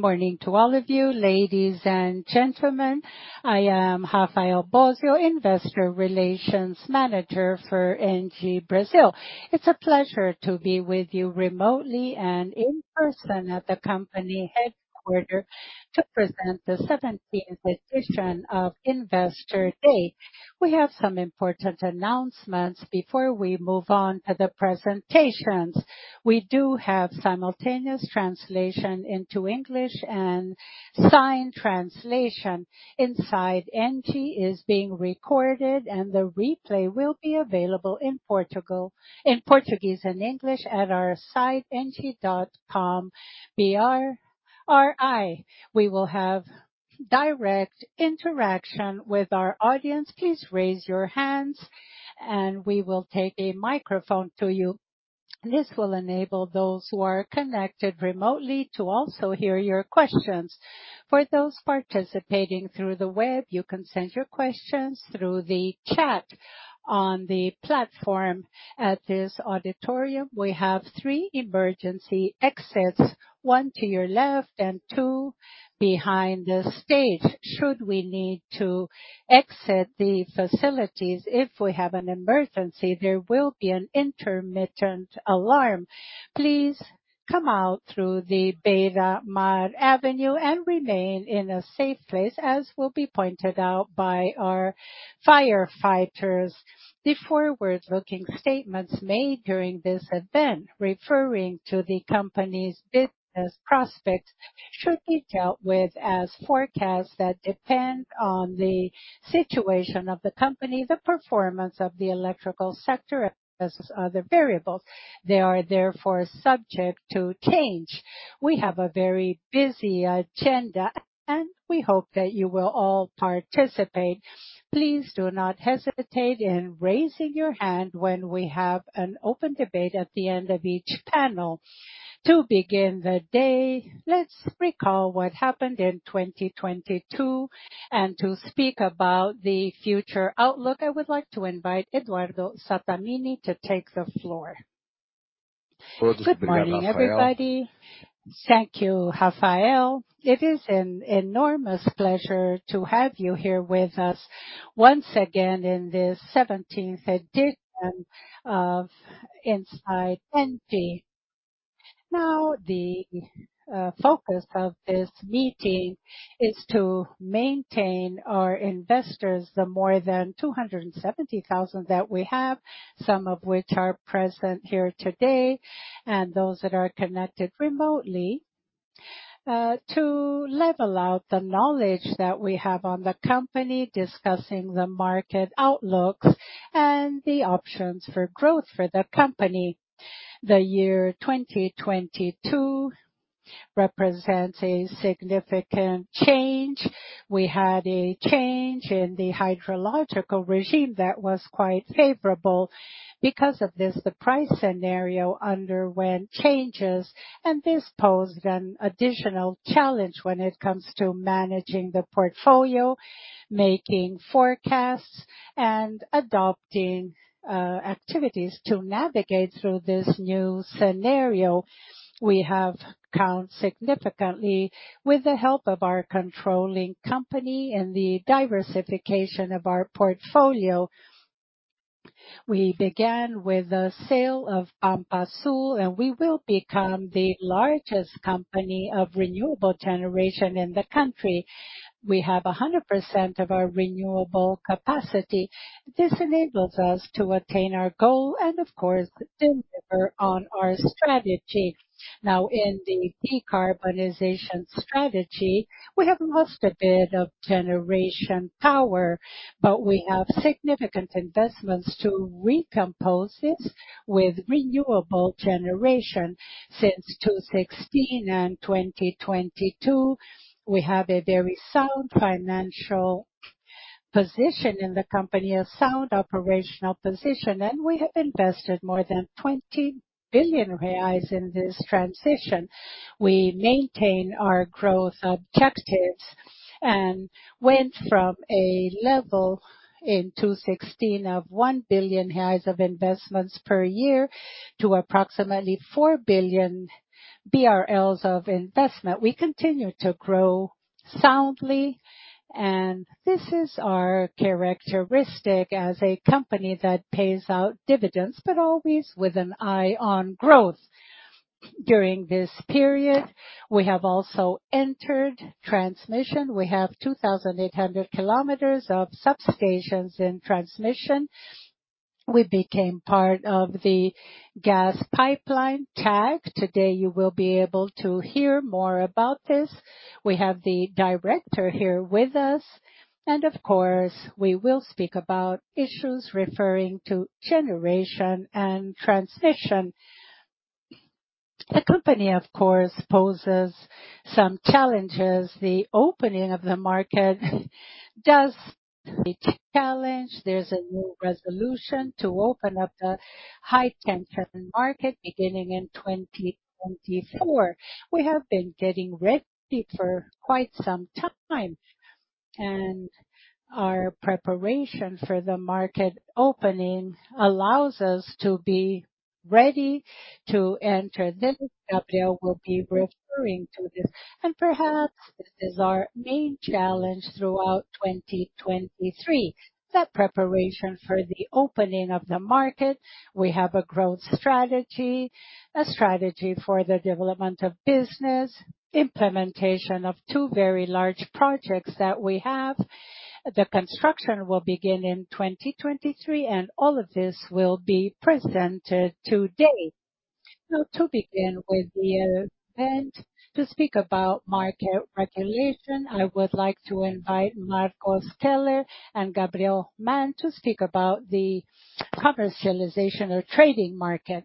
Morning to all of you, ladies and gentlemen. I am Rafael Bosio, investor relations manager for Engie Brasil. It's a pleasure to be with you remotely and in person at the company headquarter to present the 17th edition of Investor Day. We have some important announcements before we move on to the presentations. We do have simultaneous translation into English and sign translation. Inside Engie is being recorded, and the replay will be available in Portuguese and English at our site, engie.com/br/ri. We will have direct interaction with our audience. Please raise your hands and we will take a microphone to you. This will enable those who are connected remotely to also hear your questions. For those participating through the web, you can send your questions through the chat on the platform. At this auditorium, we have three emergency exits, one to your left and two behind the stage. Should we need to exit the facilities if we have an emergency, there will be an intermittent alarm. Please come out through the Beira Mar Avenue and remain in a safe place, as will be pointed out by our firefighters. The forward-looking statements made during this event, referring to the company's business prospects, should be dealt with as forecasts that depend on the situation of the company, the performance of the electrical sector, as other variables. They are therefore subject to change. We have a very busy agenda, and we hope that you will all participate. Please do not hesitate in raising your hand when we have an open debate at the end of each panel. To begin the day, let's recall what happened in 2022. To speak about the future outlook, I would like to invite Eduardo Sattamini to take the floor. Good morning, everybody. Thank you, Rafael. It is an enormous pleasure to have you here with us once again in this 17th edition of Inside Engie. The focus of this meeting is to maintain our investors, the more than 270,000 that we have, some of which are present here today, and those that are connected remotely, to level out the knowledge that we have on the company, discussing the market outlooks and the options for growth for the company. The year 2022 represents a significant change. We had a change in the hydrological regime that was quite favorable. Because of this, the price scenario underwent changes, and this posed an additional challenge when it comes to managing the portfolio, making forecasts, and adopting activities. To navigate through this new scenario, we have count significantly with the help of our controlling company and the diversification of our portfolio. We began with the sale of Pampa Sul, and we will become the largest company of renewable generation in the country. We have 100% of our renewable capacity. This enables us to attain our goal and of course, deliver on our strategy. Now, in the decarbonization strategy, we have lost a bit of generation power, but we have significant investments to recompose this with renewable generation. Since 2016 and 2022, we have a very sound financial position in the company, a sound operational position, and we have invested more than 20 billion reais in this transition. We maintain our growth objectives and went from a level in 2016 of 1 billion of investments per year to approximately 4 billion BRL of investment. We continue to grow soundly. This is our characteristic as a company that pays out dividends, always with an eye on growth. During this period, we have also entered transmission. We have 2,800 kilometers of substations in transmission. We became part of the gas pipeline TAG. Today, you will be able to hear more about this. We have the director here with us. Of course, we will speak about issues referring to Generation and Transmission. The company, of course, poses some challenges. The opening of the market does create a challenge. There's a new resolution to open up the high tension market beginning in 2024. We have been getting ready for quite some time. Our preparation for the market opening allows us to be ready to enter this. Gabriel will be referring to this. Perhaps this is our main challenge throughout 2023. The preparation for the opening of the market. We have a growth strategy, a strategy for the development of business, implementation of two very large projects that we have. The construction will begin in 2023, and all of this will be presented today. Now to begin with the event, to speak about market regulation, I would like to invite Marcelo Keller and Gabriel Mann to speak about the commercialization or trading market.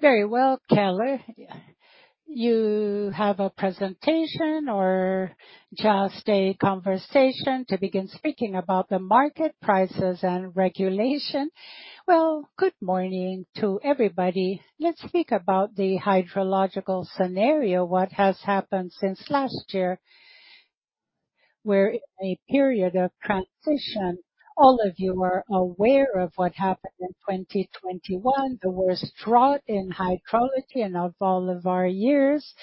Very well, Keller. You have a presentation or just a conversation to begin speaking about the market prices and regulation. Well, good morning to everybody. Let's speak about the hydrological scenario, what has happened since last year. We're in a period of transition. All of you are aware of what happened in 2021, the worst drought in hydrology and of all of our years.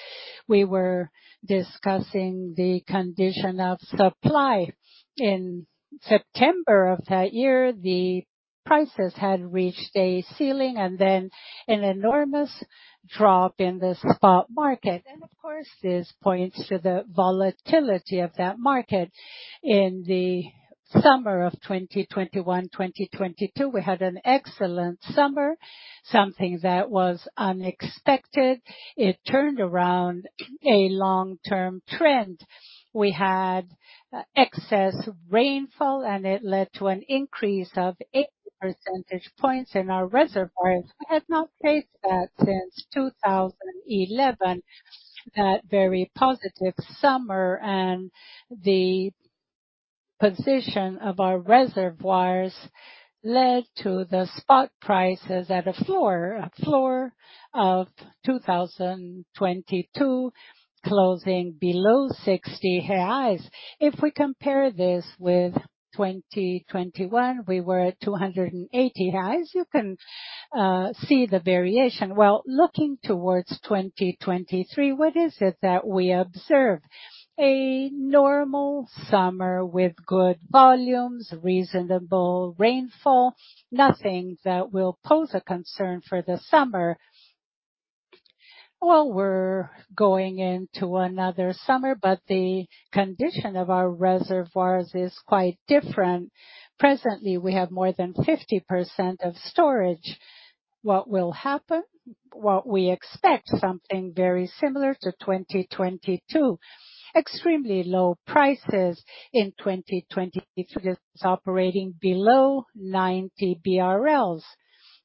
We were discussing the condition of supply. In September of that year, the prices had reached a ceiling and then an enormous drop in the spot market. Of course, this points to the volatility of that market. In the summer of 2021, 2022, we had an excellent summer, something that was unexpected. It turned around a long-term trend. We had excess rainfall, and it led to an increase of 8 percentage points in our reservoirs. We had not faced that since 2011. That very positive summer and the position of our reservoirs led to the spot prices at a floor, a floor of 2022, closing below R$60. If we compare this with 2021, we were at R$280. You can see the variation. Looking towards 2023, what is it that we observe? A normal summer with good volumes, reasonable rainfall, nothing that will pose a concern for the summer. We're going into another summer, but the condition of our reservoirs is quite different. Presently, we have more than 50% of storage. What will happen? What we expect, something very similar to 2022. Extremely low prices in 2023 is operating below 90 BRL.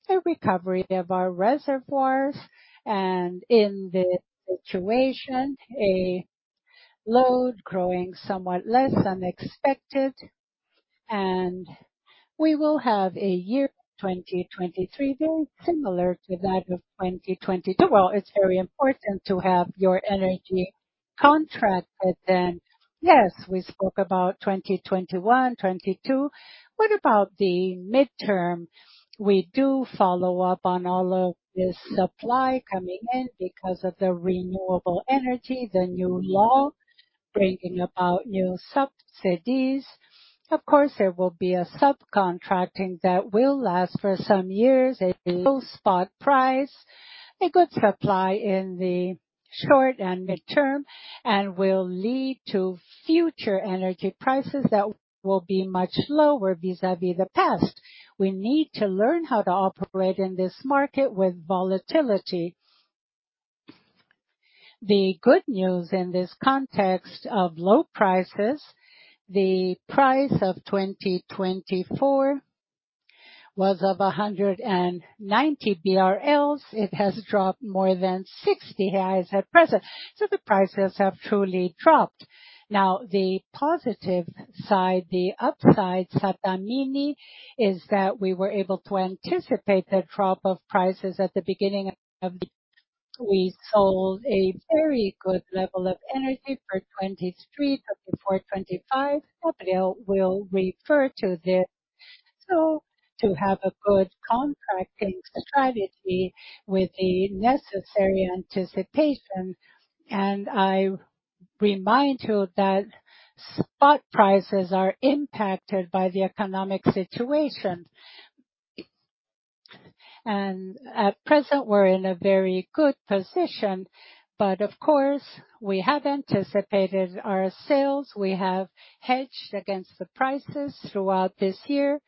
A recovery of our reservoirs and in the situation, a load growing somewhat less than expected. We will have a year, 2023, very similar to that of 2022. It's very important to have your energy contracted then. Yes, we spoke about 2021, 2022. What about the midterm? We do follow up on all of this supply coming in because of the renewable energy, the new law, bringing about new subsidies. Of course, there will be a subcontracting that will last for some years. A low spot price, a good supply in the short and midterm, and will lead to future energy prices that will be much lower vis-à-vis the past. We need to learn how to operate in this market with volatility. The good news in this context of low prices, the price of 2024 was of 190 BRL. It has dropped more than 60 reais at present. The prices have truly dropped. The positive side, the upside, Sattamini, is that we were able to anticipate the drop of prices at the beginning of the year. We sold a very good level of energy for 2023, 2024, 2025. Gabriel will refer to this. To have a good contracting strategy with the necessary anticipation, I remind you that spot prices are impacted by the economic situation. At present, we're in a very good position. Of course, we have anticipated our sales. We have hedged against the prices throughout this year,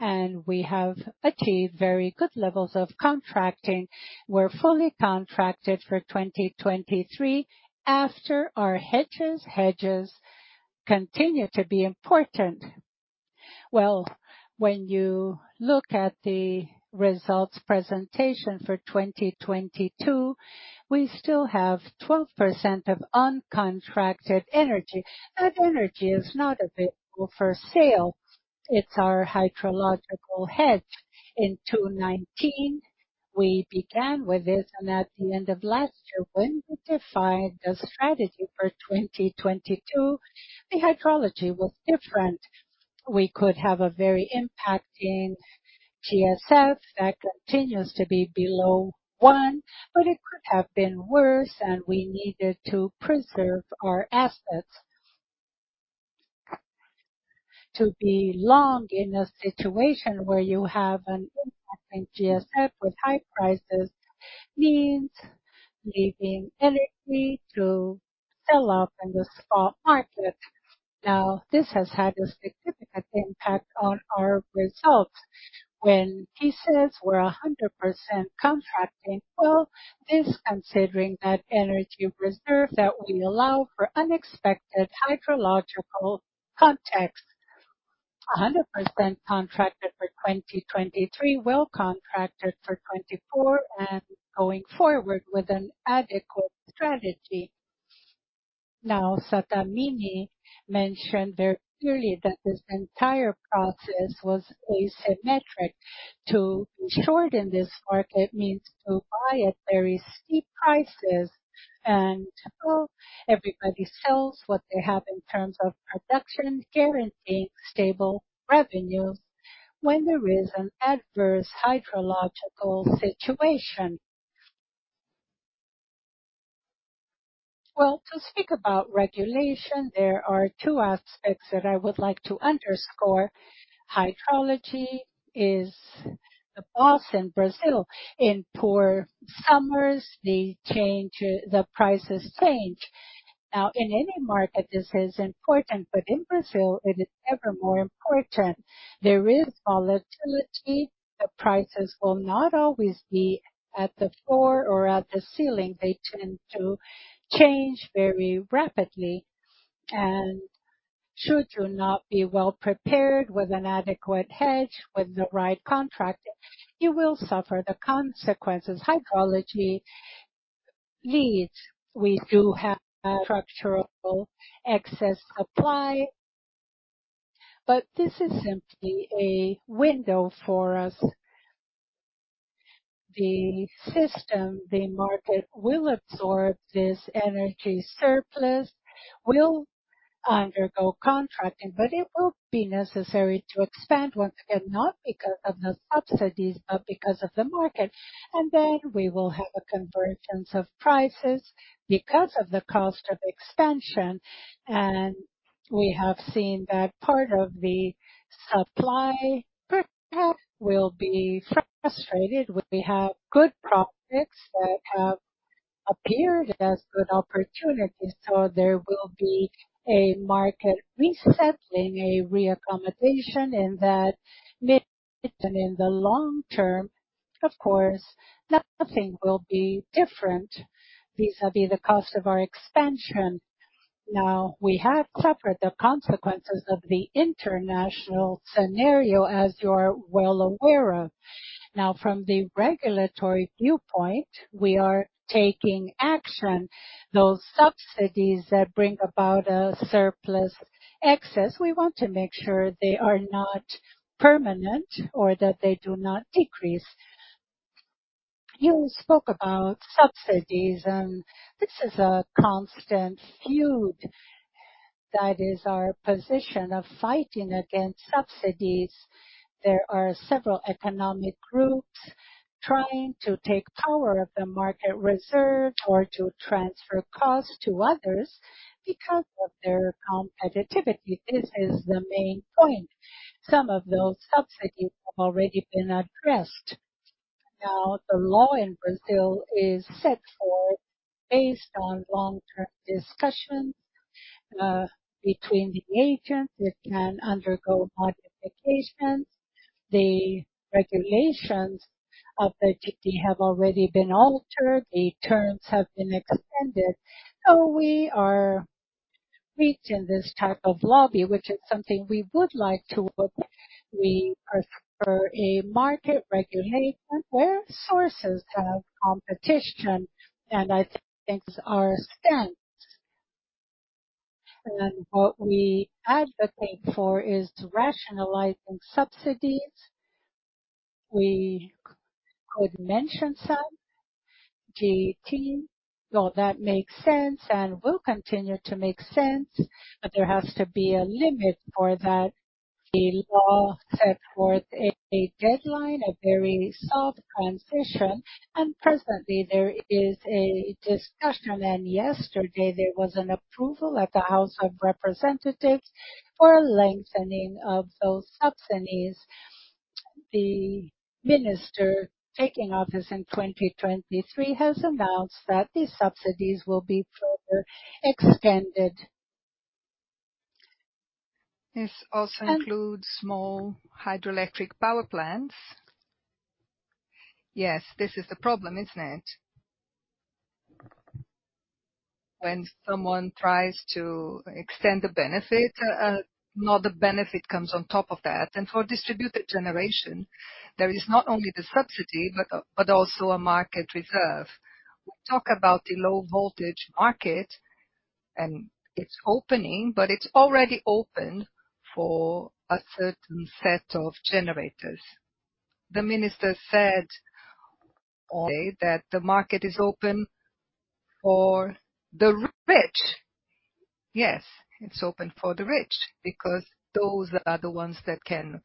and we have achieved very good levels of contracting. We're fully contracted for 2023 after our hedges. Hedges continue to be important. Well, when you look at the results presentation for 2022, we still have 12% of uncontracted energy. That energy is not available for sale. It's our hydrological hedge. In 2019, we began with this, at the end of last year, when we defined the strategy for 2022, the hydrology was different. We could have a very impacting GSF that continues to be below one, but it could have been worse, and we needed to preserve our assets. To be long in a situation where you have an impacting GSF with high prices means leaving energy to sell off in the spot market. This has had a significant impact on our results. When pieces were 100% contracting, well, this considering that energy reserve that we allow for unexpected hydrological context. 100% contracted for 2023, well contracted for 2024 and going forward with an adequate strategy. Sattamini mentioned very clearly that this entire process was asymmetric. To shorten this work, it means to buy at very steep prices and to hope everybody sells what they have in terms of production, guaranteeing stable revenues when there is an adverse hydrological situation. Well, to speak about regulation, there are two aspects that I would like to underscore. Hydrology is the boss in Brazil. In poor summers, the prices change. In any market, this is important, but in Brazil, it is ever more important. There is volatility. The prices will not always be at the floor or at the ceiling. They tend to change very rapidly. Should you not be well prepared with an adequate hedge, with the right contract, you will suffer the consequences. Hydrology leads. We do have a structural excess supply, but this is simply a window for us. The system, the market will absorb this energy surplus, will undergo contracting, but it will be necessary to expand once again, not because of the subsidies, but because of the market. We will have a convergence of prices because of the cost of expansion. We have seen that part of the supply perhaps will be frustrated when we have good prospects that have appeared as good opportunities. There will be a market resetting, a reaccommodation, and that may happen in the long term. Of course, nothing will be different vis-à-vis the cost of our expansion. We have suffered the consequences of the international scenario, as you're well aware of. From the regulatory viewpoint, we are taking action. Those subsidies that bring about a surplus excess, we want to make sure they are not permanent or that they do not decrease. You spoke about subsidies, and this is a constant feud. That is our position of fighting against subsidies. There are several economic groups trying to take power of the market reserve or to transfer costs to others because of their competitiveness. This is the main point. Some of those subsidies have already been addressed. The law in Brazil is set forth based on long-term discussions between the agents. It can undergo modifications. The regulations of the TT have already been altered. The terms have been extended. We are reaching this type of lobby, which is something we would like to avoid. We are for a market regulation where sources have competition, and I think our stance. What we advocate for is to rationalize subsidies. We could mention some. GT, that makes sense and will continue to make sense, there has to be a limit for that. The law set forth a deadline, a very soft transition, and presently there is a discussion. Yesterday there was an approval at the House of Representatives for a lengthening of those subsidies. The minister taking office in 2023 has announced that these subsidies will be further extended. This also includes small hydroelectric power plants. Yes, this is the problem, isn't it? When someone tries to extend the benefit, another benefit comes on top of that. For distributed generation, there is not only the subsidy but also a market reserve. We talk about the low voltage market. It's opening, but it's already open for a certain set of generators. The minister said today that the market is open for the rich. Yes, it's open for the rich because those are the ones that can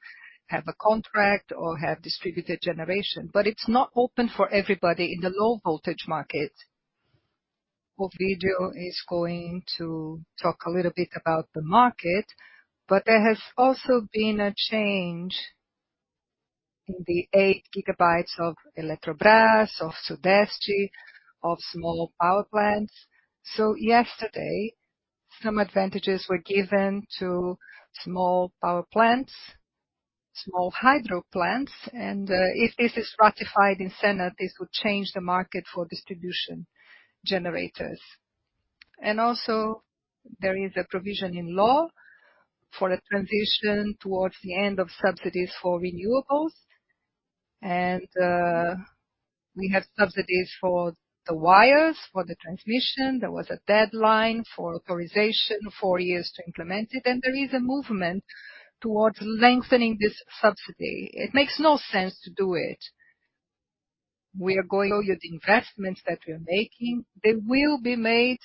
have a contract or have distributed generation. It's not open for everybody in the low voltage market. Ovídio is going to talk a little bit about the market, but there has also been a change in the 8 gigabytes of Eletrobras, of Sudeste, of small power plants. Yesterday, some advantages were given to small power plants, small hydro plants, and, if this is ratified in Senate, this will change the market for distribution generators. Also, there is a provision in law for a transition towards the end of subsidies for renewables. We have subsidies for the wires, for the transmission. There was a deadline for authorization, four years to implement it, and there is a movement towards lengthening this subsidy. It makes no sense to do it. We are going over the investments that we're making. They will be made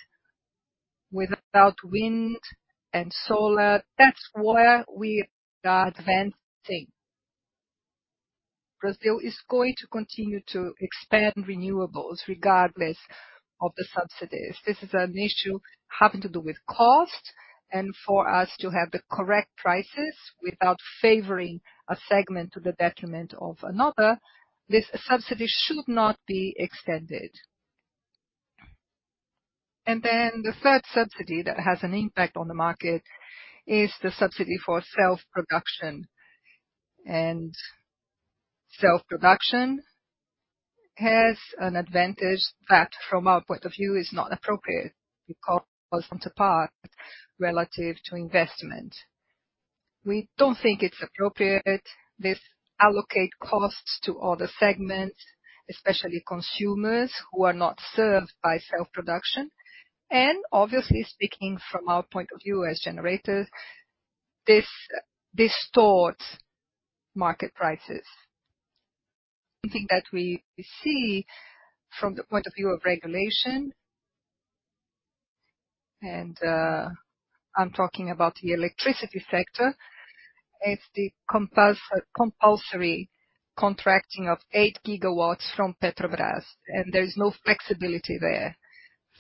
without wind and solar. That's where we are advancing. Brazil is going to continue to expand renewables regardless of the subsidies. This is an issue having to do with cost and for us to have the correct prices without favoring a segment to the detriment of another. This subsidy should not be extended. The third subsidy that has an impact on the market is the subsidy for self-production. Self-production has an advantage that, from our point of view, is not appropriate because it falls apart relative to investment. We don't think it's appropriate. This allocate costs to other segments, especially consumers who are not served by self-production. Obviously, speaking from our point of view as generators, this distorts market prices. Something that we see from the point of view of regulation, and I'm talking about the electricity sector, it's the compulsory contracting of 8 gigawatts from Petrobras, and there is no flexibility there.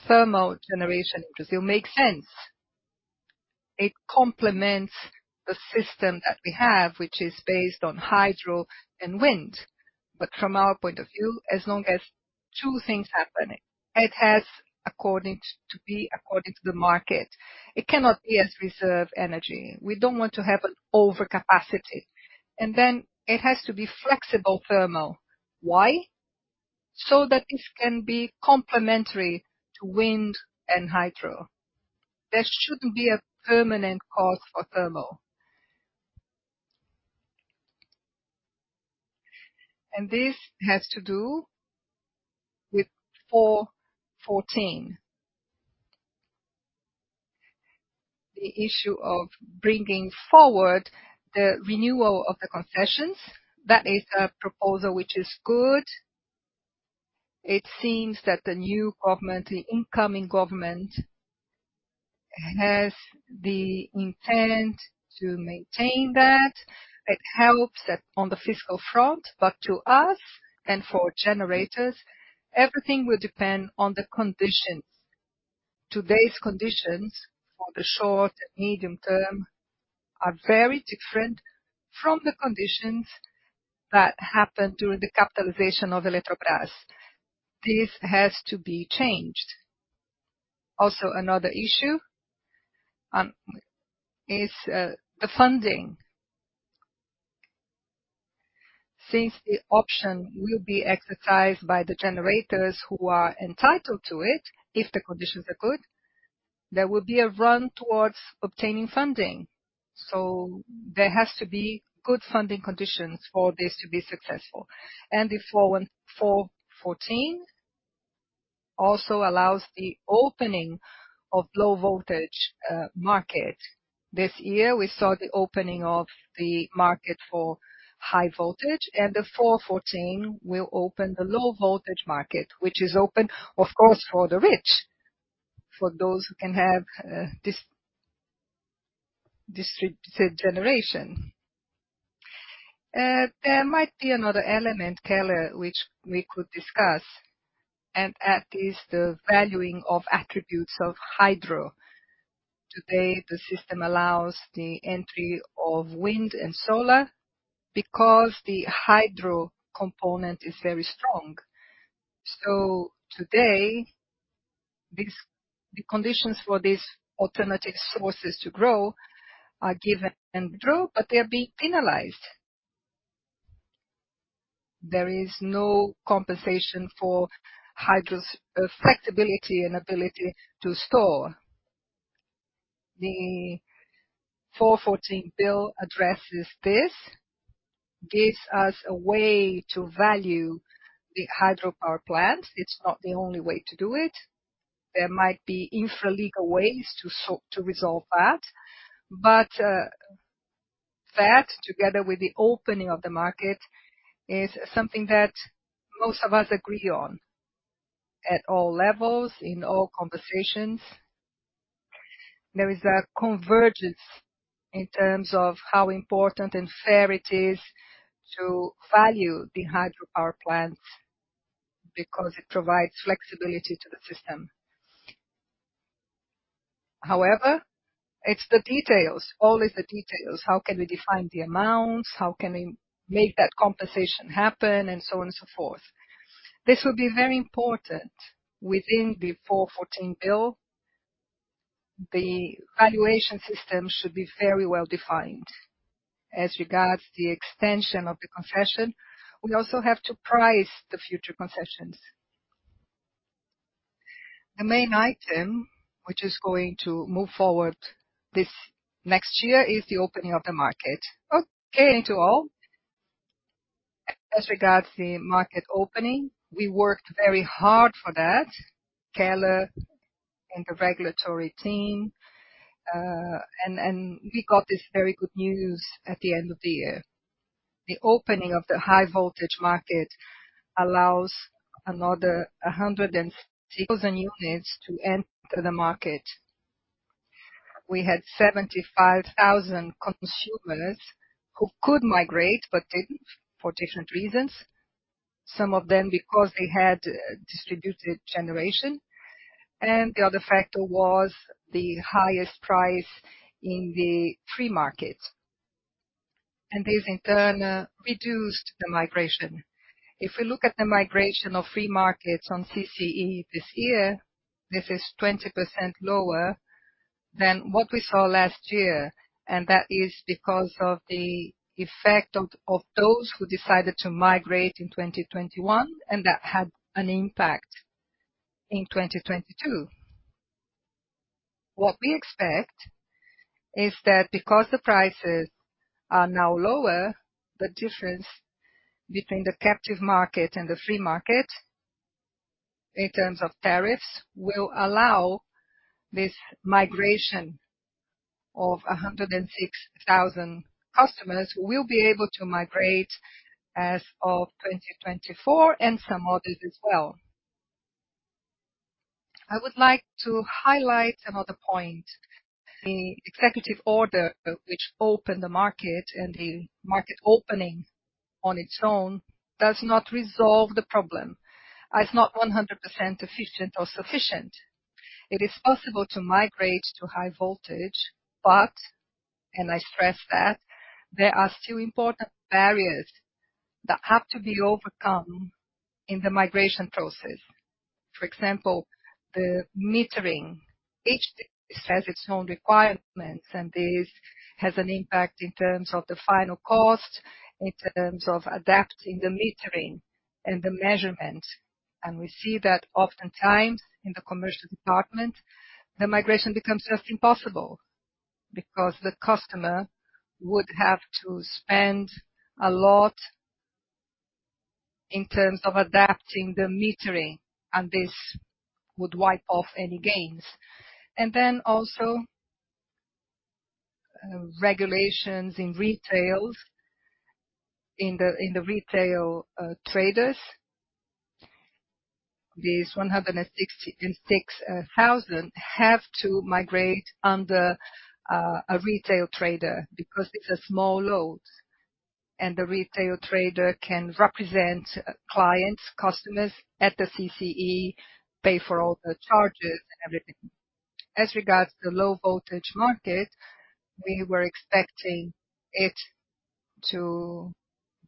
Thermal generation in Brazil makes sense. It complements the system that we have, which is based on hydro and wind. From our point of view, as long as two things happen, it has according to be according to the market. It cannot be as reserve energy. We don't want to have an overcapacity. It has to be flexible thermal. Why? That this can be complementary to wind and hydro. There shouldn't be a permanent cost for thermal. This has to do with 414. The issue of bringing forward the renewal of the concessions, that is a proposal which is good. It seems that the new government, the incoming government, has the intent to maintain that. It helps that on the fiscal front. To us and for generators, everything will depend on the conditions. Today's conditions for the short and medium term are very different from the conditions that happened during the capitalization of Eletrobras. This has to be changed. Another issue is the funding. Since the option will be exercised by the generators who are entitled to it, if the conditions are good, there will be a run towards obtaining funding. There has to be good funding conditions for this to be successful. The PL 414/2021 also allows the opening of low voltage market. This year, we saw the opening of the market for high voltage, the PL 414/2021 will open the low voltage market, which is open, of course, for the rich, for those who can have distributed generation. There might be another element, Keller, which we could discuss, that is the valuing of attributes of hydro. Today, the system allows the entry of wind and solar because the hydro component is very strong. Today, the conditions for these alternative sources to grow are given hydro, but they're being penalized. There is no compensation for hydro's flexibility and ability to store. The 414 bill addresses this, gives us a way to value the hydropower plant. It's not the only way to do it. There might be infra-legal ways to resolve that. That together with the opening of the market is something that most of us agree on at all levels, in all conversations. There is a convergence in terms of how important and fair it is to value the hydropower plant, because it provides flexibility to the system. It's the details, always the details. How can we define the amounts? How can we make that compensation happen? On and so forth. This will be very important within the 414 bill. The valuation system should be very well-defined. As regards the extension of the concession, we also have to price the future concessions. The main item, which is going to move forward this next year, is the opening of the market. Okay, into all. As regards the market opening, we worked very hard for that, Keller and the regulatory team. We got this very good news at the end of the year. The opening of the high voltage market allows another 106,000 units to enter the market. We had 75,000 consumers who could migrate but didn't for different reasons. Some of them because they had distributed generation. The other factor was the highest price in the free market. This, in turn, reduced the migration. If we look at the migration of free markets on CCEE this year, this is 20% lower than what we saw last year, and that is because of the effect of those who decided to migrate in 2021, and that had an impact in 2022. What we expect is that because the prices are now lower, the difference between the captive market and the free market in terms of tariffs will allow this migration of 106,000 customers who will be able to migrate as of 2024 and some others as well. I would like to highlight another point. The executive order which opened the market and the market opening on its own does not resolve the problem. It's not 100% efficient or sufficient. It is possible to migrate to high voltage, but, and I stress that, there are still important barriers that have to be overcome in the migration process. For example, the metering. Each district has its own requirements, and this has an impact in terms of the final cost, in terms of adapting the metering and the measurement. We see that oftentimes in the commercial department, the migration becomes just impossible because the customer would have to spend a lot in terms of adapting the metering, and this would wipe off any gains. Also, regulations in retails, in the retail traders. These 166,000 have to migrate under a retail trader because it's a small load, and the retail trader can represent clients, customers at the CCE, pay for all the charges and everything. As regards to the low voltage market, we were expecting it to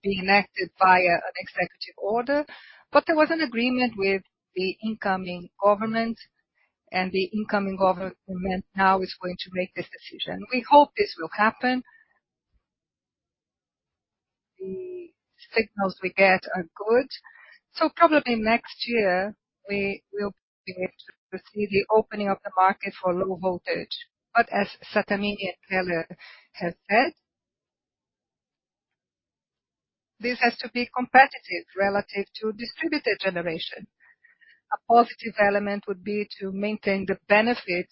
be enacted via an executive order, but there was an agreement with the incoming government, and the incoming government now is going to make this decision. We hope this will happen. The signals we get are good. Probably next year we will be able to proceed the opening of the market for low voltage. As Sattamini and Keller have said, this has to be competitive relative to distributed generation. A positive element would be to maintain the benefit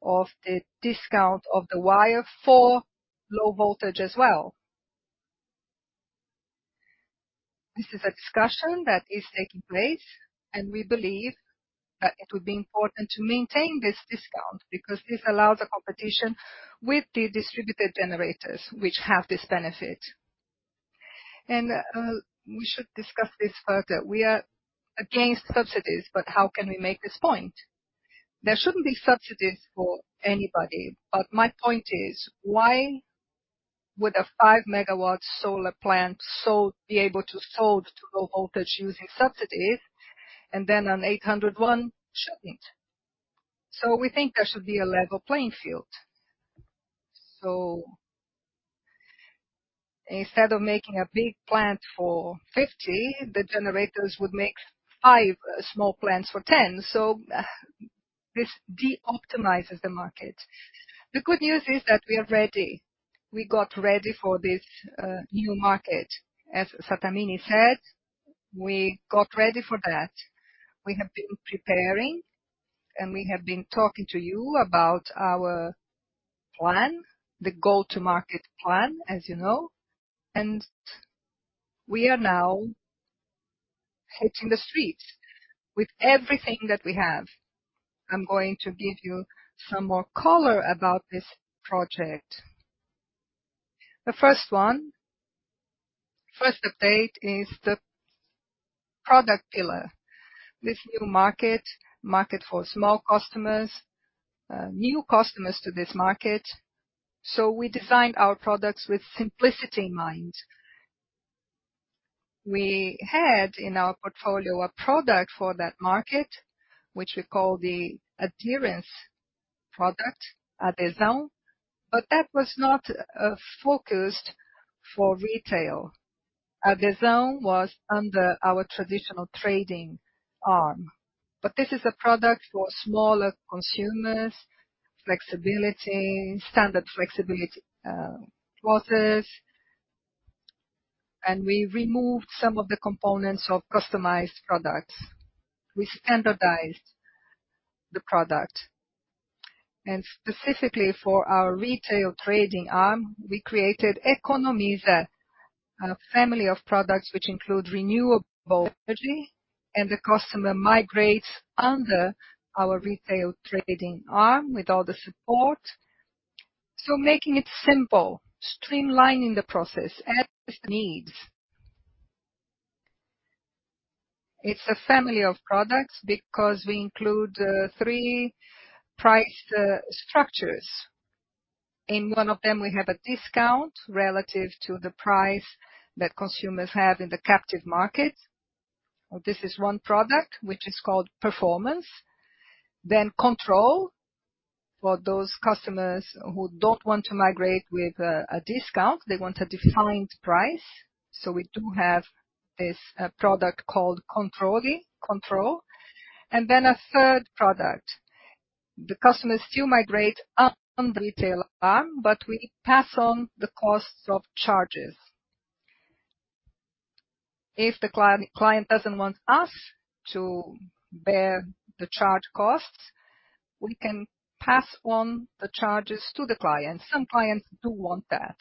of the discount of the wire for low voltage as well. This is a discussion that is taking place, and we believe that it will be important to maintain this discount because this allows a competition with the distributed generators which have this benefit. We should discuss this further. We are against subsidies. How can we make this point? There shouldn't be subsidies for anybody. My point is, why would a 5 MW solar plant be able to sold to low voltage using subsidies and then an 801 shouldn't? We think there should be a level playing field. Instead of making a big plant for 50, the generators would make 5 small plants for 10. This de-optimizes the market. The good news is that we are ready. We got ready for this new market. As Sattamini said, we got ready for that. We have been preparing and we have been talking to you about our plan, the go-to-market plan, as we are now hitting the streets with everything that we have. I'm going to give you some more color about this project. The first update is the product pillar. This new market for small customers, new customers to this market. We designed our products with simplicity in mind. We had in our portfolio a product for that market, which we call the adherence product, Adesão, but that was not focused for retail. Adesão was under our traditional trading arm. This is a product for smaller consumers, flexibility, standard flexibility clauses. We removed some of the components of customized products. We standardized the product. Specifically for our retail trading arm, we created Economiza, a family of products which include renewable energy, and the customer migrates under our retail trading arm with all the support. Making it simple, streamlining the process as needs. It's a family of products because we include 3 price structures. In one of them, we have a discount relative to the price that consumers have in the captive market. This is one product which is called Performance. Controle for those customers who don't want to migrate with a discount, they want a defined price. We do have this product called Controle. A third product. The customers still migrate on the retail arm, but we pass on the costs of charges. If the client doesn't want us to bear the charge costs, we can pass on the charges to the client. Some clients do want that.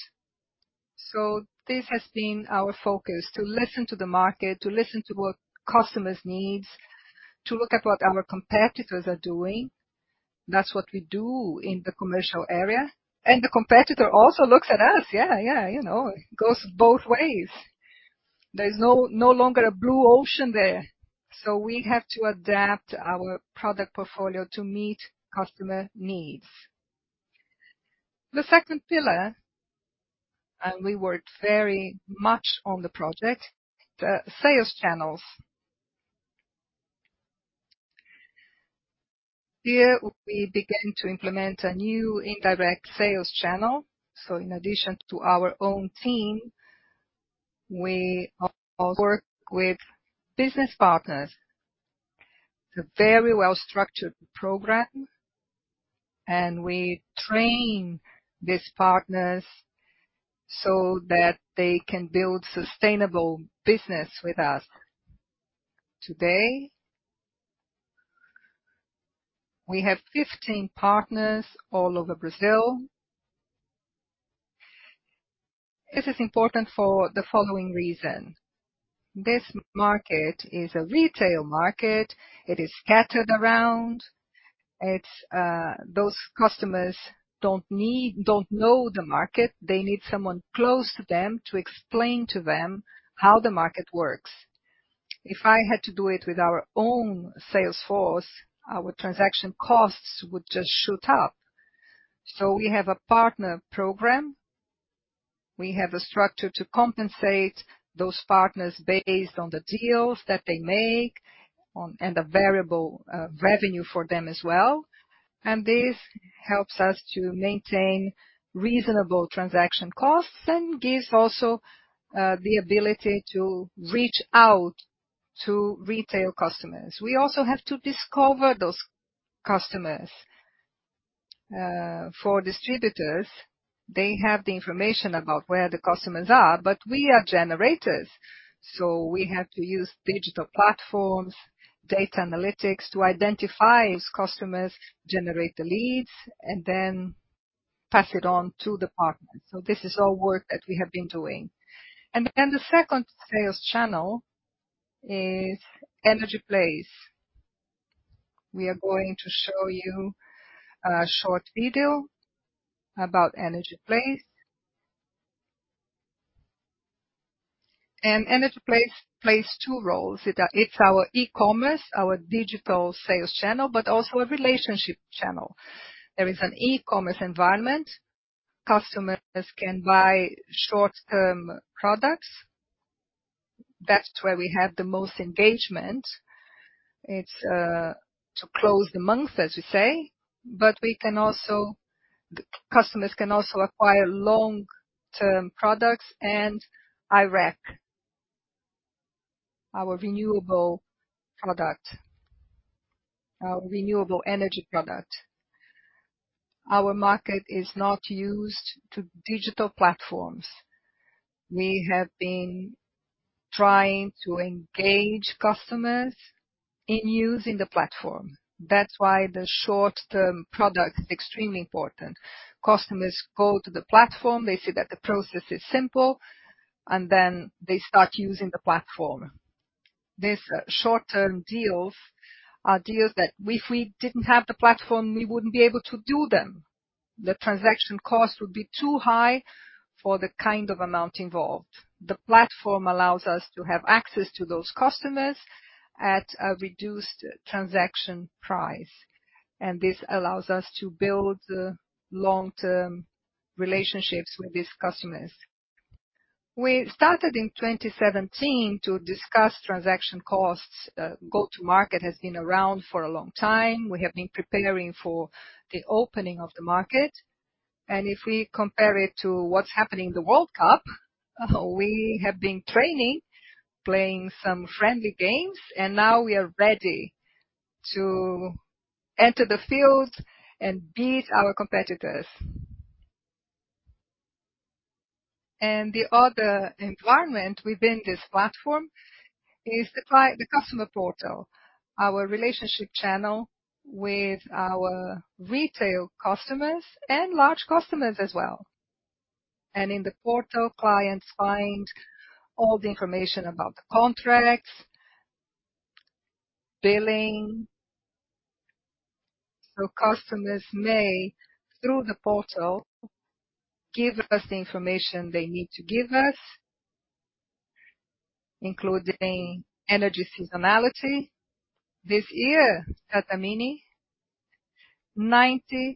This has been our focus, to listen to the market, to listen to what customers needs, to look at what our competitors are doing. That's what we do in the commercial area. The competitor also looks at us. it goes both ways. There's no longer a blue ocean there. We have to adapt our product portfolio to meet customer needs. The second pillar, we worked very much on the project, the sales channels. Here we began to implement a new indirect sales channel. In addition to our own team, we also work with business partners. It's a very well-structured program, and we train these partners so that they can build sustainable business with us. Today, we have 15 partners all over Brazil. This is important for the following reason. This market is a retail market. It is scattered around. It's. Those customers don't know the market. They need someone close to them to explain to them how the market works. If I had to do it with our own sales force, our transaction costs would just shoot up. We have a partner program. We have a structure to compensate those partners based on the deals that they make, and the variable revenue for them as well. This helps us to maintain reasonable transaction costs and gives also the ability to reach out to retail customers. We also have to discover those customers. For distributors, they have the information about where the customers are, but we are generators, so we have to use digital platforms, data analytics to identify those customers, generate the leads, and then pass it on to the partners. This is all work that we have been doing. The second sales channel is Energy Place. We are going to show you a short video about Energy Place. Energy Place plays two roles. It's our e-commerce, our digital sales channel, but also a relationship channel. There is an e-commerce environment. Customers can buy short-term products. That's where we have the most engagement. It's to close the months, as we say. Customers can also acquire long-term products and I-RECs, our renewable product, our renewable energy product. Our market is not used to digital platforms. We have been trying to engage customers in using the platform. That's why the short-term product is extremely important. Customers go to the platform, they see that the process is simple. They start using the platform. These short-term deals are deals that if we didn't have the platform, we wouldn't be able to do them. The transaction cost would be too high for the kind of amount involved. The platform allows us to have access to those customers at a reduced transaction price. This allows us to build long-term relationships with these customers. We started in 2017 to discuss transaction costs. Go-to-market has been around for a long time. We have been preparing for the opening of the market. If we compare it to what's happening in the World Cup, we have been training, playing some friendly games, and now we are ready to enter the field and beat our competitors. The other environment within this platform is the customer portal, our relationship channel with our retail customers and large customers as well. In the portal, clients find all the information about the contracts, billing. Customers may, through the portal, give us the information they need to give us, including energy seasonality. This year at Sattamini, 97%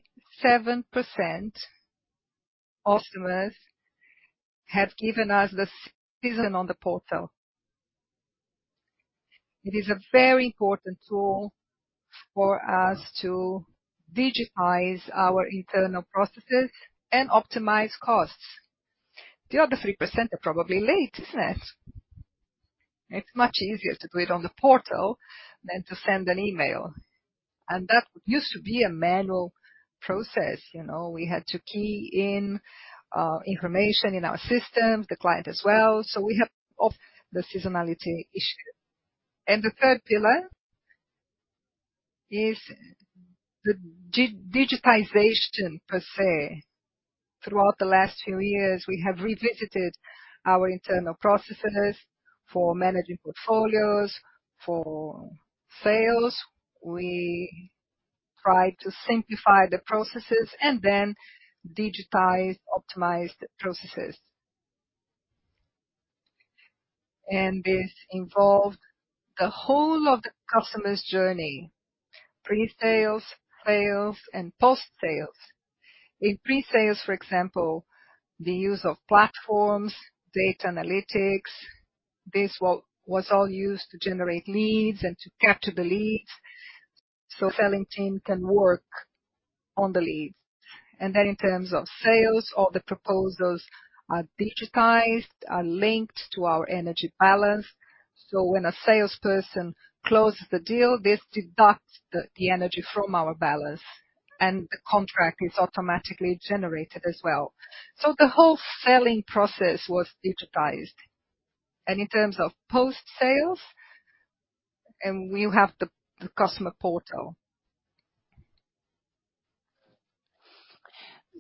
customers have given us the season on the portal. It is a very important tool for us to digitize our internal processes and optimize costs. The other 3% are probably late, isn't it? It's much easier to do it on the portal than to send an email. That used to be a manual process. we had to key in information in our system, the client as well. We have off the seasonality issue. The third pillar is the digitization per se. Throughout the last few years, we have revisited our internal processes for managing portfolios, for sales. We tried to simplify the processes and then digitize optimized processes. This involved the whole of the customer's journey, pre-sales, sales, and post-sales. In pre-sales, for example, the use of platforms, data analytics, this was all used to generate leads and to capture the leads so selling team can work on the leads. In terms of sales, all the proposals are digitized, are linked to our energy balance. When a salesperson closes the deal, this deducts the energy from our balance, and the contract is automatically generated as well. The whole selling process was digitized. In terms of post-sales, we have the customer portal.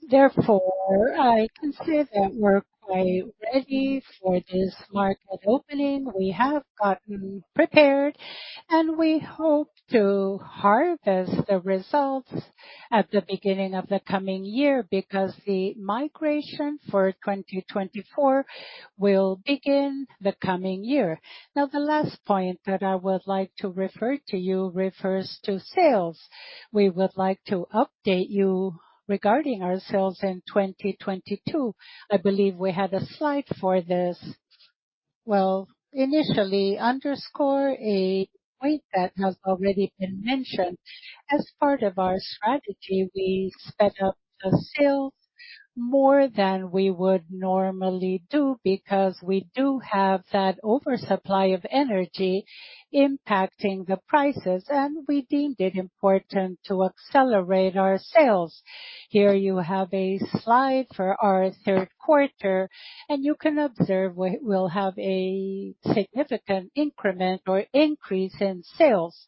Therefore, I can say that we're quite ready for this market opening. We have gotten prepared, and we hope to harvest the results at the beginning of the coming year because the migration for 2024 will begin the coming year. Now, the last point that I would like to refer to you refers to sales. We would like to update you regarding our sales in 2022. I believe we had a slide for this. Well, initially underscore a point that has already been mentioned. As part of our strategy, we sped up the sales more than we would normally do because we do have that oversupply of energy impacting the prices, and we deemed it important to accelerate our sales. Here you have a slide for our Q3, and you can observe we will have a significant increment or increase in sales.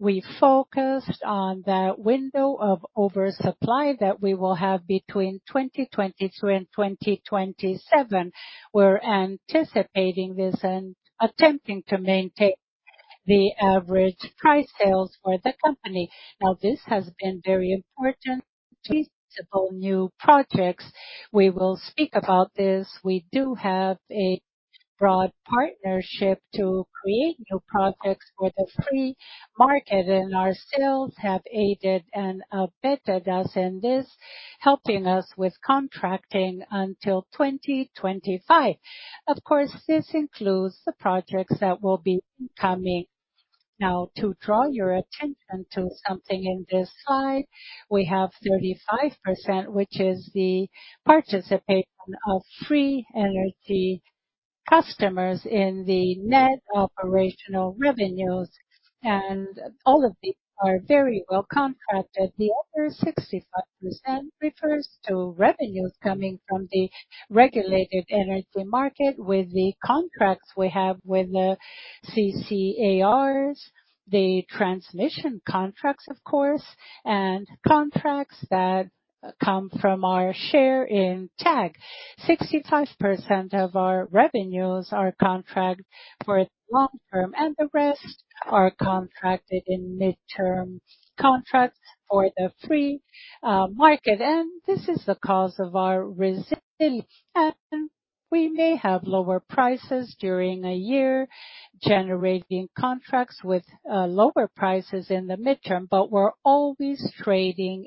We focused on that window of oversupply that we will have between 2022 and 2027. We're anticipating this and attempting to maintain the average price sales for the company. This has been very important to several new projects. We will speak about this. We do have a broad partnership to create new projects for the free market, and our sales have aided and abetted us in this, helping us with contracting until 2025. Of course, this includes the projects that will be coming To draw your attention to something in this slide, we have 35%, which is the participation of free energy customers in the net operational revenues. All of these are very well contracted. The other 65% refers to revenues coming from the regulated energy market with the contracts we have with the CCEARs, the transmission contracts of course, and contracts that come from our share in TAG. 65% of our revenues are contract for long term, and the rest are contracted in mid-term contracts for the free market. This is the cause of our resiliency. We may have lower prices during a year, generating contracts with lower prices in the midterm, but we're always trading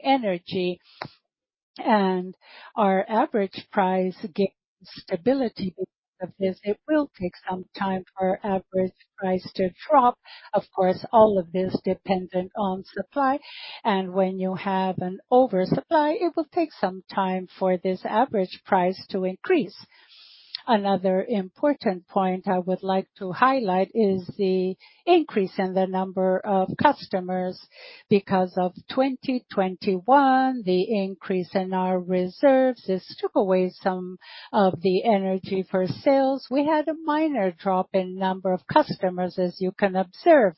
energy and our average price gains stability because of this. It will take some time for average price to drop. Of course, all of this dependent on supply. When you have an oversupply, it will take some time for this average price to increase. Another important point I would like to highlight is the increase in the number of customers. Because of 2021, the increase in our reserves has took away some of the energy for sales. We had a minor drop in number of customers, as you can observe.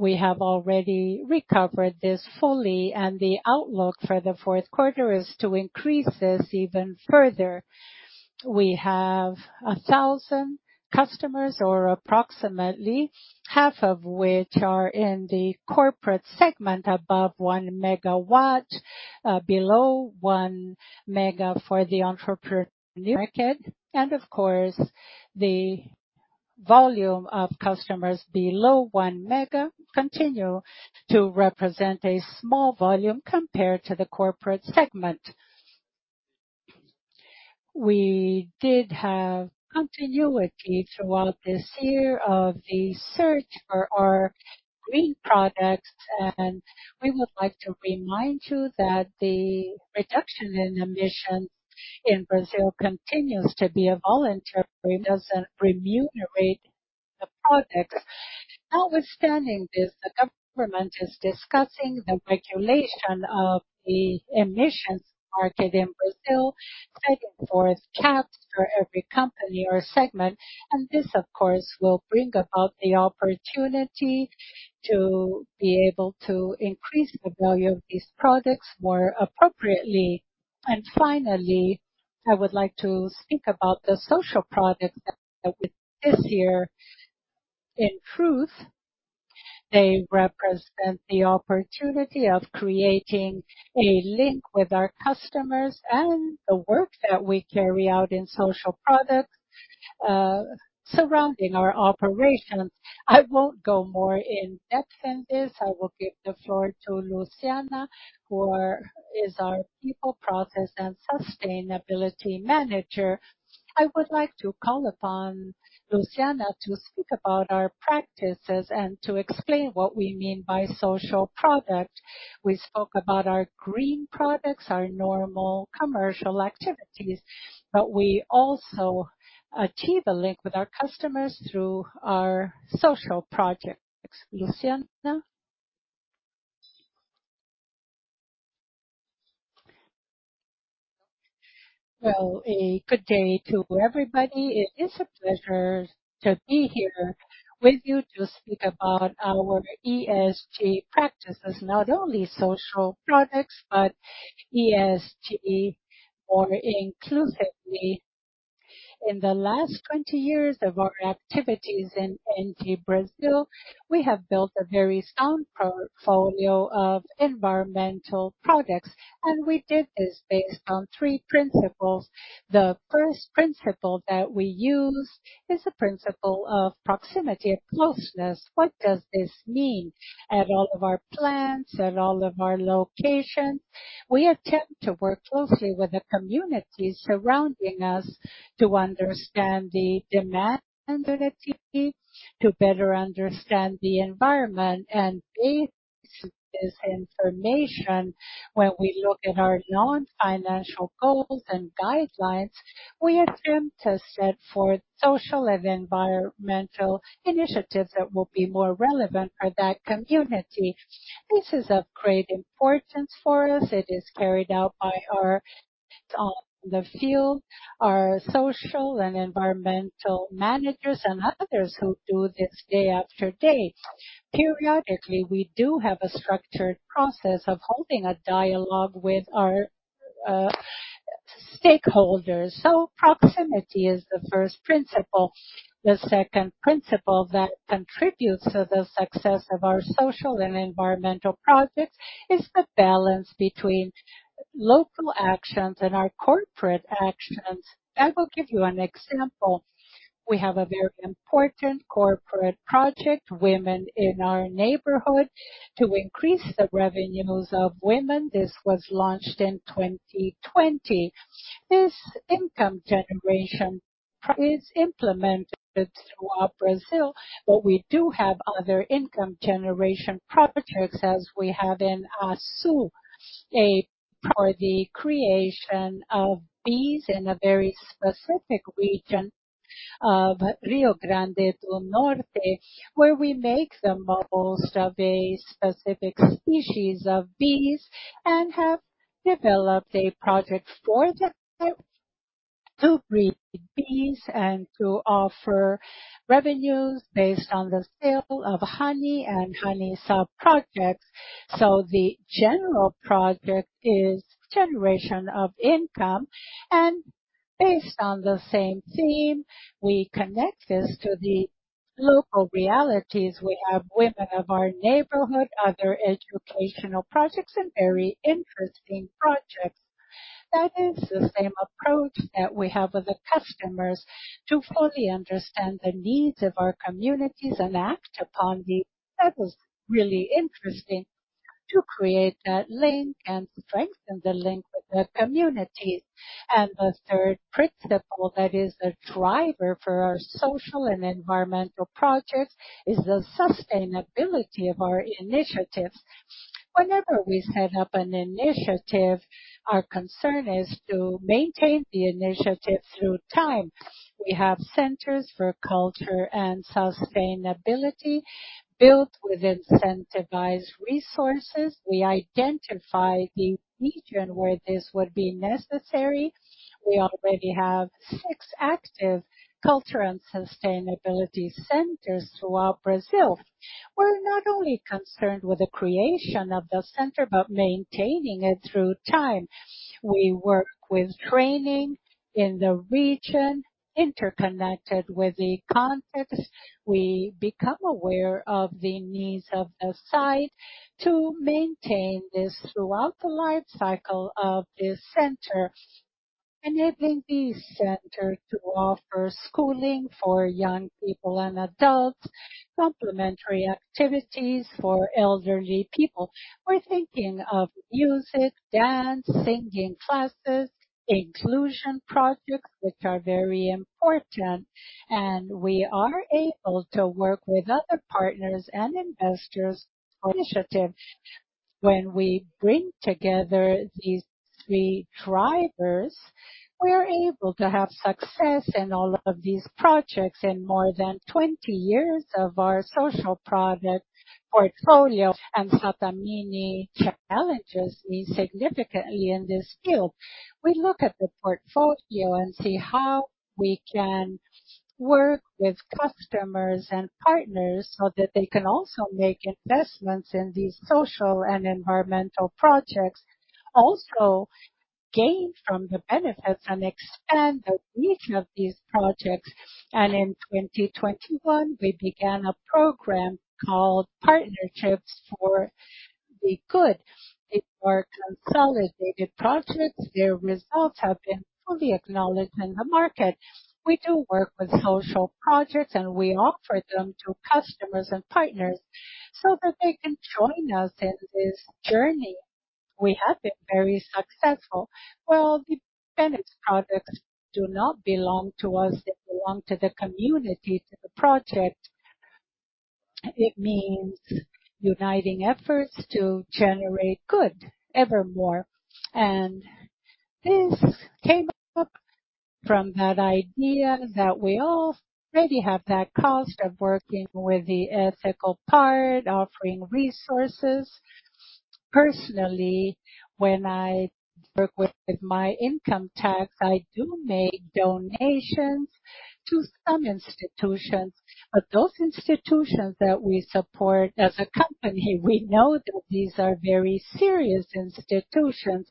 We have already recovered this fully, and the outlook for the Q4 is to increase this even further. We have 1,000 customers or approximately half of which are in the corporate segment above 1 megawatt, below 1 mega for the entrepreneur market. Of course, the volume of customers below 1 mega continue to represent a small volume compared to the corporate segment. We did have continuity throughout this year of the search for our green products. We would like to remind you that the reduction in emissions in Brazil continues to be a volunteer. It doesn't remunerate the products. Notwithstanding this, the government is discussing the regulation of the emissions market in Brazil, setting forest caps for every company or segment. This, of course, will bring about the opportunity to be able to increase the value of these products more appropriately. Finally, I would like to speak about the social products that with this year. In truth, they represent the opportunity of creating a link with our customers and the work that we carry out in social products surrounding our operations. I won't go more in-depth in this. I will give the floor to Luciana, who is our People, Process, and Sustainability Manager. I would like to call upon Luciana to speak about our practices and to explain what we mean by social product. We spoke about our green products, our normal commercial activities, but we also achieve a link with our customers through our social projects. Luciana. Well, a good day to everybody. It is a pleasure to be here with you to speak about our ESG practices, not only social products but ESG more inclusively. In the last 20 years of our activities in Engie Brasil, we have built a very sound portfolio of environmental products, and we did this based on three principles. The first principle that we use is the principle of proximity and closeness. What does this mean? At all of our plants, at all of our locations, we attempt to work closely with the communities surrounding us to understand the demand activity, to better understand the environment. Based on this information, when we look at our non-financial goals and guidelines, we attempt to set forth social and environmental initiatives that will be more relevant for that community. This is of great importance for us. It is carried out by our people on the field, our social and environmental managers and others who do this day after day. Periodically, we do have a structured process of holding a dialogue with our stakeholders. Proximity is the first principle. The second principle that contributes to the success of our social and environmental projects is the balance between local actions and our corporate actions. I will give you an example. We have a very important corporate project, Mulheres do Nosso Bairro, to increase the revenues of women. This was launched in 2020. This income generation is implemented throughout Brazil, but we do have other income generation projects as we have in Assú, to breed bees in a very specific region of Rio Grande do Norte, where we make the most of a specific species of bees and have developed a project to breed bees and to offer revenues based on the sale of honey and honey sub-projects. The general project is generation of income, and based on the same theme, we connect this to the local realities. We have Mulheres do Nosso Bairro, other educational projects, and very interesting projects. That is the same approach that we have with the customers to fully understand the needs of our communities and act upon the That was really interesting to create that link and strengthen the link with the community. The third principle that is a driver for our social and environmental projects is the sustainability of our initiatives. Whenever we set up an initiative, our concern is to maintain the initiative through time. We have centers for culture and sustainability built with incentivized resources. We identify the region where this would be necessary. We already have six active culture and sustainability centers throughout Brazil. We're not only concerned with the creation of the center, but maintaining it through time. We work with training in the region, interconnected with the context. We become aware of the needs of the site to maintain this throughout the life cycle of this center, enabling this center to offer schooling for young people and adults, complementary activities for elderly people. We're thinking of music, dance, singing classes, inclusion projects which are very important. We are able to work with other partners and investors initiative. When we bring together these three drivers, we are able to have success in all of these projects. In more than 20 years of our social project portfolio, Sattamini challenges me significantly in this field. We look at the portfolio and see how we can work with customers and partners so that they can also make investments in these social and environmental projects, also gain from the benefits and expand the reach of these projects. In 2021, we began a program called Partnerships for the Good. They were consolidated projects. Their results have been fully acknowledged in the market. We do work with social projects, and we offer them to customers and partners so that they can join us in this journey. We have been very successful. Well, the benefits projects do not belong to us. They belong to the community, to the project. It means uniting efforts to generate good evermore. This came up from that idea that we all already have that cost of working with the ethical part, offering resources. Personally, when I work with my income tax, I do make donations to some institutions. Those institutions that we support as a company, we know that these are very serious institutions,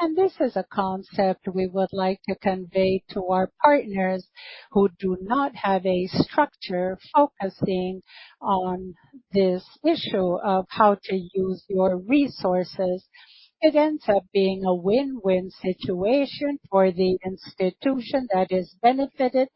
and this is a concept we would like to convey to our partners who do not have a structure focusing on this issue of how to use your resources. It ends up being a win-win situation for the institution that is benefited,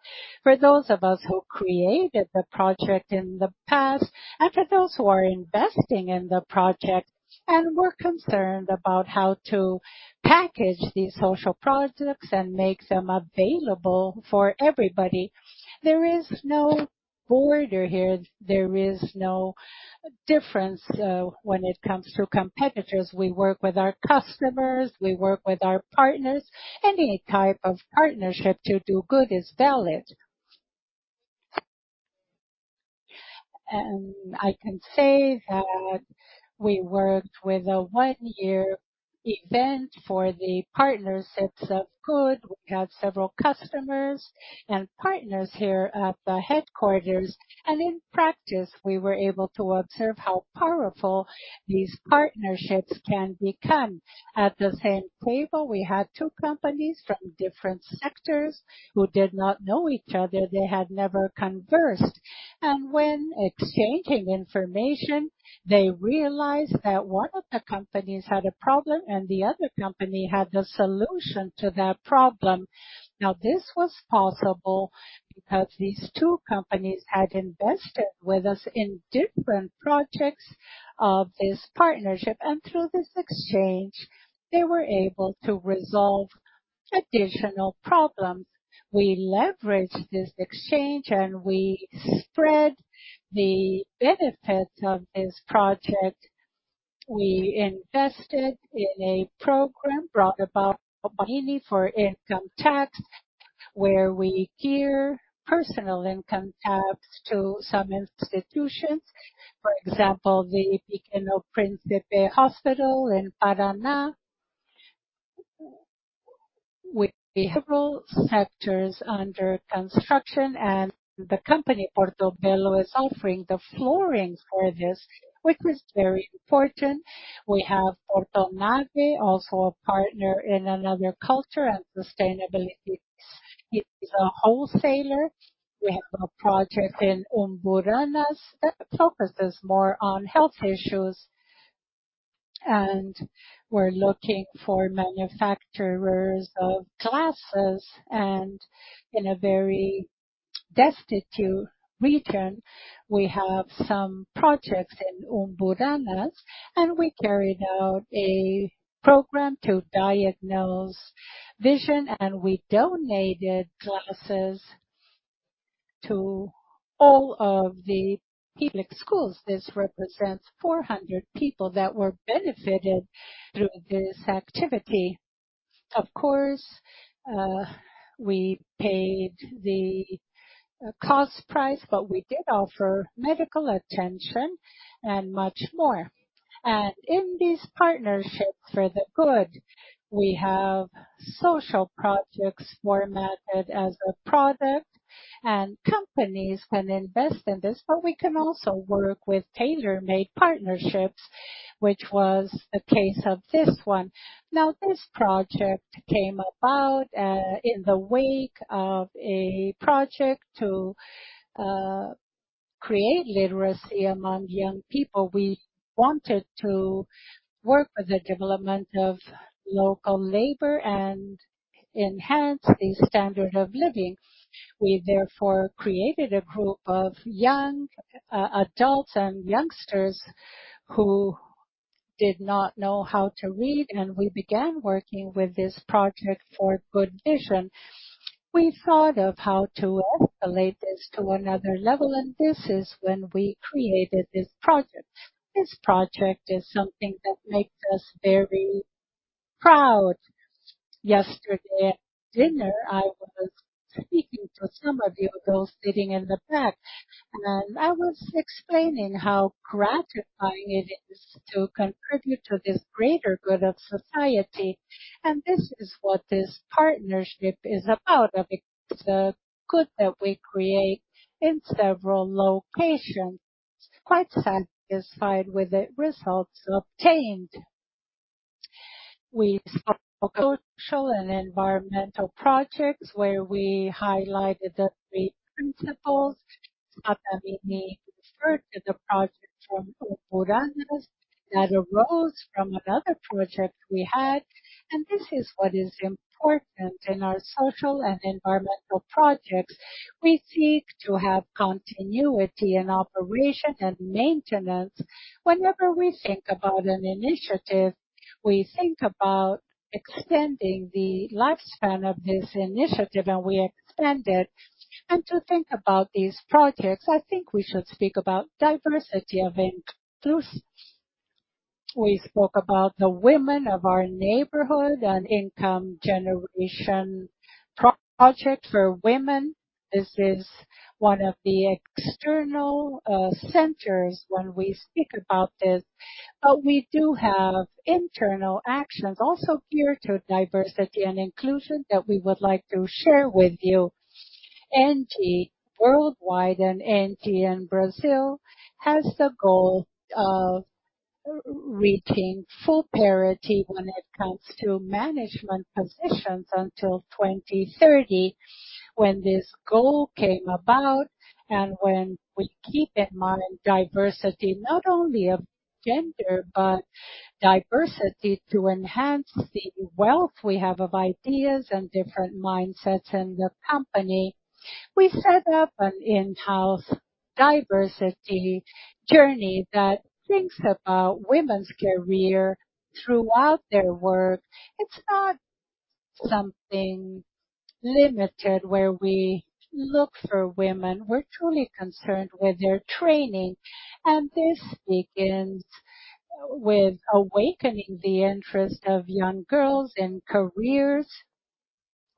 for those of us who created the project in the past, and for those who are investing in the project. We're concerned about how to package these social projects and make them available for everybody. There is no border here. There is no difference when it comes to competitors. We work with our customers. We work with our partners. Any type of partnership to do good is valid. I can say that we worked with a one-year event for the partnerships of good. We had several customers and partners here at the headquarters. In practice, we were able to observe how powerful these partnerships can become. At the same table, we had two companies from different sectors who did not know each other. They had never conversed. When exchanging information, they realized that one of the companies had a problem and the other company had the solution to that problem. Now, this was possible because these two companies had invested with us in different projects of this partnership, and through this exchange, they were able to resolve additional problems. We leveraged this exchange, and we spread the benefits of this project. We invested in a program brought about by Sattamini for income tax, where we give personal income tax to some institutions. For example, the Hospital Pequeno Príncipe in Paraná. We have several sectors under construction, and the company, PortoBello, is offering the flooring for this, which is very important. We have Portonave, also a partner in another culture and sustainability. It is a wholesaler. We have a project in Umburanas that focuses more on health issues, and we're looking for manufacturers of glasses and in a very destitute region. We have some projects in Umburanas, and we carried out a program to diagnose vision, and we donated glasses to all of the public schools. This represents 400 people that were benefited through this activity. Of course, we paid the cost price, we did offer medical attention and much more. In this partnership for the good, we have social projects formatted as a product and companies can invest in this, we can also work with tailor-made partnerships, which was the case of this one. This project came about in the wake of a project to create literacy among young people. We wanted to work with the development of local labor and enhance the standard of living. We therefore created a group of young adults and youngsters who did not know how to read, we began working with this project for good vision. We thought of how to escalate this to another level, this is when we created this project. This project is something that makes us very proud. Yesterday at dinner, I was speaking to some of you, those sitting in the back, and I was explaining how gratifying it is to contribute to this greater good of society. This is what this partnership is about. It's a good that we create in several locations. Quite satisfied with the results obtained. We saw social and environmental projects where we highlighted the three principles. Sattamini referred to the project from Umburanas that arose from another project we had, and this is what is important in our social and environmental projects. We seek to have continuity in operation and maintenance. Whenever we think about an initiative, we think about extending the lifespan of this initiative, and we expand it. To think about these projects, I think we should speak about diversity of inclusiveness. We spoke about the Women of Our Neighborhood and income generation project for women. This is one of the external centers when we speak about this. We do have internal actions also geared to diversity and inclusion that we would like to share with you. ENGIE worldwide and ENGIE in Brazil has the goal of reaching full parity when it comes to management positions until 2030. When this goal came about and when we keep it modern, diversity not only of gender but diversity to enhance the wealth we have of ideas and different mindsets in the company. We set up an in-house diversity journey that thinks about women's career throughout their work. It's not something limited where we look for women. We're truly concerned with their training, and this begins with awakening the interest of young girls in careers.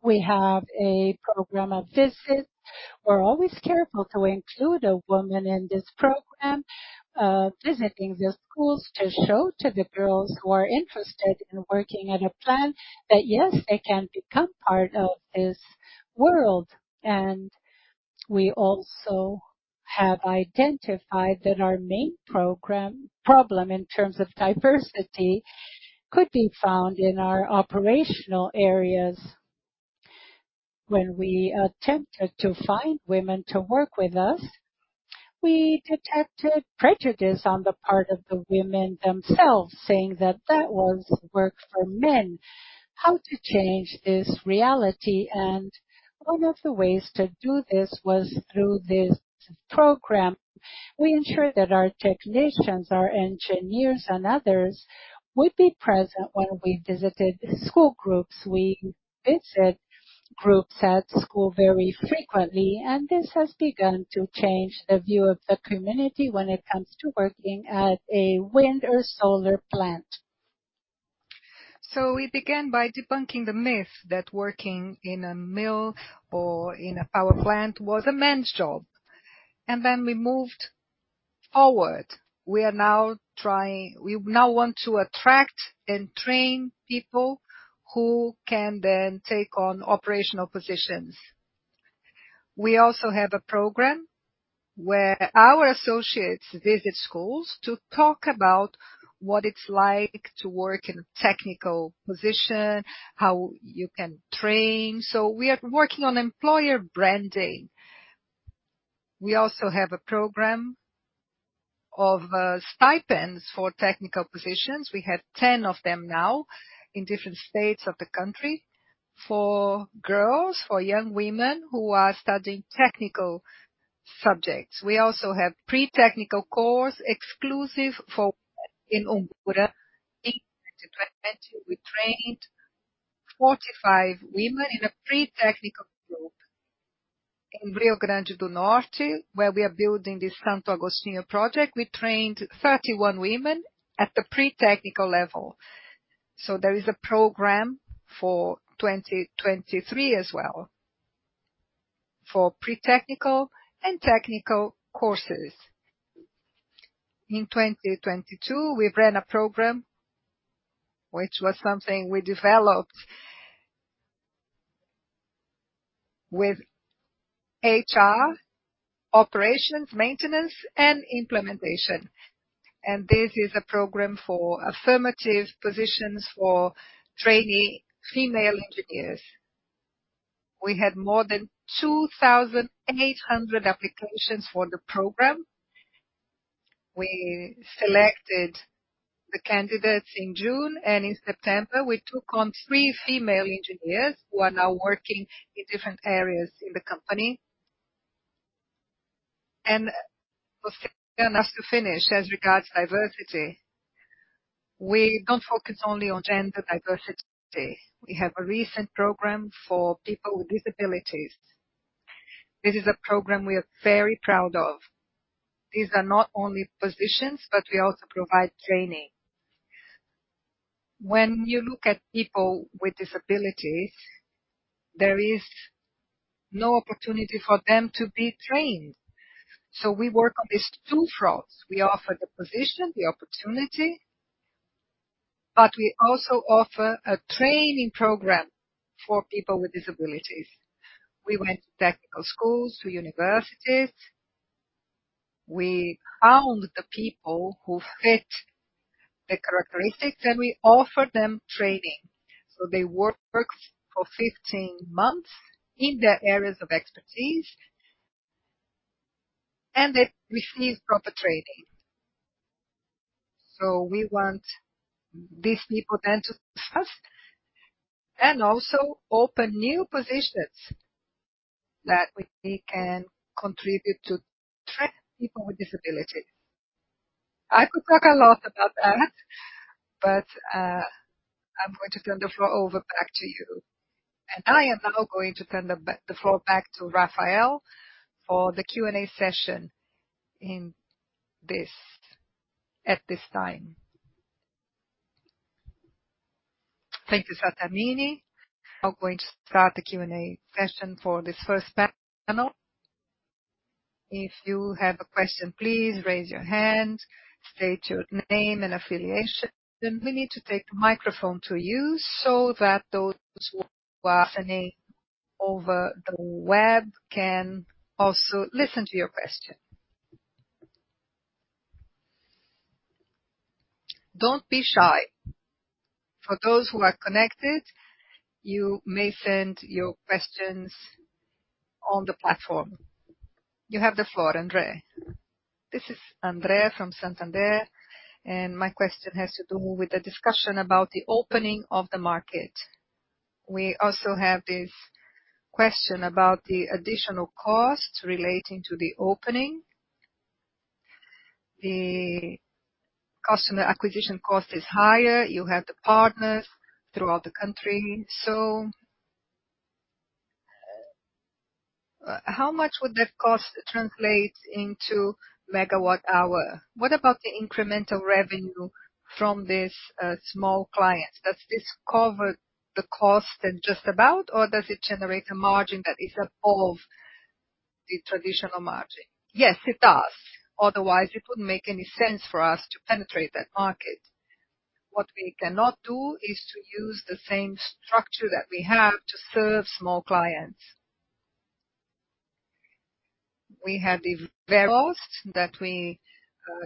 We have a program of visits. We're always careful to include a woman in this program, visiting the schools to show to the girls who are interested in working at a plant that, yes, they can become part of this world. We also have identified that our main problem in terms of diversity could be found in our operational areas. When we attempted to find women to work with us. We detected prejudice on the part of the women themselves, saying that that was work for men. How to change this reality and one of the ways to do this was through this program. We ensure that our technicians, our engineers, and others would be present when we visited school groups. We visit groups at school very frequently, and this has begun to change the view of the community when it comes to working at a wind or solar plant. We began by debunking the myth that working in a mill or in a power plant was a man's job. We moved forward. We now want to attract and train people who can then take on operational positions. We also have a program where our associates visit schools to talk about what it's like to work in a technical position, how you can train. We are working on employer branding. We also have a program of stipends for technical positions. We have 10 of them now in different states of the country. For girls, for young women who are studying technical subjects. We also have pre-technical course exclusive for in Umburanas. In 2020 we trained 45 women in a pre-technical group in Rio Grande do Norte, where we are building this Santo Agostinho project. We trained 31 women at the pre-technical level. There is a program for 2023 as well for pre-technical and technical courses. In 2022, we ran a program which was something we developed with HR, operations, maintenance, and implementation. This is a program for affirmative positions for trainee female engineers. We had more than 2,800 applications for the program. We selected the candidates in June, and in September, we took on three female engineers who are now working in different areas in the company. Lucila asked to finish. As regards diversity, we don't focus only on gender diversity. We have a recent program for people with disabilities. This is a program we are very proud of. These are not only positions, but we also provide training. When you look at people with disabilities, there is no opportunity for them to be trained. We work on these two fronts. We offer the position, the opportunity, but we also offer a training program for people with disabilities. We went to technical schools, to universities. We found the people who fit the characteristics, and we offer them training. They work for 15 months in their areas of expertise, and they receive proper training. We want these people then to trust and also open new positions that we can contribute to train people with disability. I could talk a lot about that, but I'm going to turn the floor over back to you. I am now going to turn the floor back to Rafael for the Q&A session at this time. Thank you, Sattamini. I'm now going to start the Q&A session for this 1st panel. If you have a question, please raise your hand, state your name and affiliation. We need to take the microphone to you so that those who are listening over the web can also listen to your question. Don't be shy. For those who are connected, you may send your questions on the platform. You have the floor, Andrea. This is Andrea from Santander. My question has to do with the discussion about the opening of the market. We also have this question about the additional costs relating to the opening. The customer acquisition cost is higher. You have the partners throughout the country. How much would that cost translate into megawatt hour? What about the incremental revenue from these small clients? Does this cover the cost and just about, or does it generate a margin that is above the traditional margin? Yes, it does. Otherwise, it wouldn't make any sense for us to penetrate that market. What we cannot do is to use the same structure that we have to serve small clients. We have the variables that we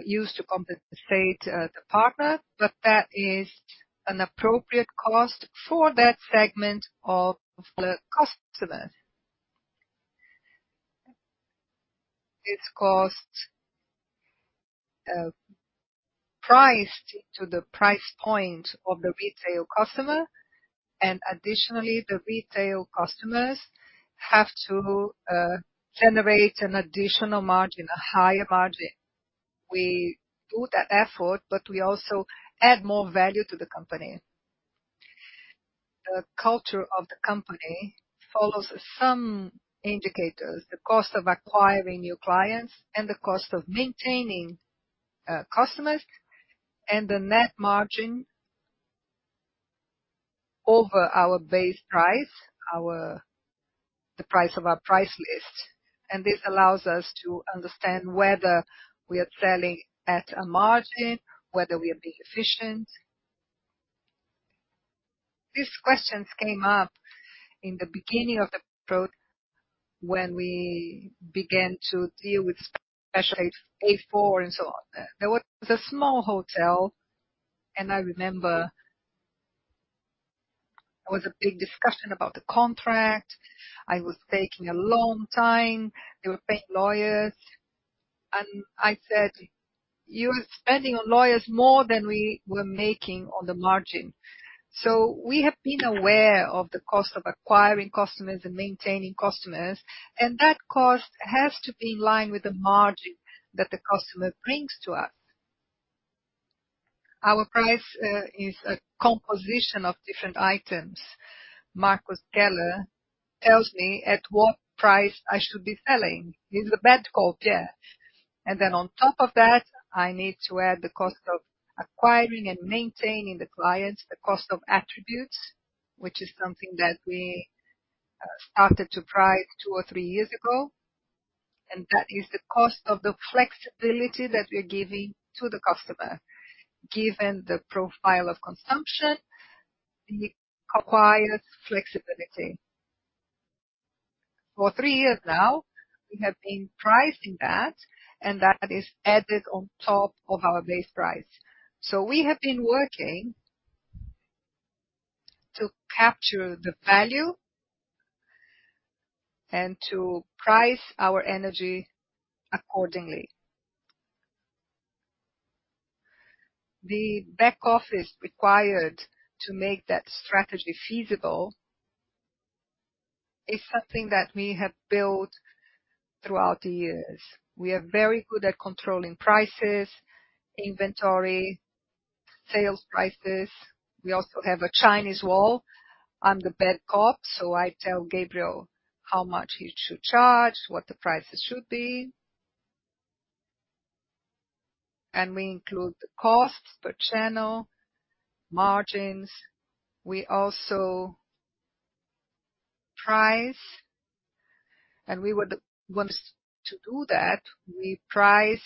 use to compensate the partner, but that is an appropriate cost for that segment of the customerCost, priced to the price point of the retail customer. Additionally, the retail customers have to generate an additional margin, a higher margin. We do that effort, but we also add more value to the company. The culture of the company follows some indicators, the cost of acquiring new clients and the cost of maintaining customers, and the net margin over our base price, the price of our price list. This allows us to understand whether we are selling at a margin, whether we are being efficient. These questions came up in the beginning of the when we began to deal with Specialist A-4 and so on. There was a small hotel. I remember there was a big discussion about the contract. I was taking a long time. They were paying lawyers. I said, "You are spending on lawyers more than we were making on the margin." We have been aware of the cost of acquiring customers and maintaining customers, and that cost has to be in line with the margin that the customer brings to us. Our price is a composition of different items. Marcos Keller tells me at what price I should be selling. He's the bad cop, yeah. On top of that, I need to add the cost of acquiring and maintaining the clients, the cost of attributes, which is something that we started to price two or three years ago. That is the cost of the flexibility that we're giving to the customer. Given the profile of consumption, he acquires flexibility. For three years now, we have been pricing that, and that is added on top of our base price. We have been working to capture the value and to price our energy accordingly. The back office required to make that strategy feasible is something that we have built throughout the years. We are very good at controlling prices, inventory, sales prices. We also have a Chinese wall. I'm the bad cop, so I tell Gabriel how much he should charge, what the prices should be. We include the costs per channel, margins. We also price, and we would want to do that, we price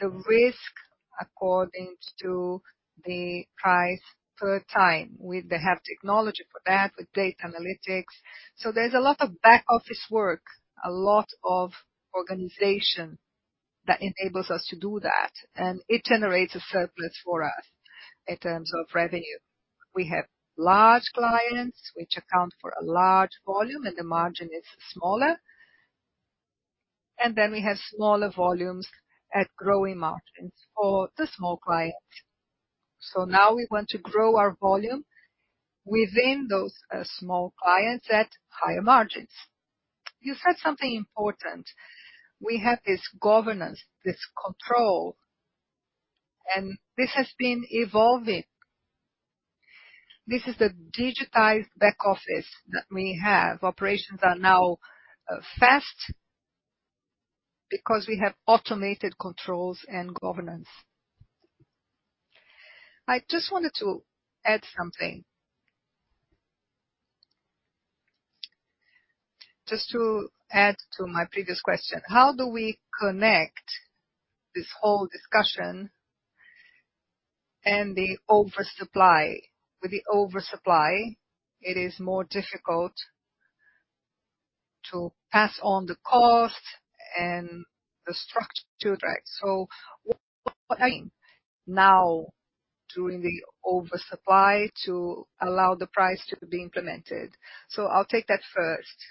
the risk according to the price per time. We have technology for that, with data analytics. There's a lot of back office work, a lot of organization that enables us to do that. It generates a surplus for us in terms of revenue. We have large clients which account for a large volume. The margin is smaller. Then we have smaller volumes at growing margins for the small clients. Now we want to grow our volume within those small clients at higher margins. You said something important. We have this governance, this control, and this has been evolving. This is the digitized back office that we have. Operations are now fast because we have automated controls and governance. I just wanted to add something. Just to add to my previous question, how do we connect this whole discussion and the oversupply? With the oversupply, it is more difficult to pass on the cost and the structure, right? What now during the oversupply to allow the price to be implemented? I'll take that first.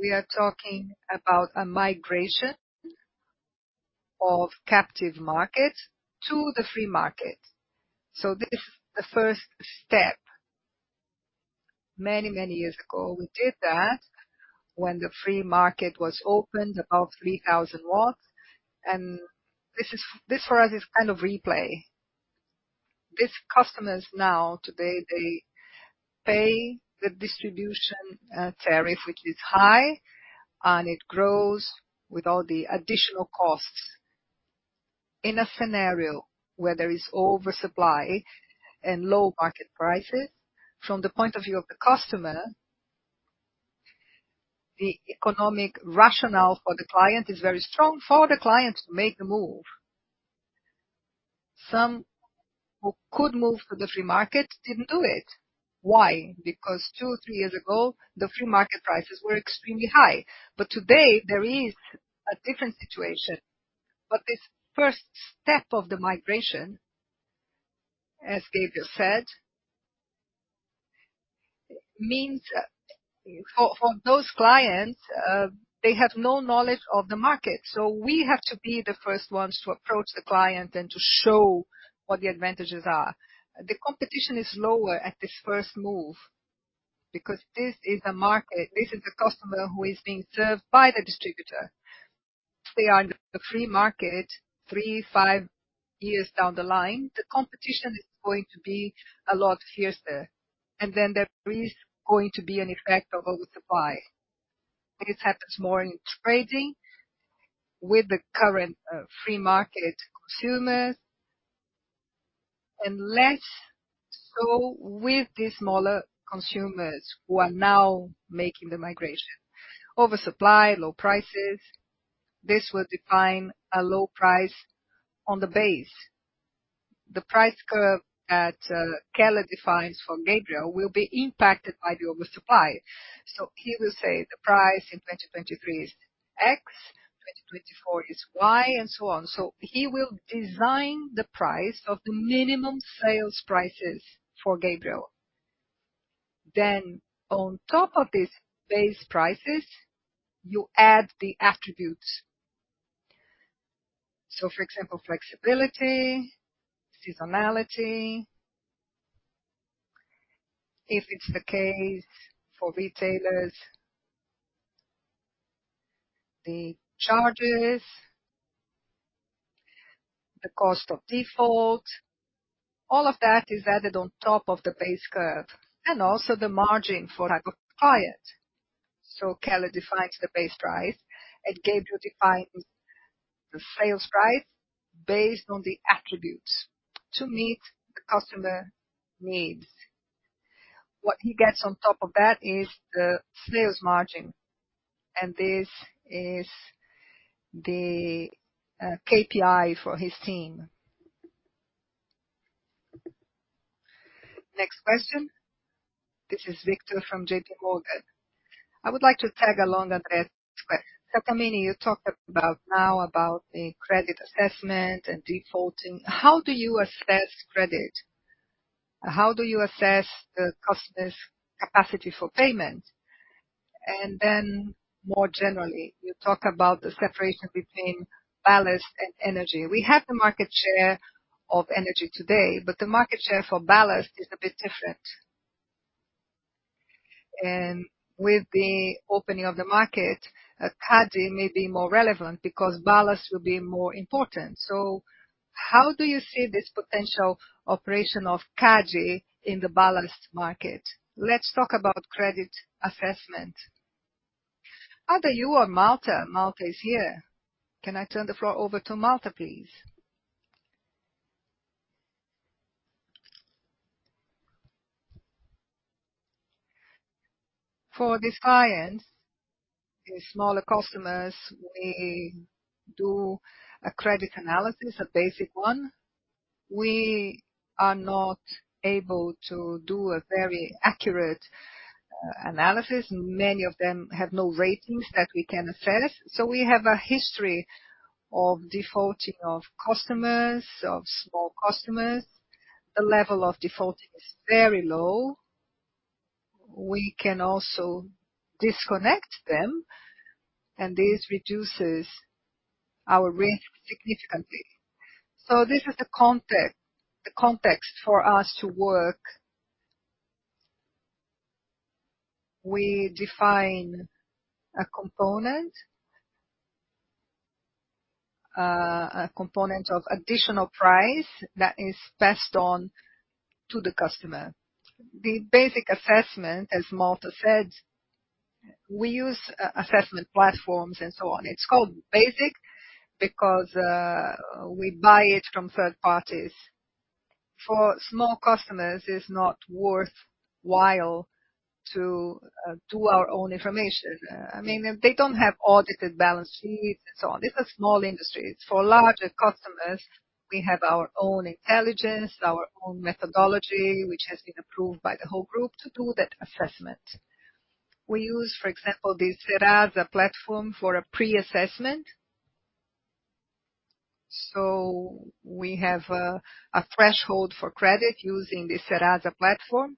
We are talking about a migration of captive market to the free market. This, the first step. Many, many years ago, we did that when the free market was opened above 3,000 watts. This for us is kind of replay. These customers now, today, they pay the distribution tariff, which is high, and it grows with all the additional costs. In a scenario where there is oversupply and low market prices, from the point of view of the customer, the economic rationale for the client is very strong for the client to make the move. Some who could move to the free market didn't do it. Why? Because two, three years ago, the free market prices were extremely high. Today, there is a different situation. This first step of the migration, as Gabriel said-Means, for those clients, they have no knowledge of the market, so we have to be the first ones to approach the client and to show what the advantages are. The competition is lower at this first move because this is a customer who is being served by the distributor. They are in a free market three, five years down the line. The competition is going to be a lot fiercer, and then there is going to be an effect of oversupply. This happens more in trading with the current, free market consumers, and less so with the smaller consumers who are now making the migration. Oversupply, low prices, this will define a low price on the base. The price curve that Keller defines for Gabriel will be impacted by the oversupply. He will say the price in 2023 is X, 2024 is Y, and so on. He will design the price of the minimum sales prices for Gabriel. On top of these base prices, you add the attributes. For example, flexibility, seasonality. If it's the case for retailers, the charges, the cost of default, all of that is added on top of the base curve and also the margin for type of client. Keller defines the base price and Gabriel defines the sales price based on the attributes to meet the customer needs. What he gets on top of that is the sales margin, and this is the KPI for his team. Next question. This is Victor from JPMorgan. I would like to tag along on that Sattamini, you talked about now about the credit assessment and defaulting. How do you assess credit? How do you assess the customer's capacity for payment? More generally, you talk about the separation between ballast and energy. We have the market share of energy today, but the market share for ballast is a bit different. With the opening of the market, CADE may be more relevant because ballast will be more important. How do you see this potential operation of CADE in the ballast market? Let's talk about credit assessment. Ada, you or Malta. Malta is here. Can I turn the floor over to Malta, please? For these clients, the smaller customers, we do a credit analysis, a basic one. We are not able to do a very accurate analysis. Many of them have no ratings that we can assess. We have a history of defaulting of customers, of small customers. The level of defaulting is very low. We can also disconnect them, and this reduces our risk significantly. This is the context, the context for us to work. We define a component. A component of additional price that is passed on to the customer. The basic assessment, as Malta said, we use assessment platforms and so on. It's called basic because we buy it from third parties. For small customers, it's not worthwhile to do our own information. I mean, they don't have audited balance sheets and so on. These are small industries. For larger customers, we have our own intelligence, our own methodology, which has been approved by the whole group to do that assessment. We use, for example, the Serasa platform for a pre-assessment. We have a threshold for credit using the Serasa platform,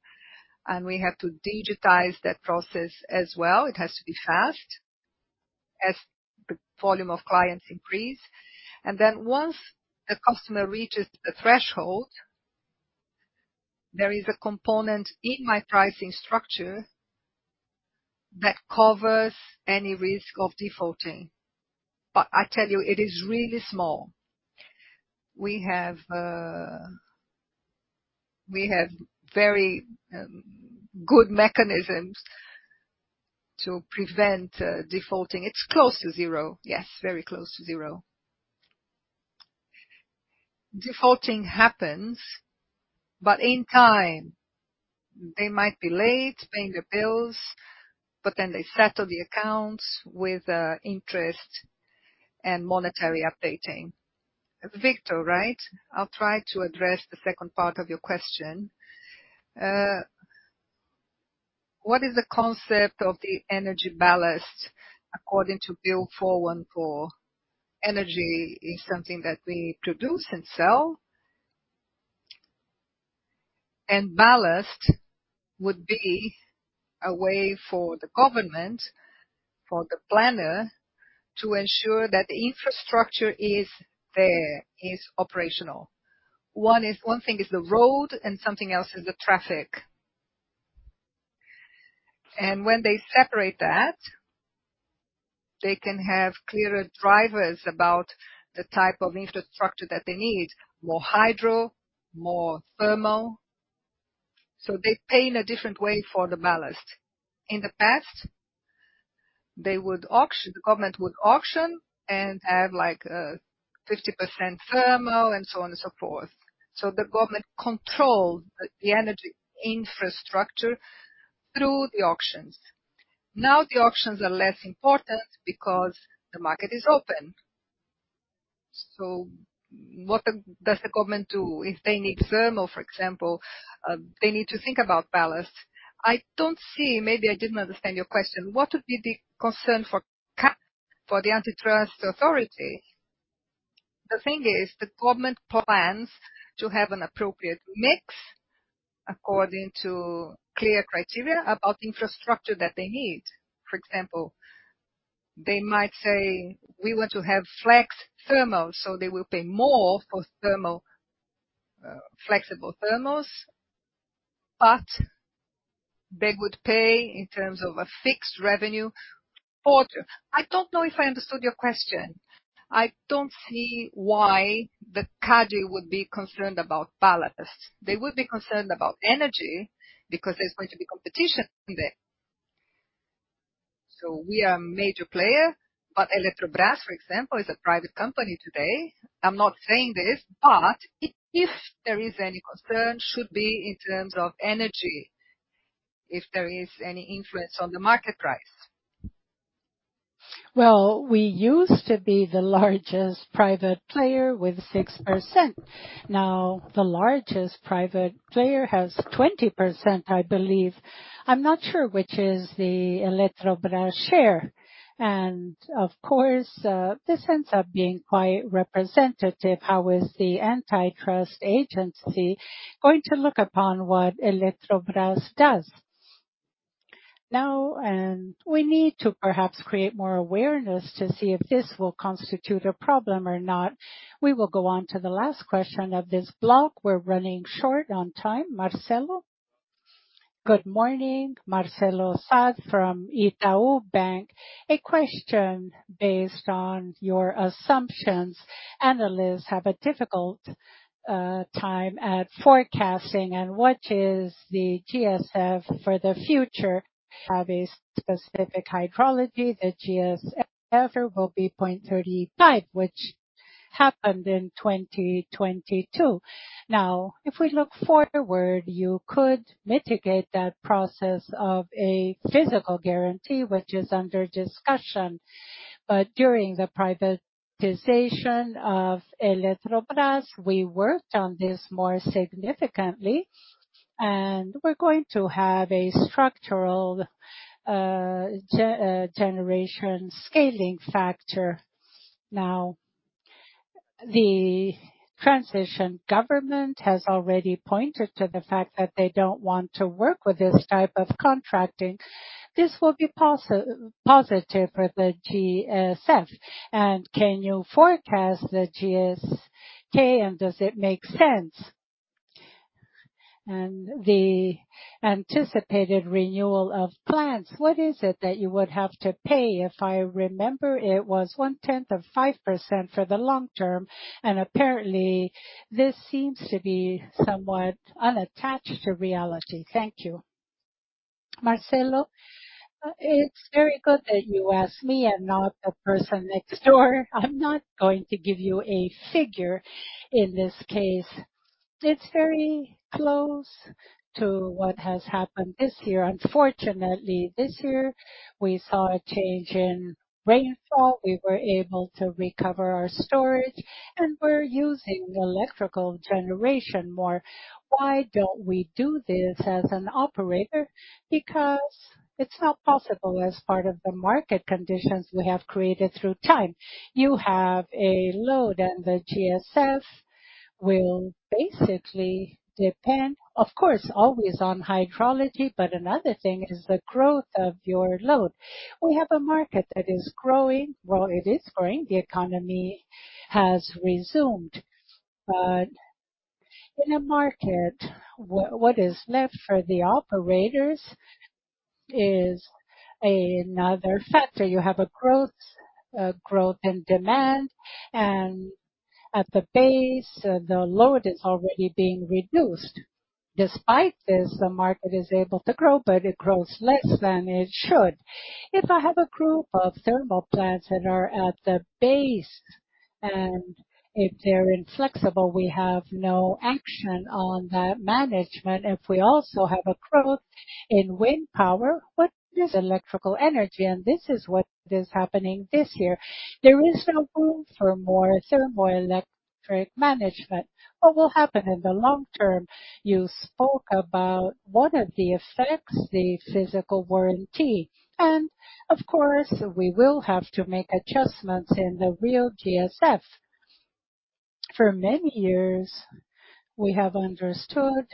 and we have to digitize that process as well. It has to be fast as the volume of clients increase. Once the customer reaches the threshold, there is a component in my pricing structure that covers any risk of defaulting. I tell you, it is really small. We have very good mechanisms to prevent defaulting. It's close to zero. Yes, very close to zero. Defaulting happens, but in time. They might be late paying their bills, but then they settle the accounts with interest and monetary updating. Victor, right? I'll try to address the second part of your question. What is the concept of the energy ballast according to Bill 414? Energy is something that we produce and sell. And ballast would be a way for the government, for the planner to ensure that the infrastructure is there, is operational. One thing is the road and something else is the traffic. When they separate that, they can have clearer drivers about the type of infrastructure that they need, more hydro, more thermal. They pay in a different way for the ballast. In the past, the government would auction and have like 50% thermal and so on and so forth. The government controlled the energy infrastructure through the auctions. Now the auctions are less important because the market is open. What does the government do? If they need thermal, for example, they need to think about ballast. I don't see. Maybe I didn't understand your question. What would be the concern for the antitrust authority? The thing is, the government plans to have an appropriate mix according to clear criteria about infrastructure that they need. For example, they might say, we want to have flex thermal, they will pay more for thermal, flexible thermals, but they would pay in terms of a fixed revenue for. I don't know if I unde`rstood your question. I don't see why the CADE would be concerned about ballast. They would be concerned about energy because there's going to be competition there. We are a major player, but Eletrobras, for example, is a private company today. I'm not saying this, but if there is any concern, should be in terms of energy, if there is any influence on the market price. Well, we used to be the largest private player with 6%. The largest private player has 20%, I believe. I'm not sure which is the Eletrobras share. Of course, this ends up being quite representative. How is the antitrust agency going to look upon what Eletrobras does? We need to perhaps create more awareness to see if this will constitute a problem or not. We will go on to the last question of this block. We're running short on time. Marcelo. Good morning. Marcelo Saad from Itaú Bank. A question based on your assumptions. Analysts have a difficult time at forecasting and what is the GSF for the future. Have a specific hydrology. The GSF will be 0.35, which happened in 2022. If we look forward, you could mitigate that process of a physical guarantee, which is under discussion. During the privatization of Eletrobras, we worked on this more significantly, and we're going to have a structural generation scaling factor. Now, the transition government has already pointed to the fact that they don't want to work with this type of contracting. This will be positive for the GSF. Can you forecast the GSF, and does it make sense? The anticipated renewal of plants. What is it that you would have to pay? If I remember, it was one-tenth of 5% for the long term, and apparently this seems to be somewhat unattached to reality. Thank you. Marcelo, it's very good that you asked me and not the person next door. I'm not going to give you a figure in this case. It's very close to what has happened this year. Unfortunately, this year we saw a change in rainfall. We were able to recover our storage. We're using electrical generation more. Why don't we do this as an operator? It's not possible as part of the market conditions we have created through time. You have a load and the GSF will basically depend, of course, always on hydrology, but another thing is the growth of your load. We have a market that is growing. Well, it is growing. The economy has resumed. In a market, what is left for the operators is another factor. You have a growth in demand, and at the base, the load is already being reduced. Despite this, the market is able to grow, but it grows less than it should. If I have a group of thermal plants that are at the base, and if they're inflexible, we have no action on that management. If we also have a growth in wind power, what is electrical energy? This is what is happening this year. There is no room for more thermoelectric management. What will happen in the long term? You spoke about one of the effects, the physical warranty. Of course, we will have to make adjustments in the real GSF. For many years, we have understood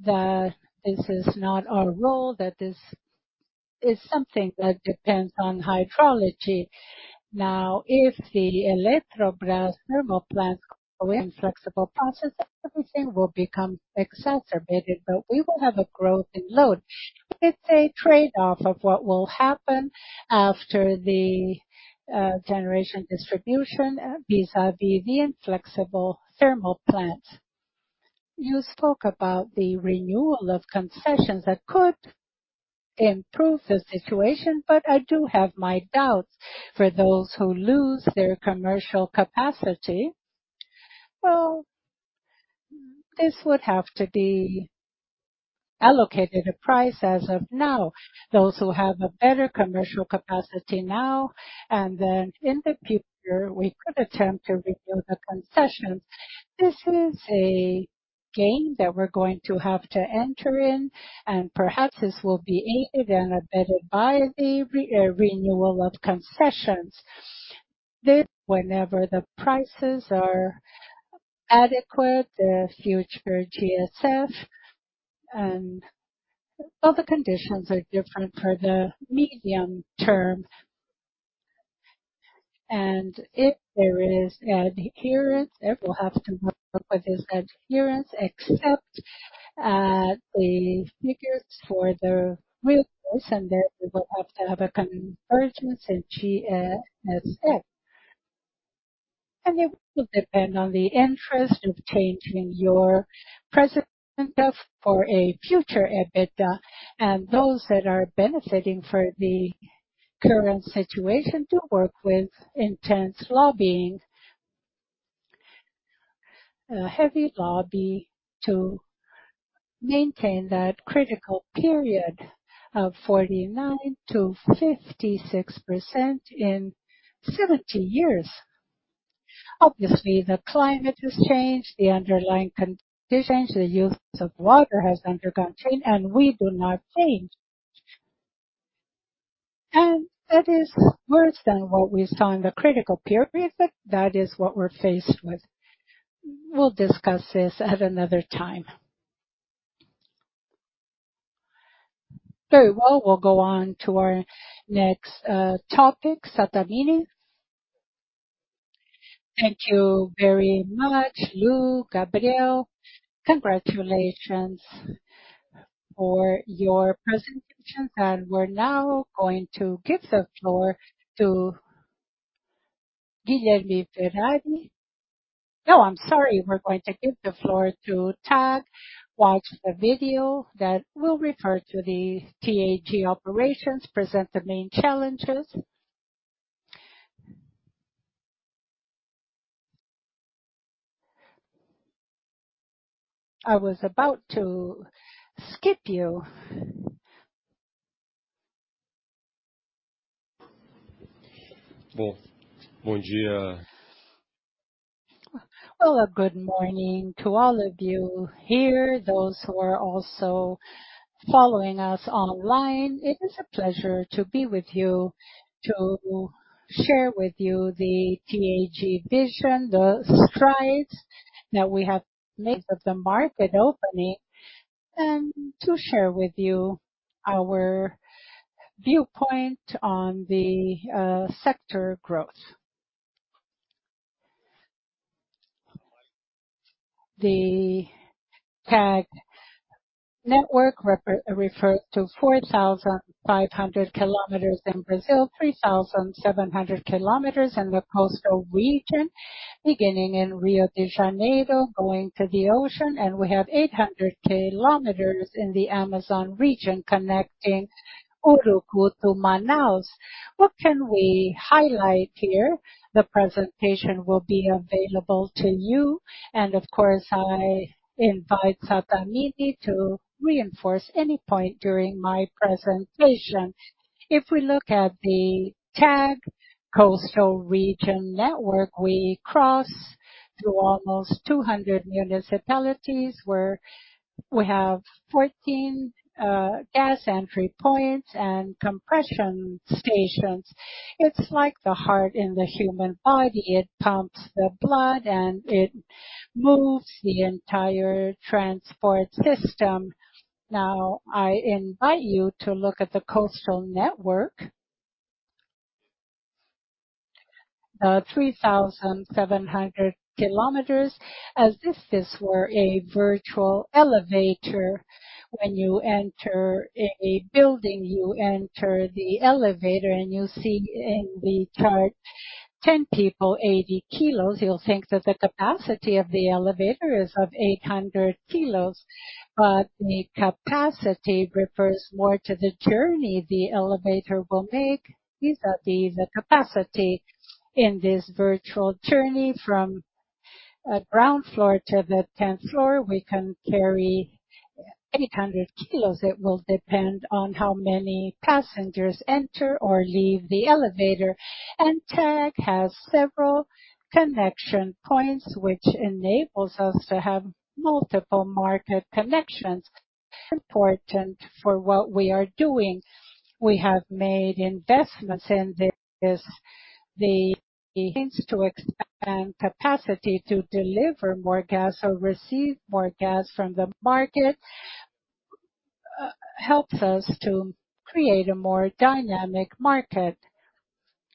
that this is not our role, that this is something that depends on hydrology. If the Eletrobras thermal plants go inflexible processes, everything will become exacerbated, but we will have a growth in load. It's a trade-off of what will happen after the generation distribution vis-a-vis the inflexible thermal plants. You spoke about the renewal of concessions that could improve the situation, but I do have my doubts. For those who lose their commercial capacity, well, this would have to be allocated a price as of now. Those who have a better commercial capacity now, and then in the future, we could attempt to renew the concessions. This is a game that we're going to have to enter in, and perhaps this will be aided and abetted by the renewal of concessions. This, whenever the prices are adequate, the future GSF and all the conditions are different for the medium term. If there is adherence, then we'll have to work with this adherence, except, the figures for the real costs, and then we will have to have a convergence in GSF. It will depend on the interest of changing your present EBITDA for a future EBITDA, and those that are benefiting for the current situation to work with intense lobbying. A heavy lobby to maintain that critical period of 49% to 56% in 70 years. Obviously, the climate has changed, the underlying conditions, the use of water has undergone change. We do not change. That is worse than what we saw in the critical period. That is what we're faced with. We'll discuss this at another time. Very well. We'll go on to our next topic, Sattamini. Thank you very much, Lu, Gabriel. Congratulations for your presentations. We're now going to give the floor to Guilherme Ferrari. No, I'm sorry. We're going to give the floor to TAG. Watch the video that will refer to the TAG operations, present the main challenges. I was about to skip you. Well, good morning to all of you here, those who are also following us online. It is a pleasure to be with you to share with you the TAG vision, the strides that we have made of the market opening, and to share with you our viewpoint on the sector growth. The TAG network refers to 4,500 km in Brazil, 3,700 km in the coastal region, beginning in Rio de Janeiro, going to the ocean, and we have 800 km in the Amazon region, connecting Urucu to Manaus. What can we highlight here? The presentation will be available to you. Of course, I invite Sattamini to reinforce any point during my presentation. If we look at the TAG coastal region network, we cross through almost 200 municipalities where we have 14 gas entry points and compression stations. It's like the heart in the human body. It pumps the blood, it moves the entire transport system. I invite you to look at the coastal network. The 3,700 kilometers as if this were a virtual elevator. When you enter a building, you enter the elevator and you see in the chart 10 people, 80 kilos. You'll think that the capacity of the elevator is of 800 kilos. The capacity refers more to the journey the elevator will make vis-a-vis the capacity. In this virtual journey from a ground floor to the 10th floor, we can carry 800 kilos. It will depend on how many passengers enter or leave the elevator. TAG has several connection points, which enables us to have multiple market connections. Important for what we are doing. We have made investments in this. The things to expand capacity to deliver more gas or receive more gas from the market helps us to create a more dynamic market.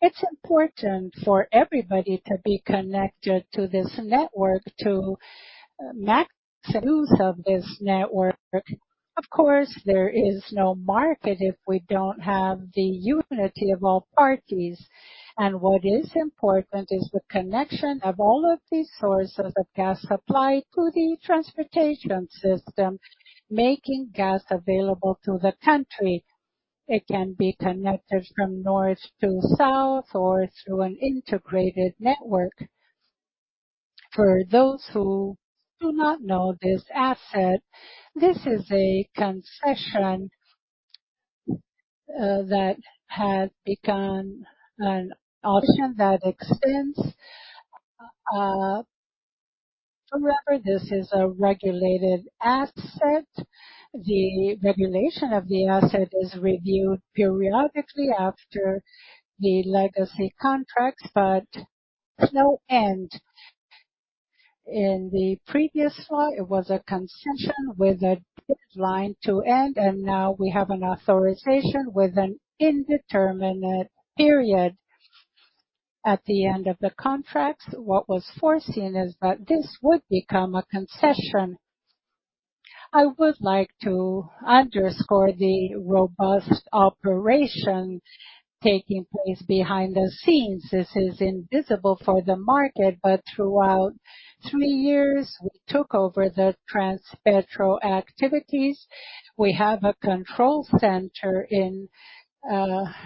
It's important for everybody to be connected to this network to max use of this network. There is no market if we don't have the unity of all parties. What is important is the connection of all of these sources of gas supply to the transportation system, making gas available to the country. It can be connected from north to south or through an integrated network. For those who do not know this asset, this is a concession that had become an option that extends. Remember, this is a regulated asset. The regulation of the asset is reviewed periodically after the legacy contracts, but there's no end. In the previous slide, it was a concession with a deadline to end, and now we have an authorization with an indeterminate period. At the end of the contracts, what was foreseen is that this would become a concession. I would like to underscore the robust operation taking place behind the scenes. This is invisible for the market, but throughout three years, we took over the Transpetro activities. We have a control center in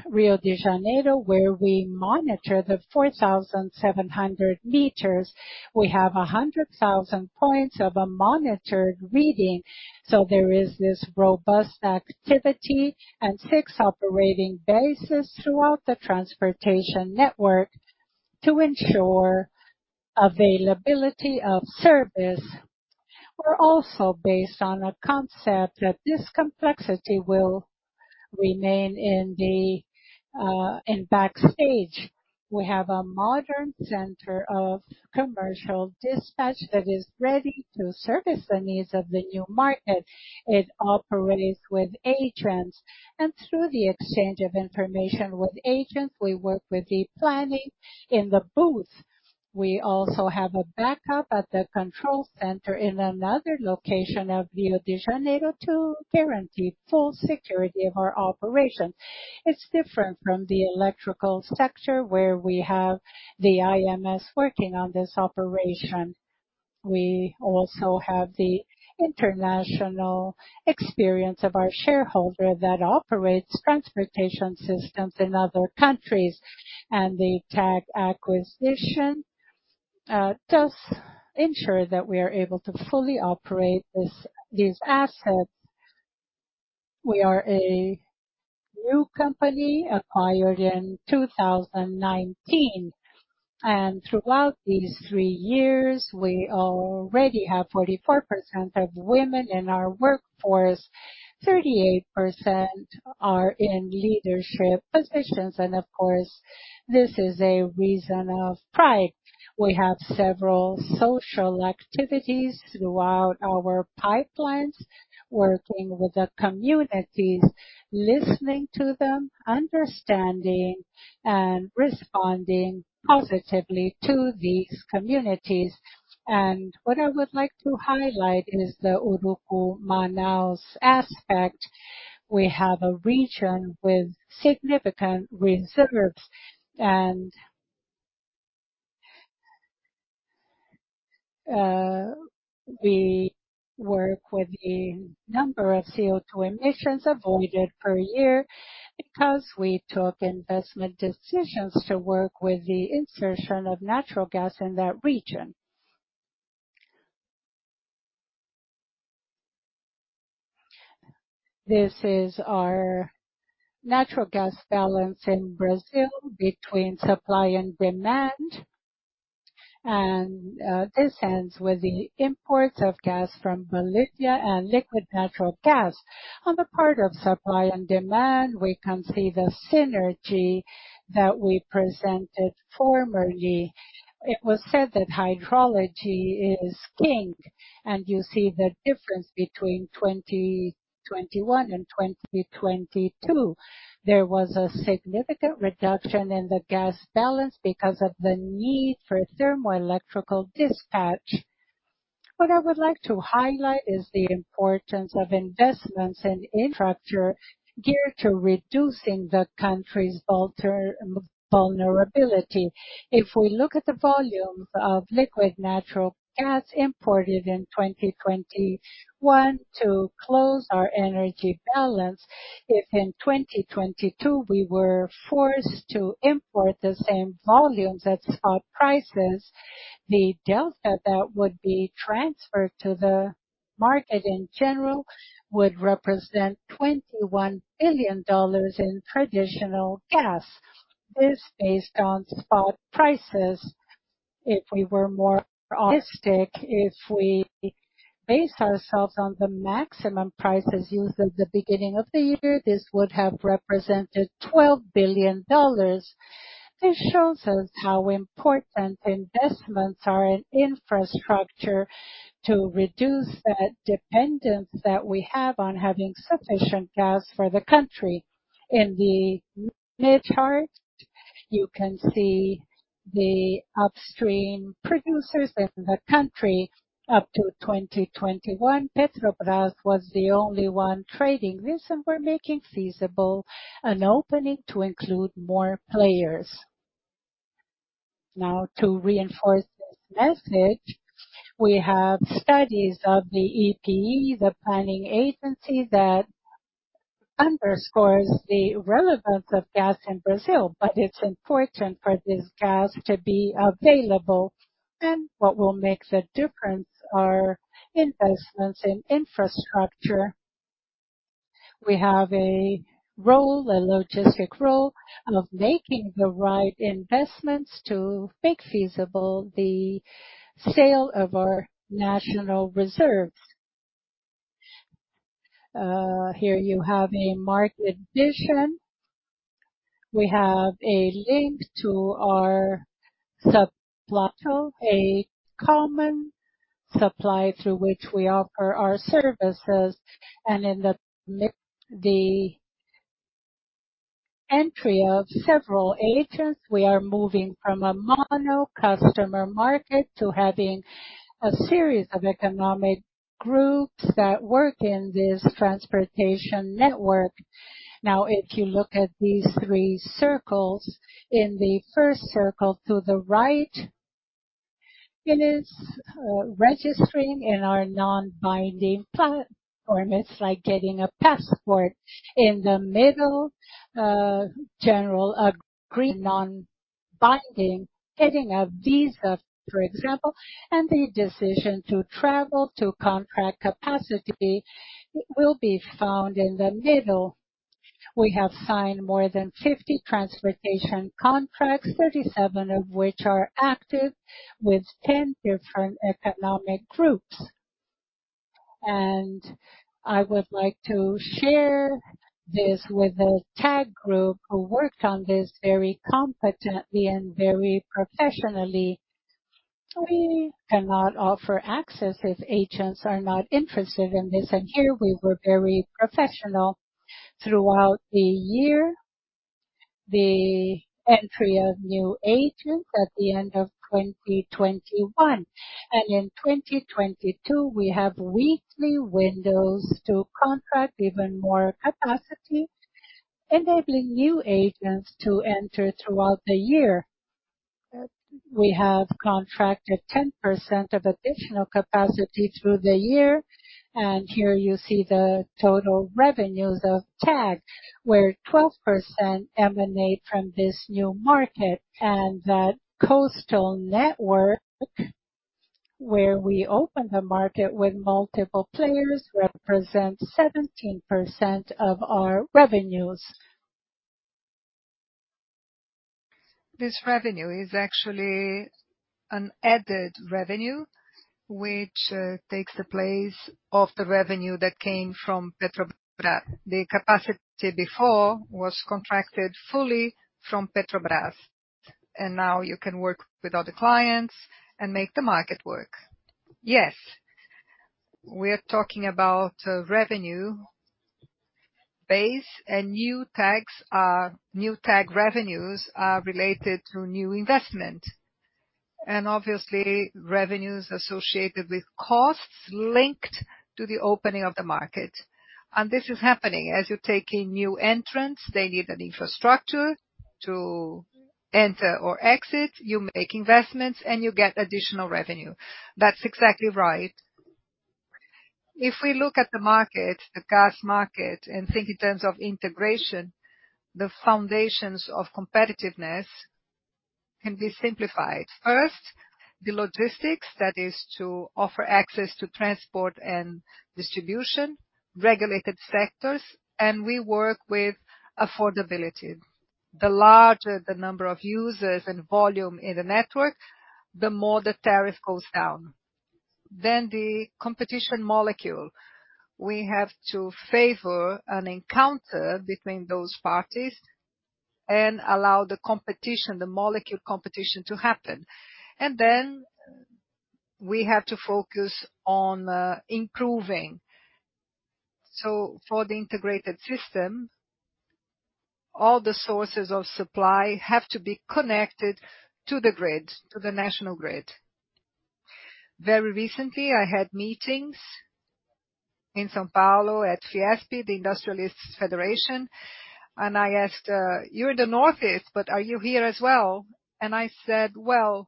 Rio de Janeiro where we monitor the 4,700 meters. We have 100,000 points of a monitored reading. There is this robust activity and six operating bases throughout the transportation network to ensure availability of service. We're also based on a concept that this complexity will remain in the in backstage. We have a modern center of commercial dispatch that is ready to service the needs of the new market. It operates with agents. Through the exchange of information with agents, we work with the planning in the booth. We also have a backup at the control center in another location of Rio de Janeiro to guarantee full security of our operation. It's different from the electrical sector, where we have the IMS working on this operation. We also have the international experience of our shareholder that operates transportation systems in other countries. The TAG acquisition does ensure that we are able to fully operate these assets. We are a new company acquired in 2019, and throughout these threeyears, we already have 44% of women in our workforce. 38% are in leadership positions, and of course, this is a reason of pride. We have several social activities throughout our pipelines, working with the communities, listening to them, understanding, and responding positively to these communities. What I would like to highlight is the Urucu-Manaus aspect. We have a region with significant reserves, and we work with a number of CO₂ emissions avoided per year because we took investment decisions to work with the insertion of natural gas in that region. This is our natural gas balance in Brazil between supply and demand. This ends with the imports of gas from Bolivia and liquid natural gas. On the part of supply and demand, we can see the synergy that we presented formerly. It was said that hydrology is king, and you see the difference between 2021 and 2022. There was a significant reduction in the gas balance because of the need for thermoelectric dispatch. What I would like to highlight is the importance of investments in infrastructure geared to reducing the country's vulnerability. If we look at the volumes of liquid natural gas imported in 2021 to close our energy balance, if in 2022 we were forced to import the same volumes at spot prices, the delta that would be transferred to the market in general would represent $21 billion in traditional gas. This based on spot prices. If we were more autistic, if we base ourselves on the maximum prices used at the beginning of the year, this would have represented $12 billion. This shows us how important investments are in infrastructure to reduce that dependence that we have on having sufficient gas for the country. In the mid chart, you can see the upstream producers in the country up to 2021. Petrobras was the only one trading this. We're making feasible an opening to include more players. To reinforce this message, we have studies of the EPE, the planning agency that underscores the relevance of gas in Brazil. It's important for this gas to be available. What will make the difference are investments in infrastructure. We have a role, a logistic role of making the right investments to make feasible the sale of our national reserves. Here you have a market vision. We have a link to our sub-plateau, a common supply through which we offer our services. In the entry of several agents, we are moving from a mono-customer market to having a series of economic groups that work in this transportation network. Now, if you look at these three circles, in the first circle to the right, it is registering in our non-binding platform. It's like getting a passport. In the middle, general agree non-binding, getting a visa, for example. The decision to travel to contract capacity will be found in the middle. We have signed more than 50 transportation contracts, 37 of which are active with 10 different economic groups. I would like to share this with the TAG group who worked on this very competently and very professionally. We cannot offer access if agents are not interested in this. Here we were very professional throughout the year. The entry of new agents at the end of 2021. In 2022, we have weekly windows to contract even more capacity, enabling new agents to enter throughout the year. We have contracted 10% of additional capacity through the year. Here you see the total revenues of TAG, where 12% emanate from this new market. That coastal network, where we open the market with multiple players, represents 17% of our revenues. This revenue is actually an added revenue, which takes the place of the revenue that came from Petrobras. The capacity before was contracted fully from Petrobras, and now you can work with other clients and make the market work. Yes, we are talking about revenue base. New TAG revenues are related to new investment, and obviously revenues associated with costs linked to the opening of the market. This is happening. As you take in new entrants, they need an infrastructure to enter or exit. You make investments, and you get additional revenue. That's exactly right. If we look at the market, the gas market, and think in terms of integration, the foundations of competitiveness can be simplified. First, the logistics, that is to offer access to transport and distribution, regulated sectors, and we work with affordability. The larger the number of users and volume in the network, the more the tariff goes down. The competition molecule. We have to favor an encounter between those parties and allow the competition, the molecule competition to happen. We have to focus on improving. For the integrated system, all the sources of supply have to be connected to the grid, to the national grid. Very recently, I had meetings in São Paulo at FIESP, the Industrialists Federation, and I asked, "You're in the northeast, but are you here as well?" I said, "Well,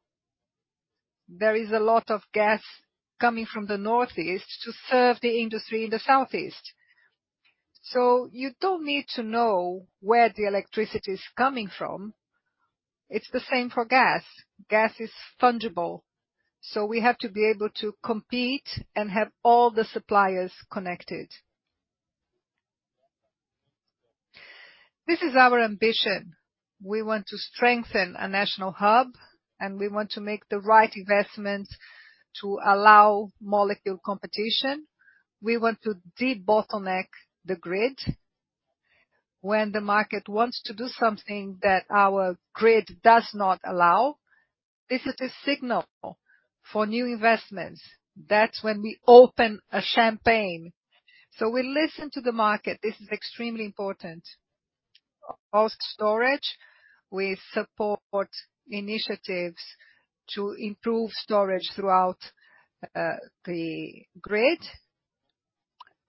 there is a lot of gas coming from the northeast to serve the industry in the southeast." You don't need to know where the electricity is coming from. It's the same for gas. Gas is fungible. We have to be able to compete and have all the suppliers connected. This is our ambition. We want to strengthen a national hub, and we want to make the right investments to allow molecule competition. We want to debottleneck the grid. When the market wants to do something that our grid does not allow, this is a signal for new investments. That's when we open a champagne. We listen to the market. This is extremely important. Host storage. We support initiatives to improve storage throughout the grid.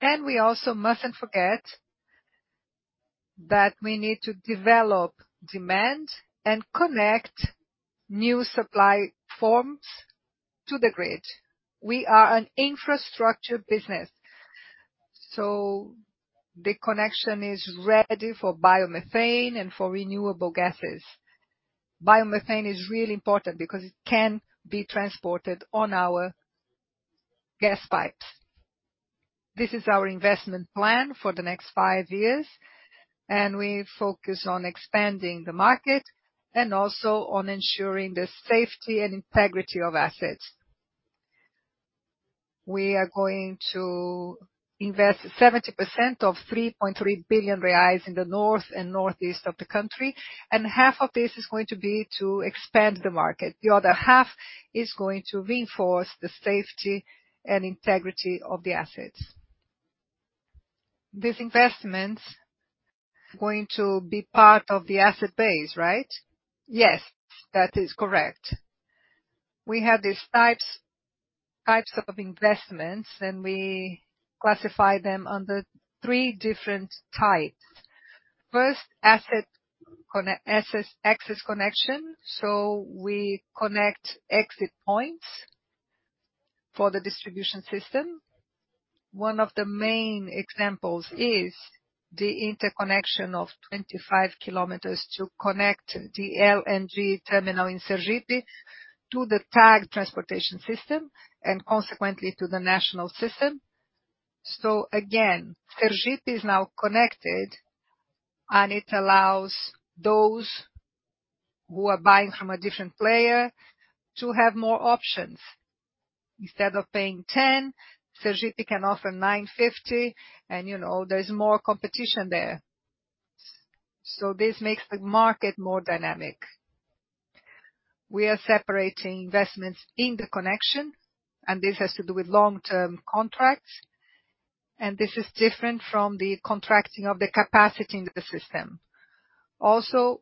We also mustn't forget that we need to develop demand and connect new supply forms to the grid. We are an infrastructure business. The connection is ready for biomethane and for renewable gases. biomethane is really important because it can be transported on our gas pipes. This is our investment plan for the next five years. We focus on expanding the market and also on ensuring the safety and integrity of assets. We are going to invest 70% of 3.3 billion reais in the north and northeast of the country. Half of this is going to be to expand the market. The other half is going to reinforce the safety and integrity of the assets. These investments going to be part of the asset base, right? Yes, that is correct. We have these types of investments. We classify them under three different types. First, asset access connection. We connect exit points for the distribution system. One of the main examples is the interconnection of 25 km to connect the LNG terminal in Sergipe to the TAG Transportation system and consequently to the national system. Again, Sergipe is now connected, and it allows those who are buying from a different player to have more options. Instead of paying 10, Sergipe can offer 9.50, and, there's more competition there. This makes the market more dynamic. We are separating investments in the connection, and this has to do with long-term contracts, and this is different from the contracting of the capacity in the system. Also,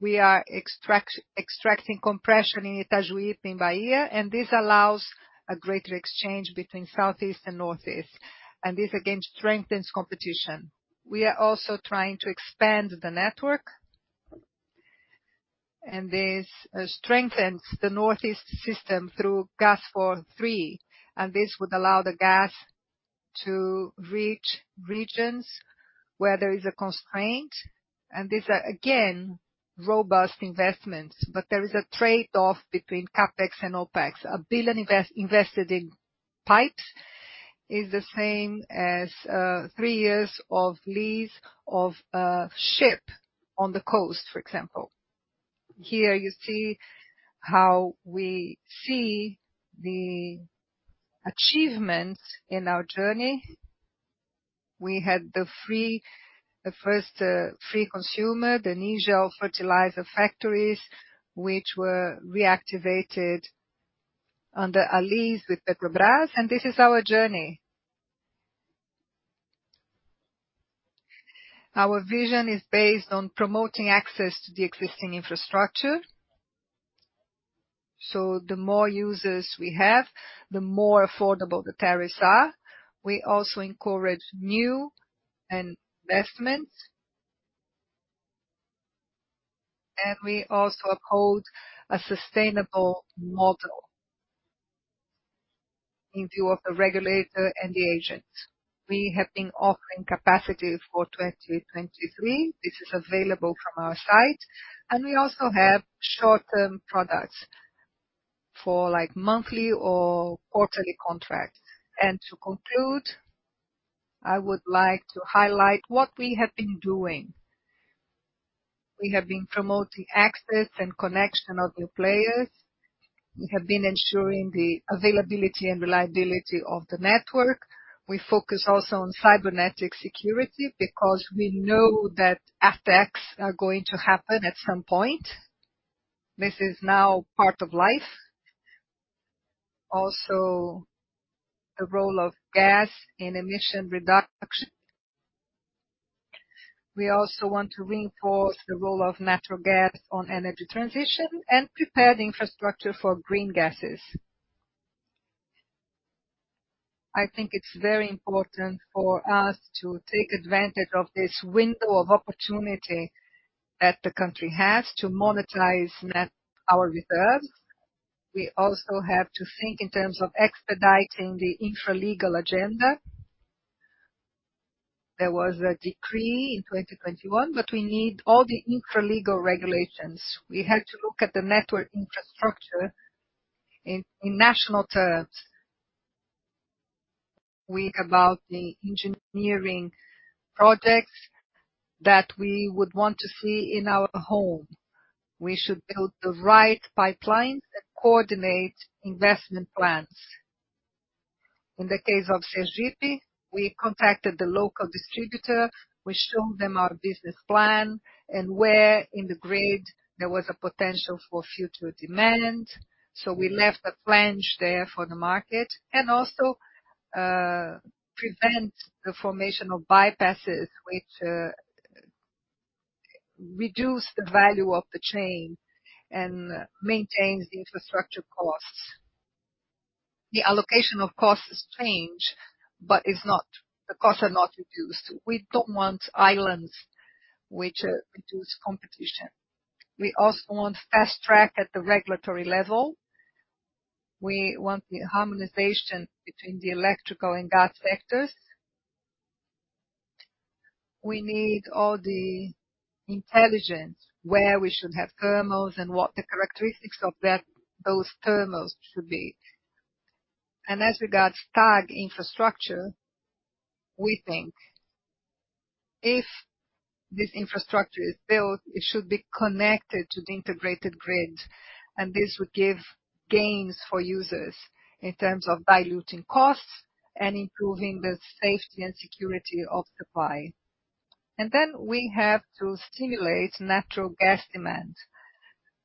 we are extracting compression in Itajuípe, in Bahia, and this allows a greater exchange between Southeast and Northeast. This, again, strengthens competition. We are also trying to expand the network, and this strengthens the Northeast system through Gasfor three, and this would allow the gas to reach regions where there is a constraint. These are, again, robust investments. There is a trade-off between CapEx and OpEx. 1 billion invested in pipes is the same as three years of lease of a ship on the coast, for example. Here you see how we see the achievements in our journey. We had the first free consumer, the Unigel fertilizer factories, which were reactivated under a lease with Petrobras. This is our journey. Our vision is based on promoting access to the existing infrastructure. The more users we have, the more affordable the tariffs are. We also encourage new investment. We also uphold a sustainable model in view of the regulator and the agent. We have been offering capacity for 2023. This is available from our site. We also have short-term products for, like, monthly or quarterly contracts. To conclude, I would like to highlight what we have been doing. We have been promoting access and connection of new players. We have been ensuring the availability and reliability of the network. We focus also on cybernetic security because we know that attacks are going to happen at some point. This is now part of life. The role of gas in emission reduction. We also want to reinforce the role of natural gas on energy transition and prepare the infrastructure for green gases. I think it's very important for us to take advantage of this window of opportunity that the country has to monetize our reserves. We also have to think in terms of expediting the infra-legal agenda. There was a decree in 2021, but we need all the infra-legal regulations. We have to look at the network infrastructure in national terms. We about the engineering projects that we would want to see in our home. We should build the right pipelines that coordinate investment plans. In the case of Sergipe, we contacted the local distributor, we showed them our business plan and where in the grid there was a potential for future demand, so we left a flange there for the market, and also, prevent the formation of bypasses which reduce the value of the chain and maintains the infrastructure costs. The allocation of costs is strange. It's not. The costs are not reduced. We don't want islands which reduce competition. We also want fast track at the regulatory level. We want the harmonization between the electrical and gas sectors. We need all the intelligence where we should have thermals and what the characteristics of those thermals should be. As regards TAG infrastructure, we think if this infrastructure is built, it should be connected to the integrated grid, and this would give gains for users in terms of diluting costs and improving the safety and security of supply. We have to stimulate natural gas demand.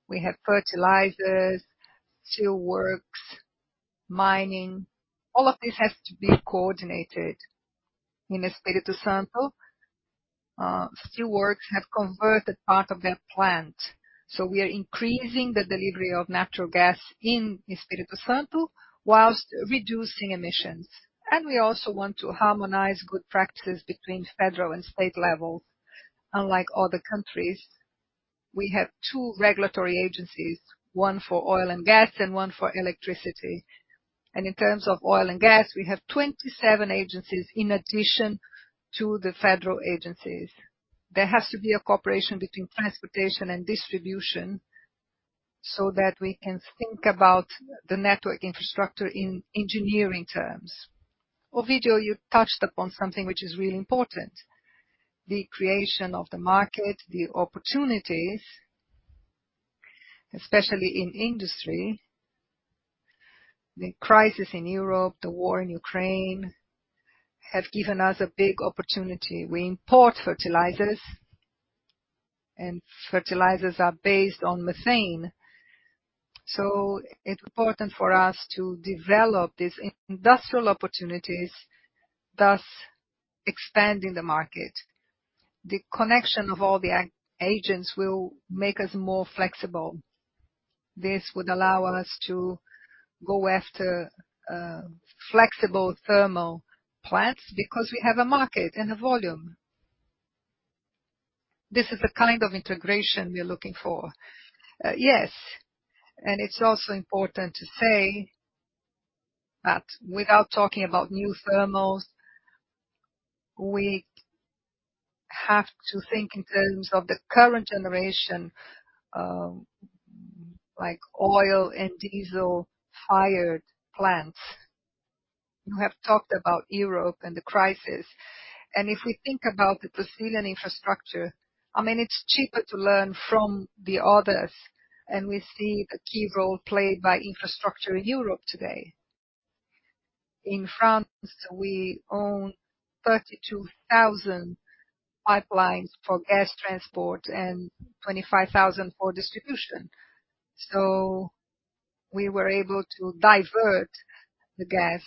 We have fertilizers, steelworks, mining. All of this has to be coordinated. In Espírito Santo, steelworks have converted part of their plant, so we are increasing the delivery of natural gas in Espírito Santo whilst reducing emissions. We also want to harmonize good practices between federal and state levels. Unlike other countries, we have two regulatory agencies, one for oil and gas and one for electricity. In terms of oil and gas, we have 27 agencies in addition to the federal agencies. There has to be a cooperation between transportation and distribution so that we can think about the network infrastructure in engineering terms. Ovidio, you touched upon something which is really important, the creation of the market, the opportunities, especially in industry. The crisis in Europe, the war in Ukraine have given us a big opportunity. We import fertilizers, and fertilizers are based on methane. It's important for us to develop these industrial opportunities, thus expanding the market. The connection of all the agents will make us more flexible. This would allow us to go after flexible thermal plants because we have a market and a volume. This is the kind of integration we are looking for. Yes, and it's also important to say that without talking about new thermals, we have to think in terms of the current generation, like oil and diesel-fired plants. You have talked about Europe and the crisis, and if we think about the Brazilian infrastructure, I mean, it's cheaper to learn from the others, and we see the key role played by infrastructure in Europe today. In France, we own 32,000 pipelines for gas transport and 25,000 for distribution. We were able to divert the gas.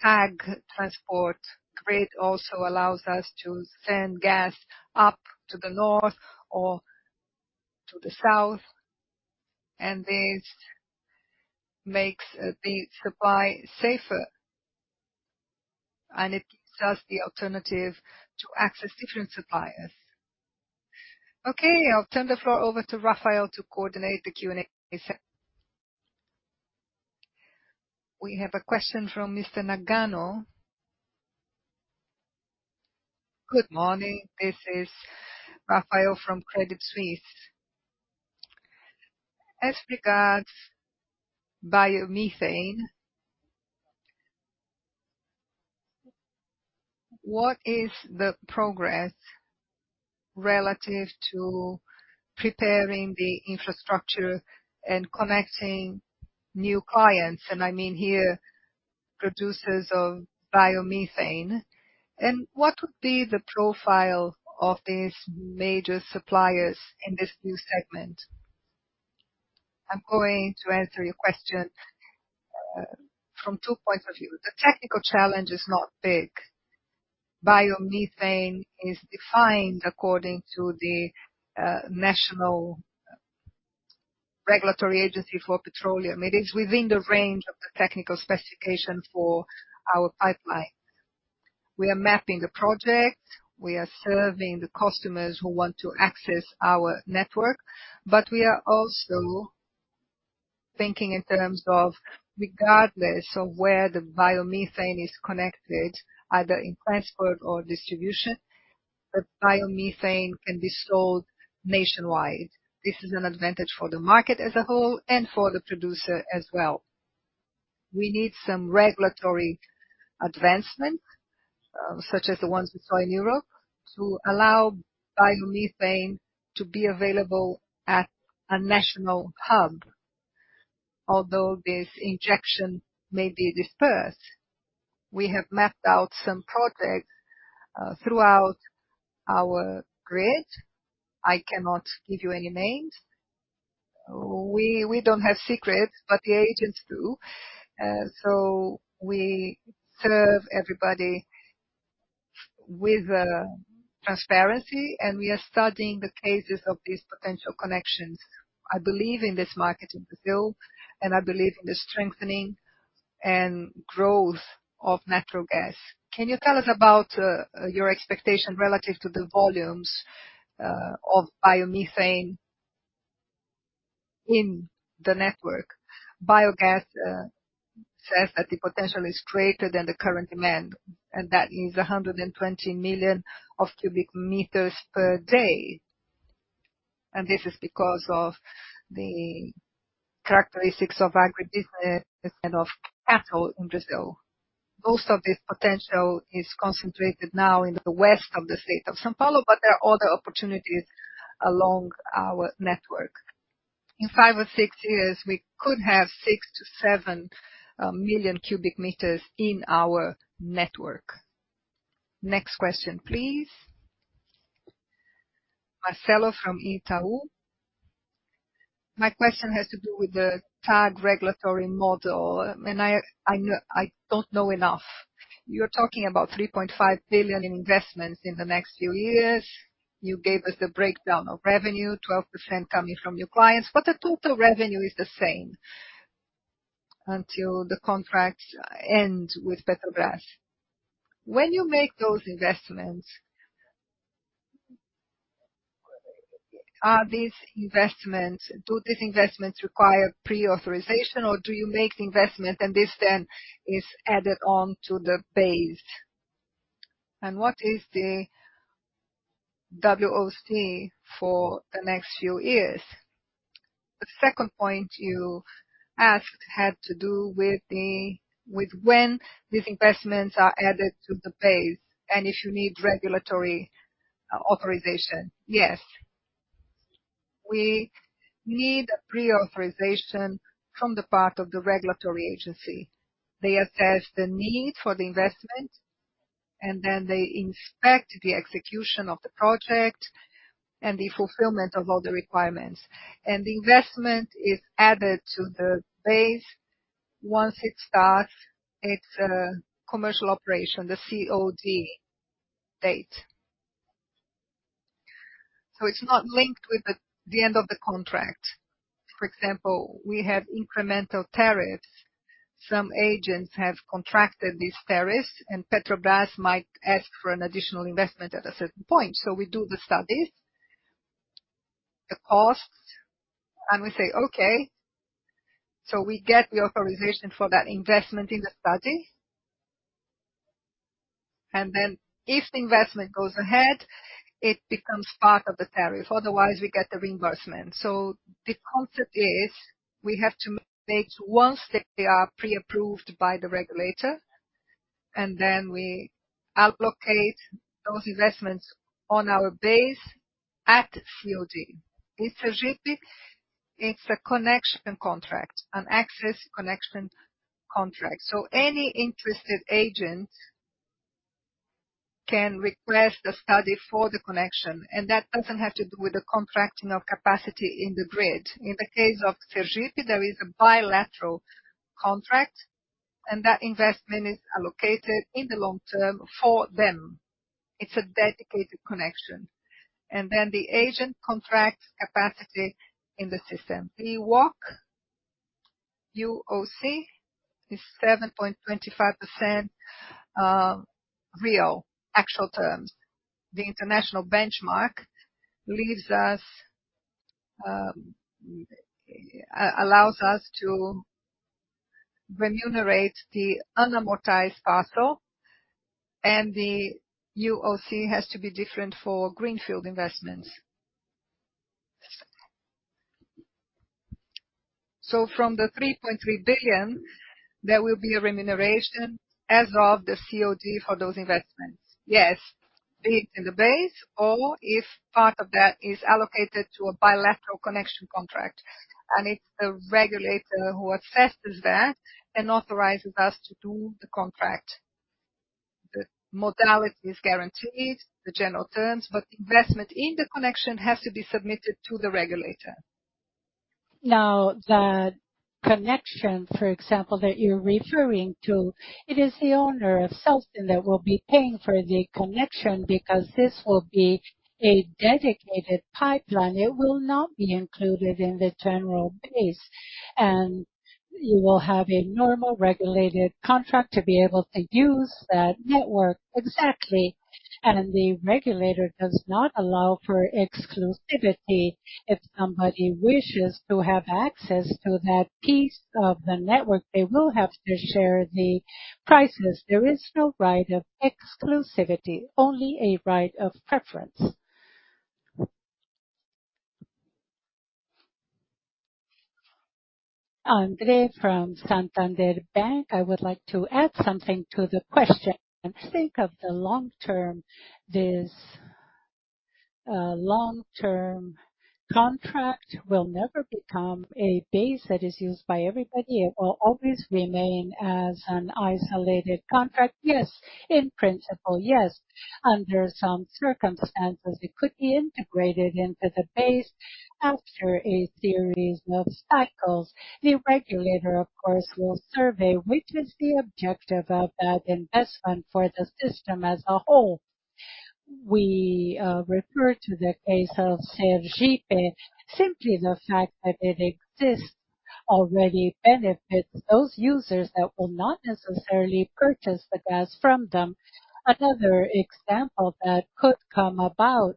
TAG transport grid also allows us to send gas up to the north or to the south. This makes the supply safer, and it gives us the alternative to access different suppliers. I'll turn the floor over to Rafael to coordinate the Q&A session. We have a question from Mr. Nagano. Good morning. This is Rafael from Credit Suisse. As regards biomethane, what is the progress relative to preparing the infrastructure and connecting new clients, and I mean here producers of biomethane? What would be the profile of these major suppliers in this new segment? I'm going to answer your question from two points of view. The technical challenge is not big. Biomethane is defined according to the national regulatory agency for petroleum. It is within the range of the technical specification for our pipelines. We are mapping the project. We are serving the customers who want to access our network. We are also thinking in terms of regardless of where the biomethane is connected, either in transport or distribution. Biomethane can be sold nationwide. This is an advantage for the market as a whole and for the producer as well. We need some regulatory advancement, such as the ones we saw in Europe, to allow biomethane to be available at a national hub. Although this injection may be dispersed. We have mapped out some projects throughout our grid. I cannot give you any names. We don't have secrets, but the agents do. We serve everybody with transparency, and we are studying the cases of these potential connections. I believe in this market in Brazil, and I believe in the strengthening and growth of natural gas. Can you tell us about your expectation relative to the volumes of biomethane in the network? Biogas says that the potential is greater than the current demand, and that is 120 million cubic meters per day. This is because of the characteristics of agribusiness and of cattle in Brazil. Most of this potential is concentrated now in the west of the state of São Paulo, but there are other opportunities along our network. In 5 or 6 years, we could have 6-7 million cubic meters in our network. Next question, please. Marcelo from Itaú. My question has to do with the TAG regulatory model, I don't know enough. You're talking about 3.5 billion in investments in the next few years. You gave us the breakdown of revenue, 12% coming from your clients, the total revenue is the same until the contracts end with Petrobras. When you make those investments, do these investments require pre-authorization, do you make the investment and this then is added on to the base? What is the WACC for the next few years? The second point you asked had to do with when these investments are added to the base and if you need regulatory authorization. Yes. We need pre-authorization from the part of the regulatory agency. They assess the need for the investment, and then they inspect the execution of the project and the fulfillment of all the requirements. The investment is added to the base once it starts its commercial operation, the COD date. It's not linked with the end of the contract. For example, we have incremental tariffs. Some agents have contracted these tariffs, and Petrobras might ask for an additional investment at a certain point. We do the studies, the costs, and we say, "Okay." We get the authorization for that investment in the study. If the investment goes ahead, it becomes part of the tariff. Otherwise, we get the reimbursement. The concept is we have to make once they are pre-approved by the regulator, and then we allocate those investments on our base at COD. Sergipe, it's a connection contract, an access connection contract. Any interested agent can request the study for the connection, and that doesn't have to do with the contracting of capacity in the grid. In the case of Sergipe, there is a bilateral contract, and that investment is allocated in the long term for them. It's a dedicated connection. The agent contracts capacity in the system. The UOC is 7.25%, real, actual terms. The international benchmark leaves us, allows us to remunerate the unamortized asset, and the UOC has to be different for greenfield investments. From the 3.3 billion, there will be a remuneration as of the COD for those investments. Yes. Be it in the base or if part of that is allocated to a bilateral connection contract. It's the regulator who assesses that and authorizes us to do the contract. The modality is guaranteed, the general terms, but investment in the connection has to be submitted to the regulator. Now, the connection, for example, that you're referring to, it is the owner of CELSE that will be paying for the connection because this will be a dedicated pipeline. It will not be included in the general base. You will have a normal regulated contract to be able to use that network. Exactly. The regulator does not allow for exclusivity. If somebody wishes to have access to that piece of the network, they will have to share the prices. There is no right of exclusivity, only a right of preference. Andrea from Santander. I would like to add something to the question. Think of the long term. This long-term contract will never become a base that is used by everybody. It will always remain as an isolated contract. Yes, in principle, yes. Under some circumstances, it could be integrated into the base after a series of cycles. The regulator, of course, will survey which is the objective of that investment for the system as a whole. We refer to the case of Sergipe. Simply the fact that it exists already benefits those users that will not necessarily purchase the gas from them. Another example that could come about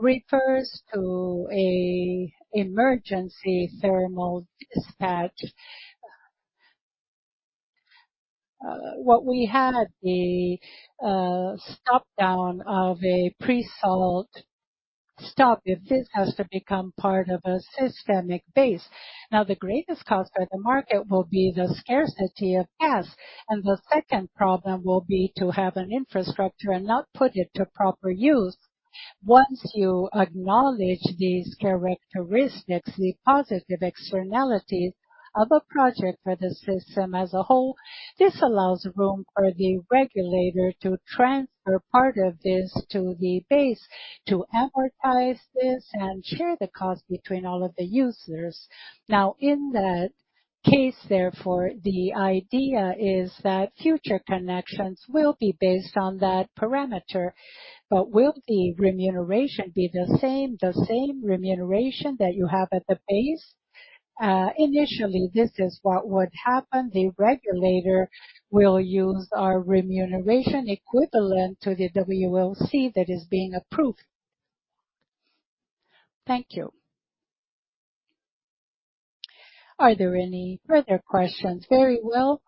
refers to a emergency thermal dispatch. What we had, the stop down of a pre-sold stop. If this has to become part of a systemic base, the greatest cost by the market will be the scarcity of gas, and the second problem will be to have an infrastructure and not put it to proper use. Once you acknowledge these characteristics, the positive externalities of a project for the system as a whole, this allows room for the regulator to transfer part of this to the base to amortize this and share the cost between all of the users. In that case, therefore, the idea is that future connections will be based on that parameter. Will the remuneration be the same, the same remuneration that you have at the base? Initially, this is what would happen. The regulator will use our remuneration equivalent to the WACC that is being approved. Thank you. Are there any further questions? Very well.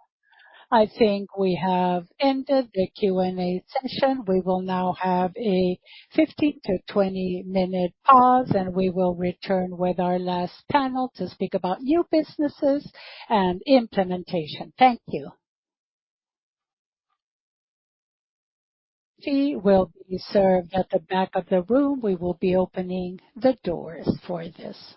I think we have ended the Q&A session. We will now have a 15-20 minute pause, and we will return with our last panel to speak about new businesses and implementation. Thank you. Tea will be served at the back of the room. We will be opening the doors for this.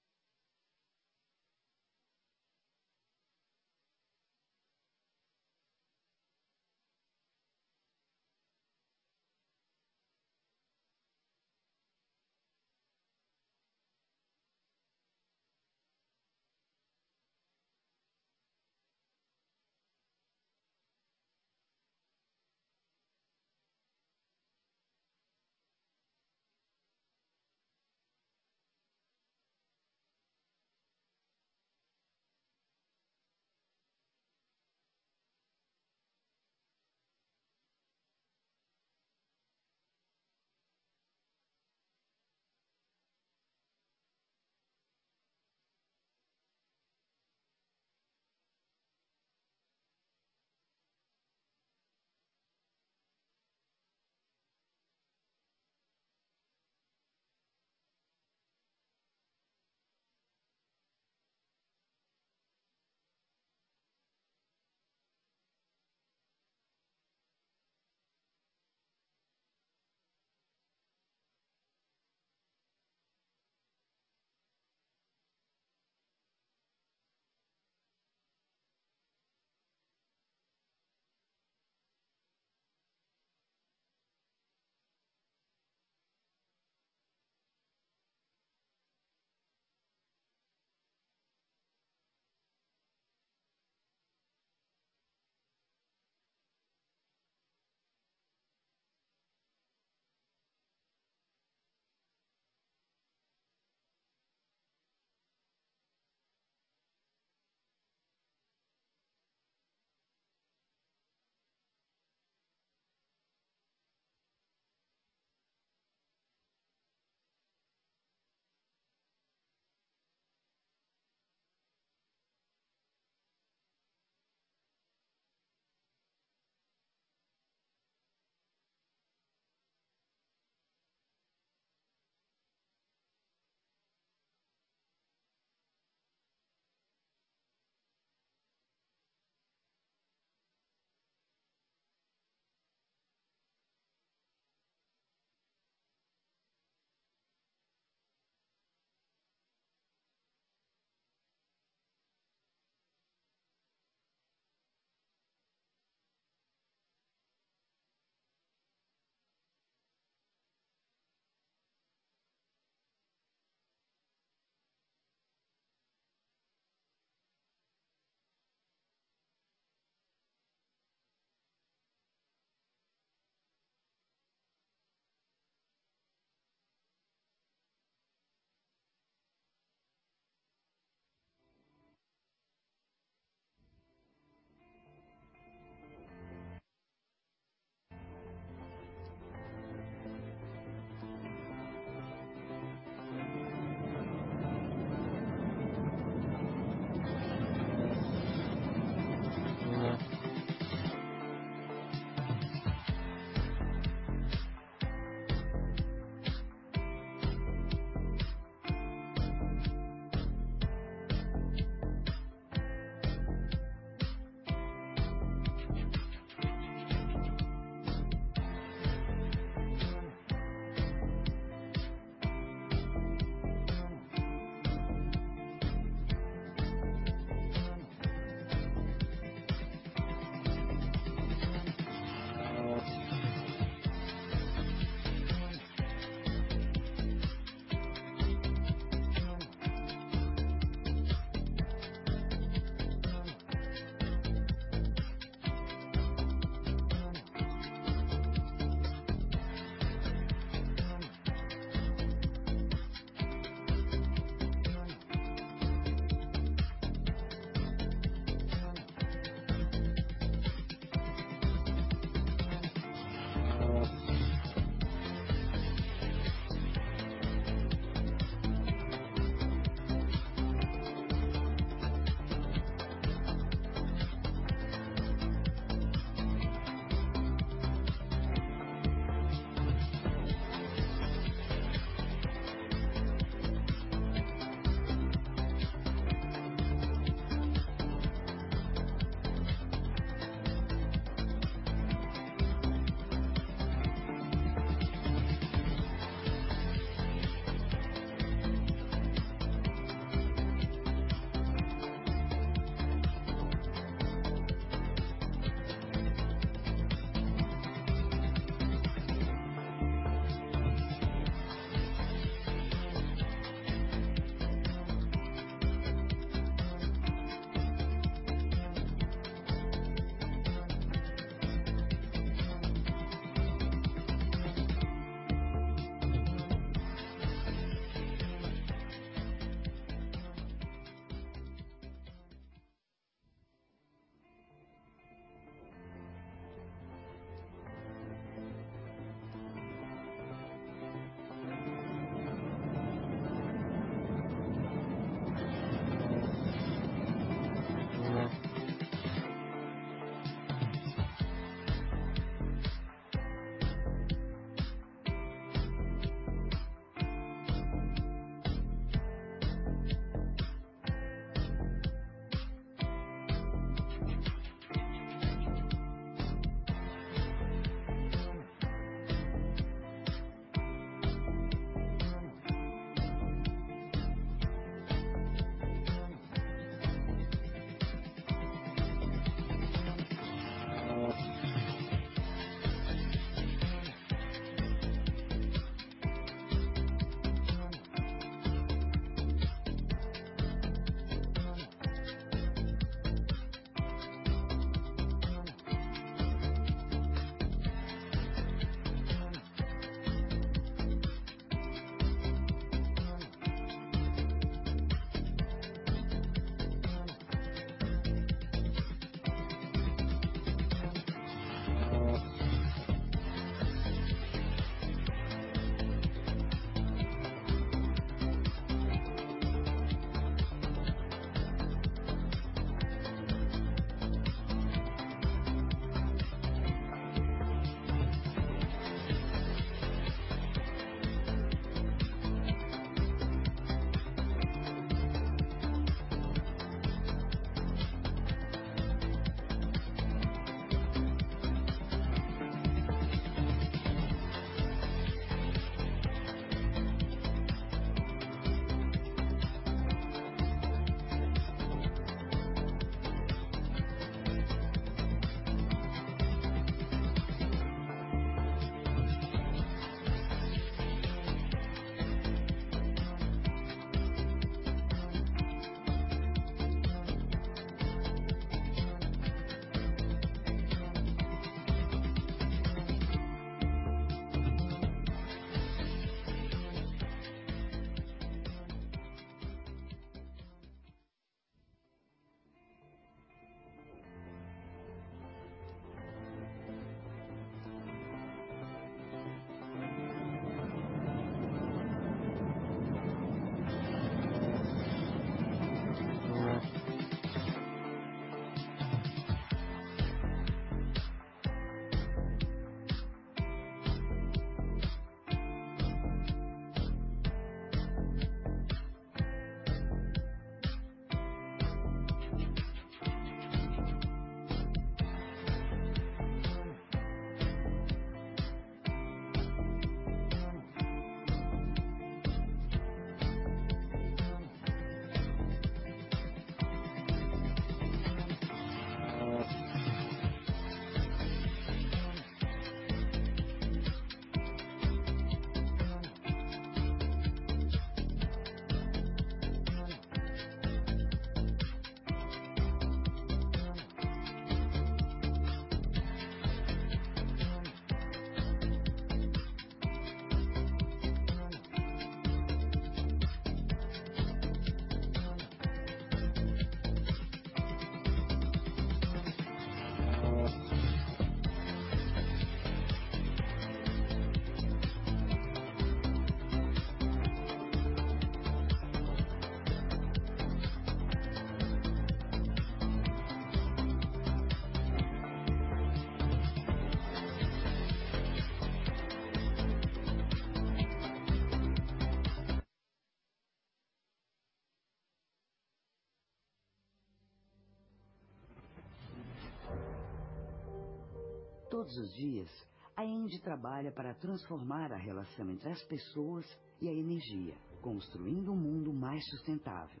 Todos os dias, a ENGIE trabalha para transformar a relação entre as pessoas e a energia, construindo um mundo mais sustentável.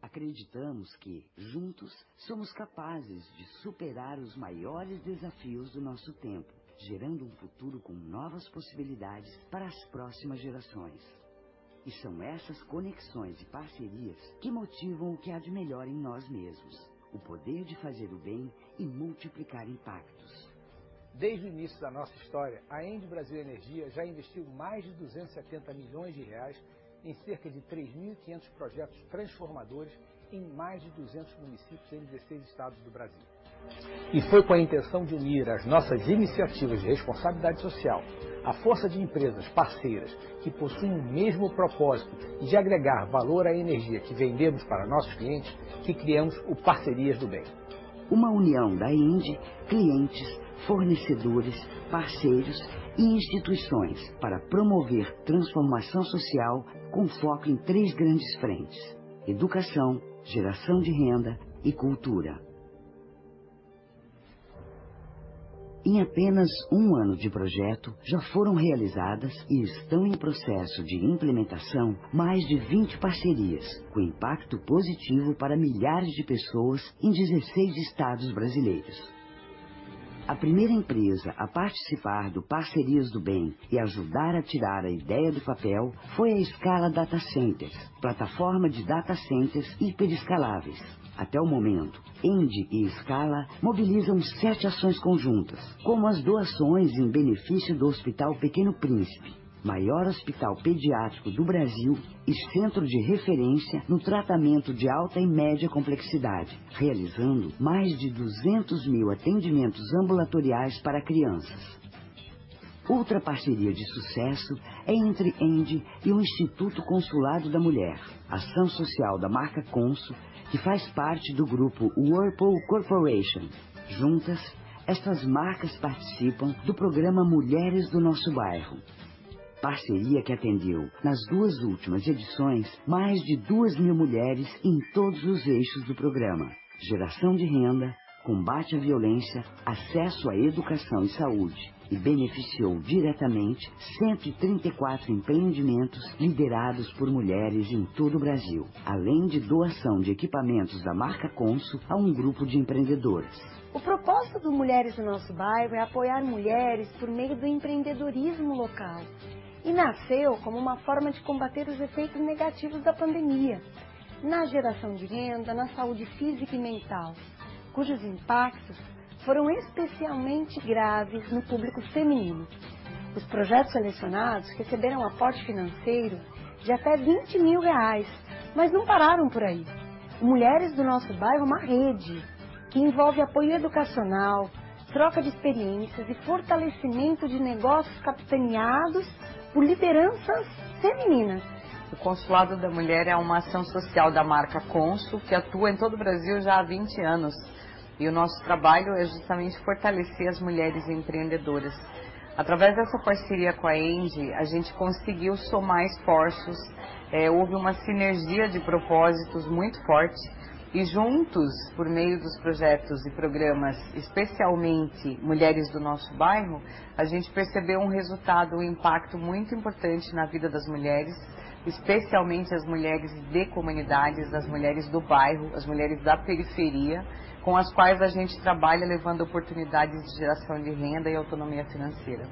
Acreditamos que, juntos, somos capazes de superar os maiores desafios do nosso tempo, gerando um futuro com novas possibilidades para as próximas gerações. São essas conexões e parcerias que motivam o que há de melhor em nós mesmos, o poder de fazer o bem e multiplicar impactos. Desde o início da nossa história, a Engie Brasil Energia já investiu mais de R$ 270 million em cerca de 3,500 projetos transformadores, em mais de 200 municípios em 16 estados do Brasil. Foi com a intenção de unir as nossas iniciativas de responsabilidade social, a força de empresas parceiras que possuem o mesmo propósito de agregar valor à energia que vendemos para nossos clientes, que criamos o Parcerias do Bem. Uma união da ENGIE, clientes, fornecedores, parceiros e instituições para promover transformação social, com foco em 3 grandes frentes: educação, geração de renda e cultura. Em apenas 1 ano de projeto, já foram realizadas e estão em processo de implementação mais de 20 parcerias, com impacto positivo para milhares de pessoas em 16 estados brasileiros. A primeira empresa a participar do Parcerias do Bem e ajudar a tirar a ideia do papel foi a Scala Data Centers, plataforma de data centers hiperescaláveis. Até o momento, ENGIE e Scala mobilizam 7 ações conjuntas, como as doações em benefício do Hospital Pequeno Príncipe, maior hospital pediátrico do Brasil e centro de referência no tratamento de alta e média complexidade, realizando mais de 200,000 atendimentos ambulatoriais para crianças. Outra parceria de sucesso é entre a Enel e o Instituto Consulado da Mulher, ação social da marca Consul, que faz parte do grupo Whirlpool Corporation. Juntas, essas marcas participam do programa Mulheres do Nosso Bairro, parceria que atendeu, nas 2 últimas edições, mais de 2,000 mulheres em todos os eixos do programa: geração de renda, combate à violência, acesso à educação e saúde, e beneficiou diretamente 134 empreendimentos liderados por mulheres em todo o Brasil, além de doação de equipamentos da marca Consul a um grupo de empreendedoras. O propósito do Mulheres do Nosso Bairro é apoiar mulheres por meio do empreendedorismo local, e nasceu como uma forma de combater os efeitos negativos da pandemia na geração de renda, na saúde física e mental, cujos impactos foram especialmente graves no público feminino. Os projetos selecionados receberam aporte financeiro de até 20,000 reais, mas não pararam por aí. O Mulheres do Nosso Bairro é uma rede que envolve apoio educacional, troca de experiências e fortalecimento de negócios capitaneados por lideranças femininas. O Consulado da Mulher é uma ação social da marca Consul, que atua em todo o Brasil já há 20 anos. O nosso trabalho é justamente fortalecer as mulheres empreendedoras. Através dessa parceria com a Enel, a gente conseguiu somar esforços. Houve uma sinergia de propósitos muito forte. Juntos, por meio dos projetos e programas, especialmente Mulheres do Nosso Bairro, a gente percebeu um resultado, um impacto muito importante na vida das mulheres, especialmente as mulheres de comunidades, as mulheres do bairro, as mulheres da periferia, com as quais a gente trabalha levando oportunidades de geração de renda e autonomia financeira.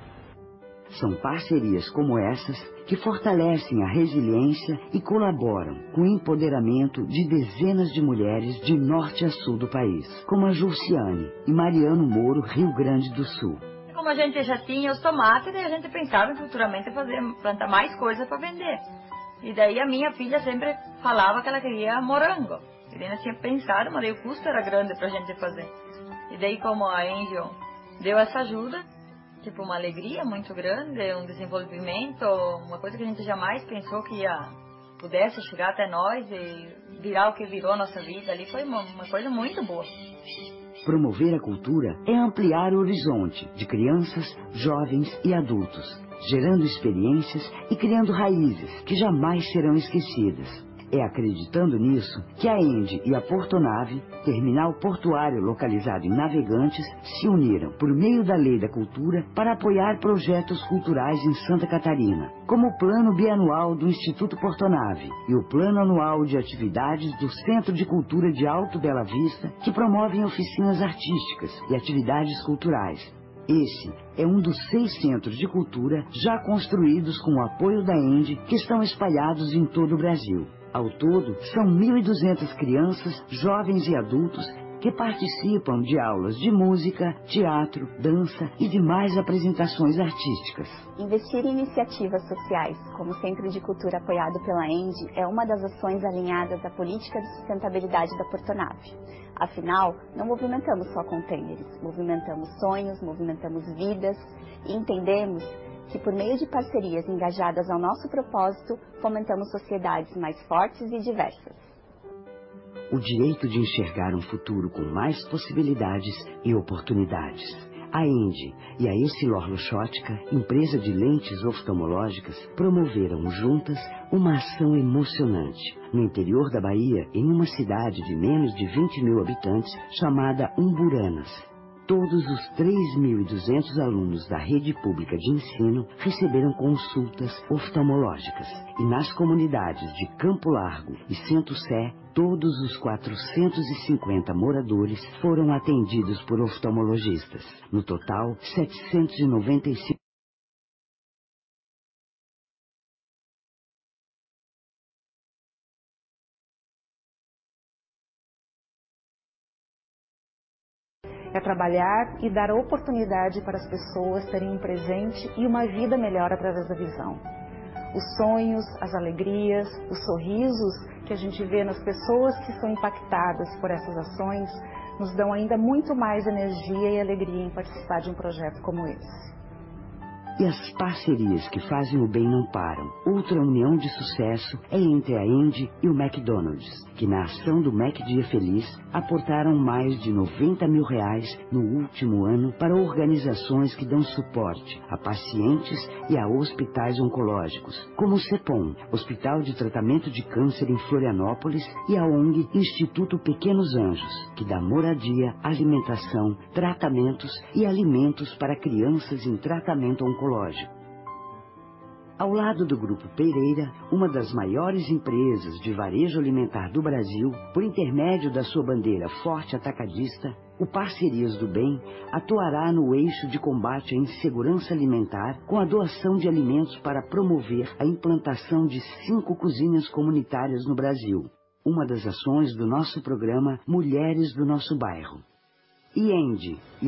São parcerias como essas que fortalecem a resiliência e colaboram com o empoderamento de dezenas de mulheres de norte a sul do país, como a Juciane, em Mariano Moro, Rio Grande do Sul. Como a gente já tinha os tomates, a gente pensava em futuramente plantar mais coisa pra vender. A minha filha sempre falava que ela queria morango. A gente tinha pensado, mas daí o custo era grande pra gente fazer. Como a Enel deu essa ajuda, tipo, uma alegria muito grande, um desenvolvimento, uma coisa que a gente jamais pensou que ia pudesse chegar até nós e virar o que virou a nossa vida ali, foi uma coisa muito boa. Promover a cultura é ampliar o horizonte de crianças, jovens e adultos, gerando experiências e criando raízes que jamais serão esquecidas. É acreditando nisso que a Enel e a Portonave, terminal portuário localizado em Navegantes, se uniram por meio da Lei da Cultura para apoiar projetos culturais em Santa Catarina, como o Plano Bienal do Instituto Portonave e o Plano Anual de Atividades do Centro de Cultura de Alto Bela Vista, que promovem oficinas artísticas e atividades culturais. Esse é um dos seis centros de cultura já construídos com o apoio da Enel, que estão espalhados em todo o Brasil. Ao todo, são 1,200 crianças, jovens e adultos que participam de aulas de música, teatro, dança e de mais apresentações artísticas. Investir em iniciativas sociais, como o Centro de Cultura apoiado pela Enel, é uma das ações alinhadas à política de sustentabilidade da Portonave. Afinal, não movimentamos só contêineres, movimentamos sonhos, movimentamos vidas e entendemos que, por meio de parcerias engajadas ao nosso propósito, fomentamos sociedades mais fortes e diversas. O direito de enxergar um futuro com mais possibilidades e oportunidades. A Enel e a EssilorLuxottica, empresa de lentes oftalmológicas, promoveram juntas uma ação emocionante no interior da Bahia, em uma cidade de menos de 20,000 habitantes chamada Umburanas. Todos os 3,200 alunos da rede pública de ensino receberam consultas oftalmológicas. Nas comunidades de Campo Largo e Sento Sé, todos os 450 moradores foram atendidos por oftalmologistas. No total, 795 É trabalhar e dar oportunidade para as pessoas terem um presente e uma vida melhor através da visão. Os sonhos, as alegrias, os sorrisos que a gente vê nas pessoas que são impactadas por essas ações nos dão ainda muito mais energia e alegria em participar de um projeto como esse. As Parcerias do Bem não param. Outra união de sucesso é entre a ENGIE e o McDonald's, que na ação do McDia Feliz, aportaram mais de 90,000 reais no último ano para organizações que dão suporte a pacientes e a hospitais oncológicos, como o CEPON, Hospital de Tratamento de Câncer em Florianópolis, e a ONG Instituto Pequenos Anjos, que dá moradia, alimentação, tratamentos e alimentos para crianças em tratamento oncológico. Ao lado do Grupo Pereira, uma das maiores empresas de varejo alimentar do Brasil, por intermédio da sua bandeira Fort Atacadista, o Parcerias do Bem atuará no eixo de combate à insegurança alimentar com a doação de alimentos para promover a implantação de 5 cozinhas comunitárias no Brasil, uma das ações do nosso programa Mulheres do Nosso Bairro.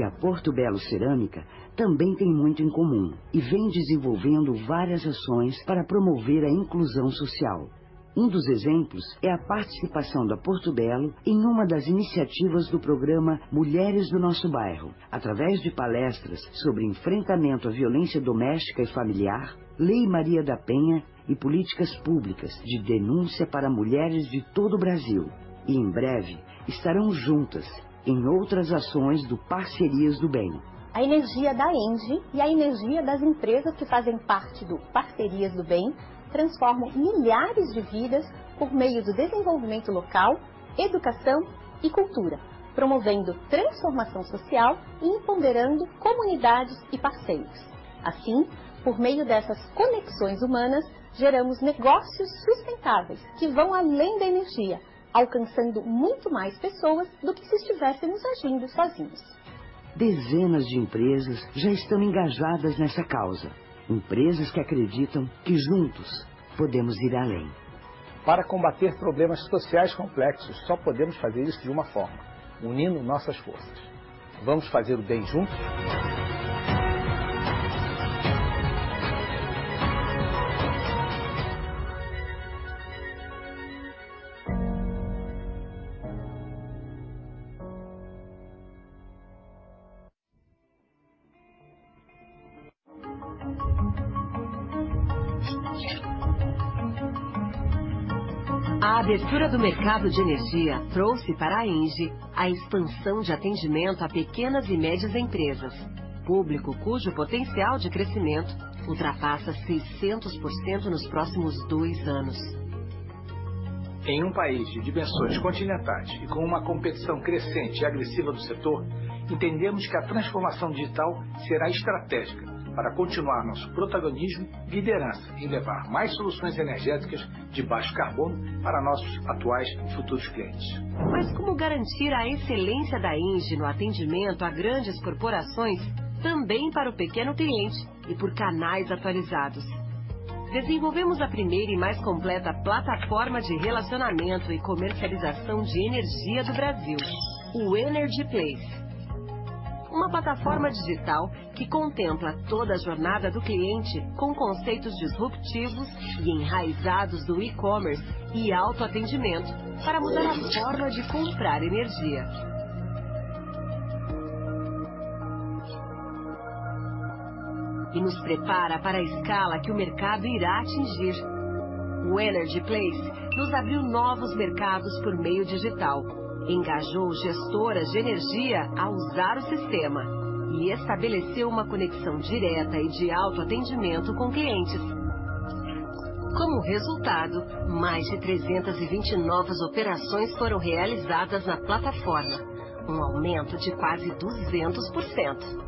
A Portobello Cerâmica também tem muito em comum e vem desenvolvendo várias ações para promover a inclusão social. Um dos exemplos é a participação da Portobello em uma das iniciativas do programa Mulheres do Nosso Bairro, através de palestras sobre enfrentamento à violência doméstica e familiar, Lei Maria da Penha e políticas públicas de denúncia para mulheres de todo o Brasil. Em breve estarão juntas em outras ações do Parcerias do Bem. A energia da ENGIE e a energia das empresas que fazem parte do Parcerias do Bem transformam milhares de vidas por meio do desenvolvimento local, educação e cultura, promovendo transformação social e empoderando comunidades e parceiros. Por meio dessas conexões humanas, geramos negócios sustentáveis que vão além da energia, alcançando muito mais pessoas do que se estivéssemos agindo sozinhos. Dezenas de empresas já estão engajadas nessa causa. Empresas que acreditam que juntos podemos ir além. Para combater problemas sociais complexos, só podemos fazer isso de uma forma: unindo nossas forças. Vamos fazer o bem juntos? A abertura do mercado de energia trouxe para a ENGIE a expansão de atendimento a pequenas e médias empresas, público cujo potencial de crescimento ultrapassa 600% nos próximos 2 anos. Em um país de dimensões continentais e com uma competição crescente e agressiva do setor, entendemos que a transformação digital será estratégica para continuar nosso protagonismo e liderança em levar mais soluções energéticas de baixo carbono para nossos atuais e futuros clientes. Mas como garantir a excelência da ENGIE no atendimento a grandes corporações também para o pequeno cliente e por canais atualizados? Desenvolvemos a primeira e mais completa plataforma de relacionamento e comercialização de energia do Brasil, o Energy Place, uma plataforma digital que contempla toda a jornada do cliente com conceitos disruptivos e enraizados do e-commerce e autoatendimento para mudar a forma de comprar energia. E nos prepara para a escala que o mercado irá atingir. O Energy Place nos abriu novos mercados por meio digital, engajou gestoras de energia a usar o sistema e estabeleceu uma conexão direta e de autoatendimento com clientes. Como resultado, mais de 320 novas operações foram realizadas na plataforma, um aumento de quase 200%.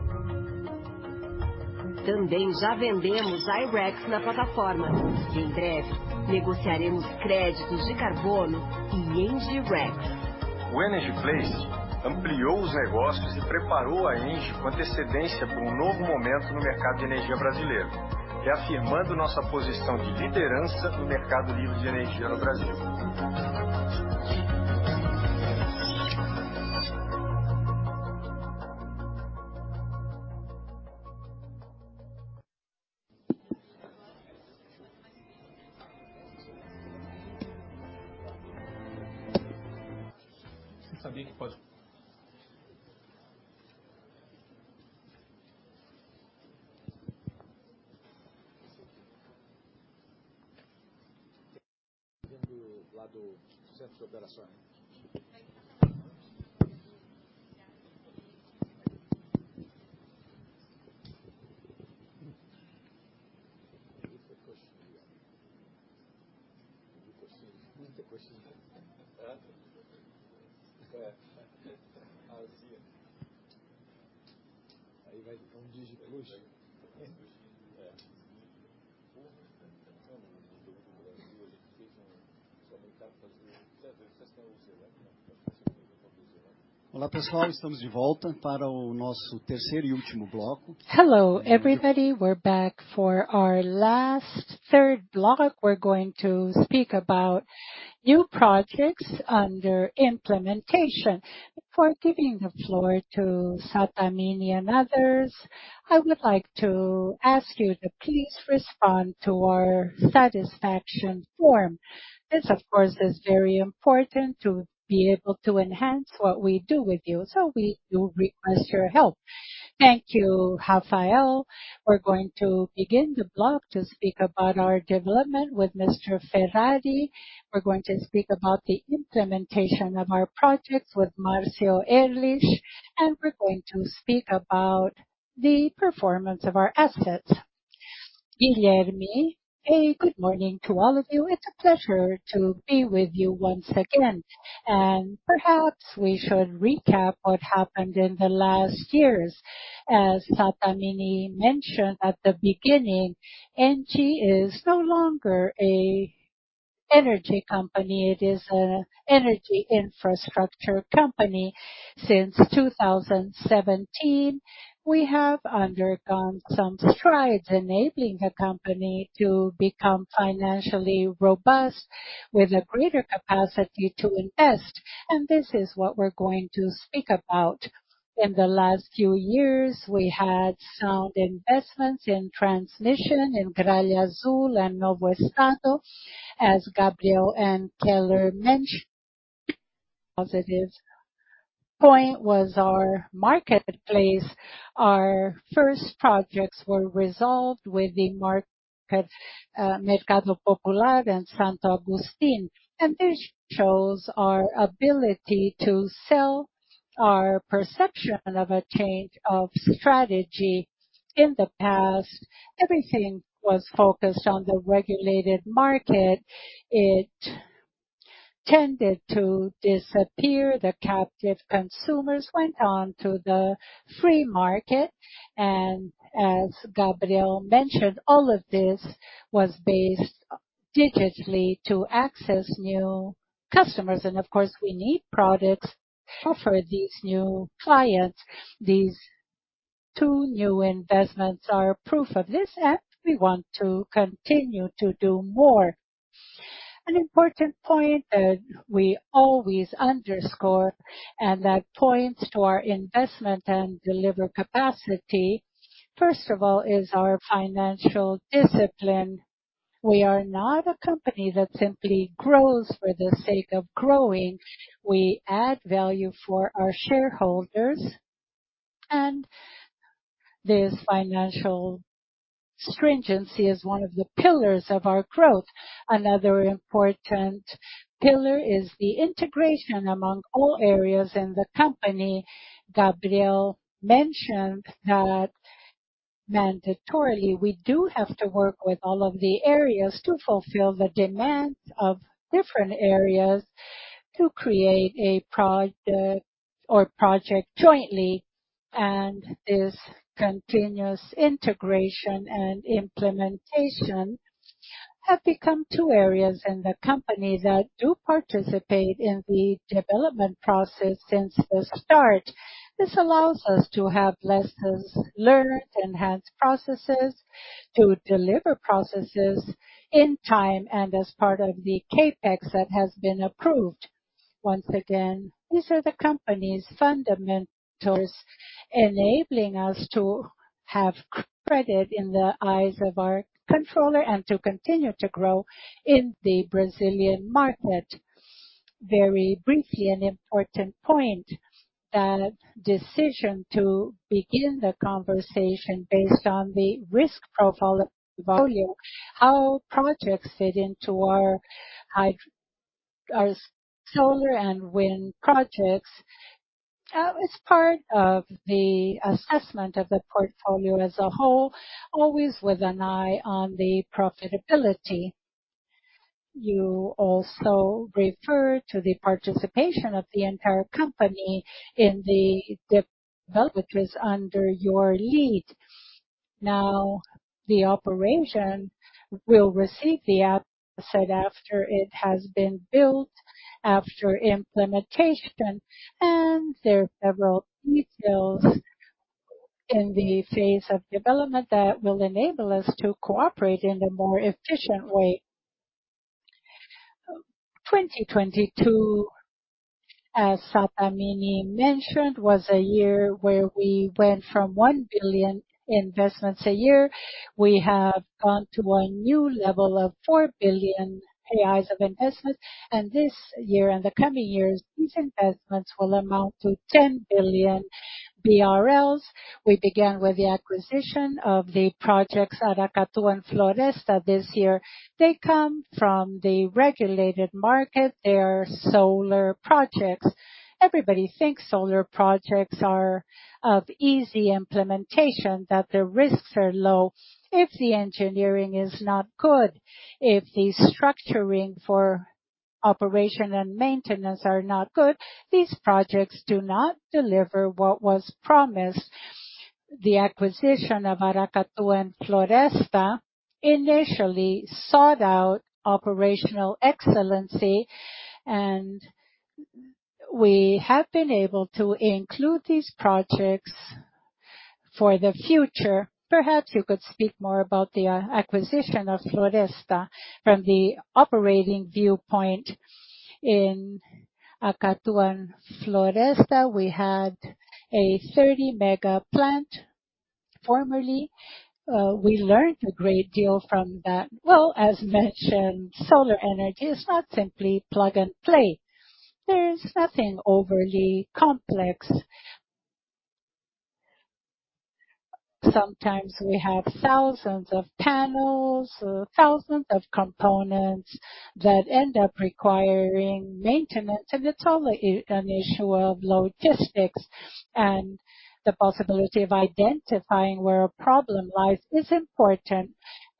Também já vendemos I-RECs na plataforma e em breve negociaremos créditos de carbono e ENGIE-REC. O Energy Place ampliou os negócios e preparou a ENGIE com antecedência para um novo momento no mercado de energia brasileiro, reafirmando nossa posição de liderança no mercado livre de energia no Brasil. Sabia que pode. Lá do Centro de Operações. Olá, pessoal, estamos de volta para o nosso terceiro e último bloco. Hello, everybody. We're back for our last third block. We're going to speak about new projects under implementation. Before giving the floor to Sattamini and others, I would like to ask you to please respond to our satisfaction form. This of course is very important to be able to enhance what we do with you. We do request your help. Thank you, Rafael. We're going to begin the block to speak about our development with Mr. Ferrari. We're going to speak about the implementation of our projects with Marcio Ehrlich, and we're going to speak about the performance of our assets. Guilherme. Good morning to all of you. It's a pleasure to be with you once again. Perhaps we should recap what happened in the last years. As Sattamini mentioned at the beginning, ENGIE is no longer a energy company, it is a energy infrastructure company. Since 2017, we have undergone some strides enabling the company to become financially robust with a greater capacity to invest. This is what we're going to speak about. In the last few years, we had sound investments in transmission in Gralha Azul and Novo Estado, as Gabriel and Keller mentioned. Positive point was our marketplace. Our first projects were resolved with the market, Mercado Popular and Santo Agostinho. This shows our ability to sell our perception of a change of strategy. In the past, everything was focused on the regulated market. It tended to disappear. The captive consumers went on to the free market. As Gabriel mentioned, all of this was based digitally to access new customers. Of course, we need products to offer these new clients. These two new investments are proof of this, and we want to continue to do more. An important point that we always underscore, and that points to our investment and deliver capacity, first of all, is our financial discipline. We are not a company that simply grows for the sake of growing. We add value for our shareholders, and this financial stringency is one of the pillars of our growth. Another important pillar is the integration among all areas in the company. Gabriel mentioned that mandatorily, we do have to work with all of the areas to fulfill the demands of different areas to create a project jointly. This continuous integration and implementation have become two areas in the company that do participate in the development process since the start. This allows us to have lessons learned, enhanced processes, to deliver processes in time and as part of the CapEx that has been approved. Once again, these are the company's fundamentals enabling us to have credit in the eyes of our controller and to continue to grow in the Brazilian market. Very briefly, an important point. That decision to begin the conversation based on the risk profile of the volume, how projects fit into our solar and wind projects. That was part of the assessment of the portfolio as a whole, always with an eye on the profitability. You also refer to the participation of the entire company in the development, which is under your lead. The operation will receive the asset after it has been built, after implementation, and there are several details in the phase of development that will enable us to cooperate in a more efficient way. 2022, as Sattamini mentioned, was a year where we went from 1 billion investments a year. We have gone to a new level of 4 billion AIs of investment. This year and the coming years, these investments will amount to 10 billion BRL. We began with the acquisition of the projects Paracatu and Floresta this year. They come from the regulated market. They are solar projects. Everybody thinks solar projects are of easy implementation, that the risks are low. If the engineering is not good, if the structuring for operation and maintenance are not good, these projects do not deliver what was promised. The acquisition of Aracatu and Floresta initially sought out operational excellency, and we have been able to include these projects for the future. Perhaps you could speak more about the acquisition of Floresta from the operating viewpoint. In Aracatu and Floresta, we had a 30 MW plant formerly. We learned a great deal from that. As mentioned, solar energy is not simply plug and play. There's nothing overly complex. Sometimes we have thousands of panels, thousands of components that end up requiring maintenance, and it's all an issue of logistics. The possibility of identifying where a problem lies is important.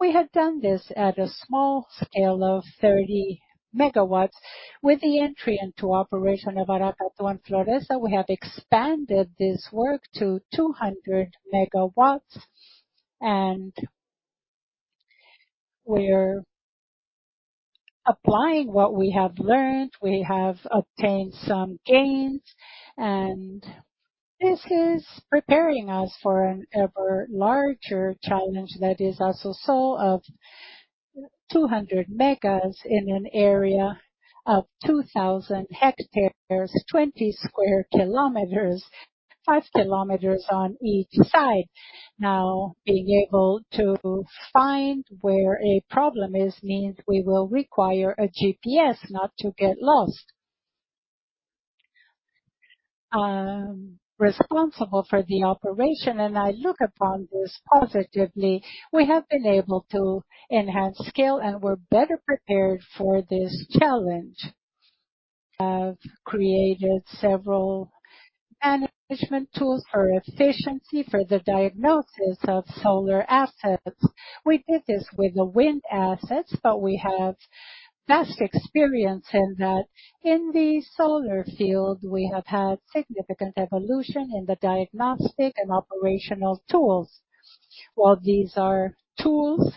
We have done this at a small scale of 30 megawatts. With the entry into operation of Aracatu and Floresta, we have expanded this work to 200 megawatts, and we're applying what we have learned. We have obtained some gains. This is preparing us for an ever larger challenge that is also so of 200 megas in an area of 2,000 hectares, 20 sq km, 5 km on each side. Being able to find where a problem is means we will require a GPS not to get lost. Responsible for the operation, I look upon this positively. We have been able to enhance skill. We're better prepared for this challenge. Have created several management tools for efficiency for the diagnosis of solar assets. We did this with the wind assets. \We have vast experience in that. In the solar field, we have had significant evolution in the diagnostic and operational tools. While these are tools,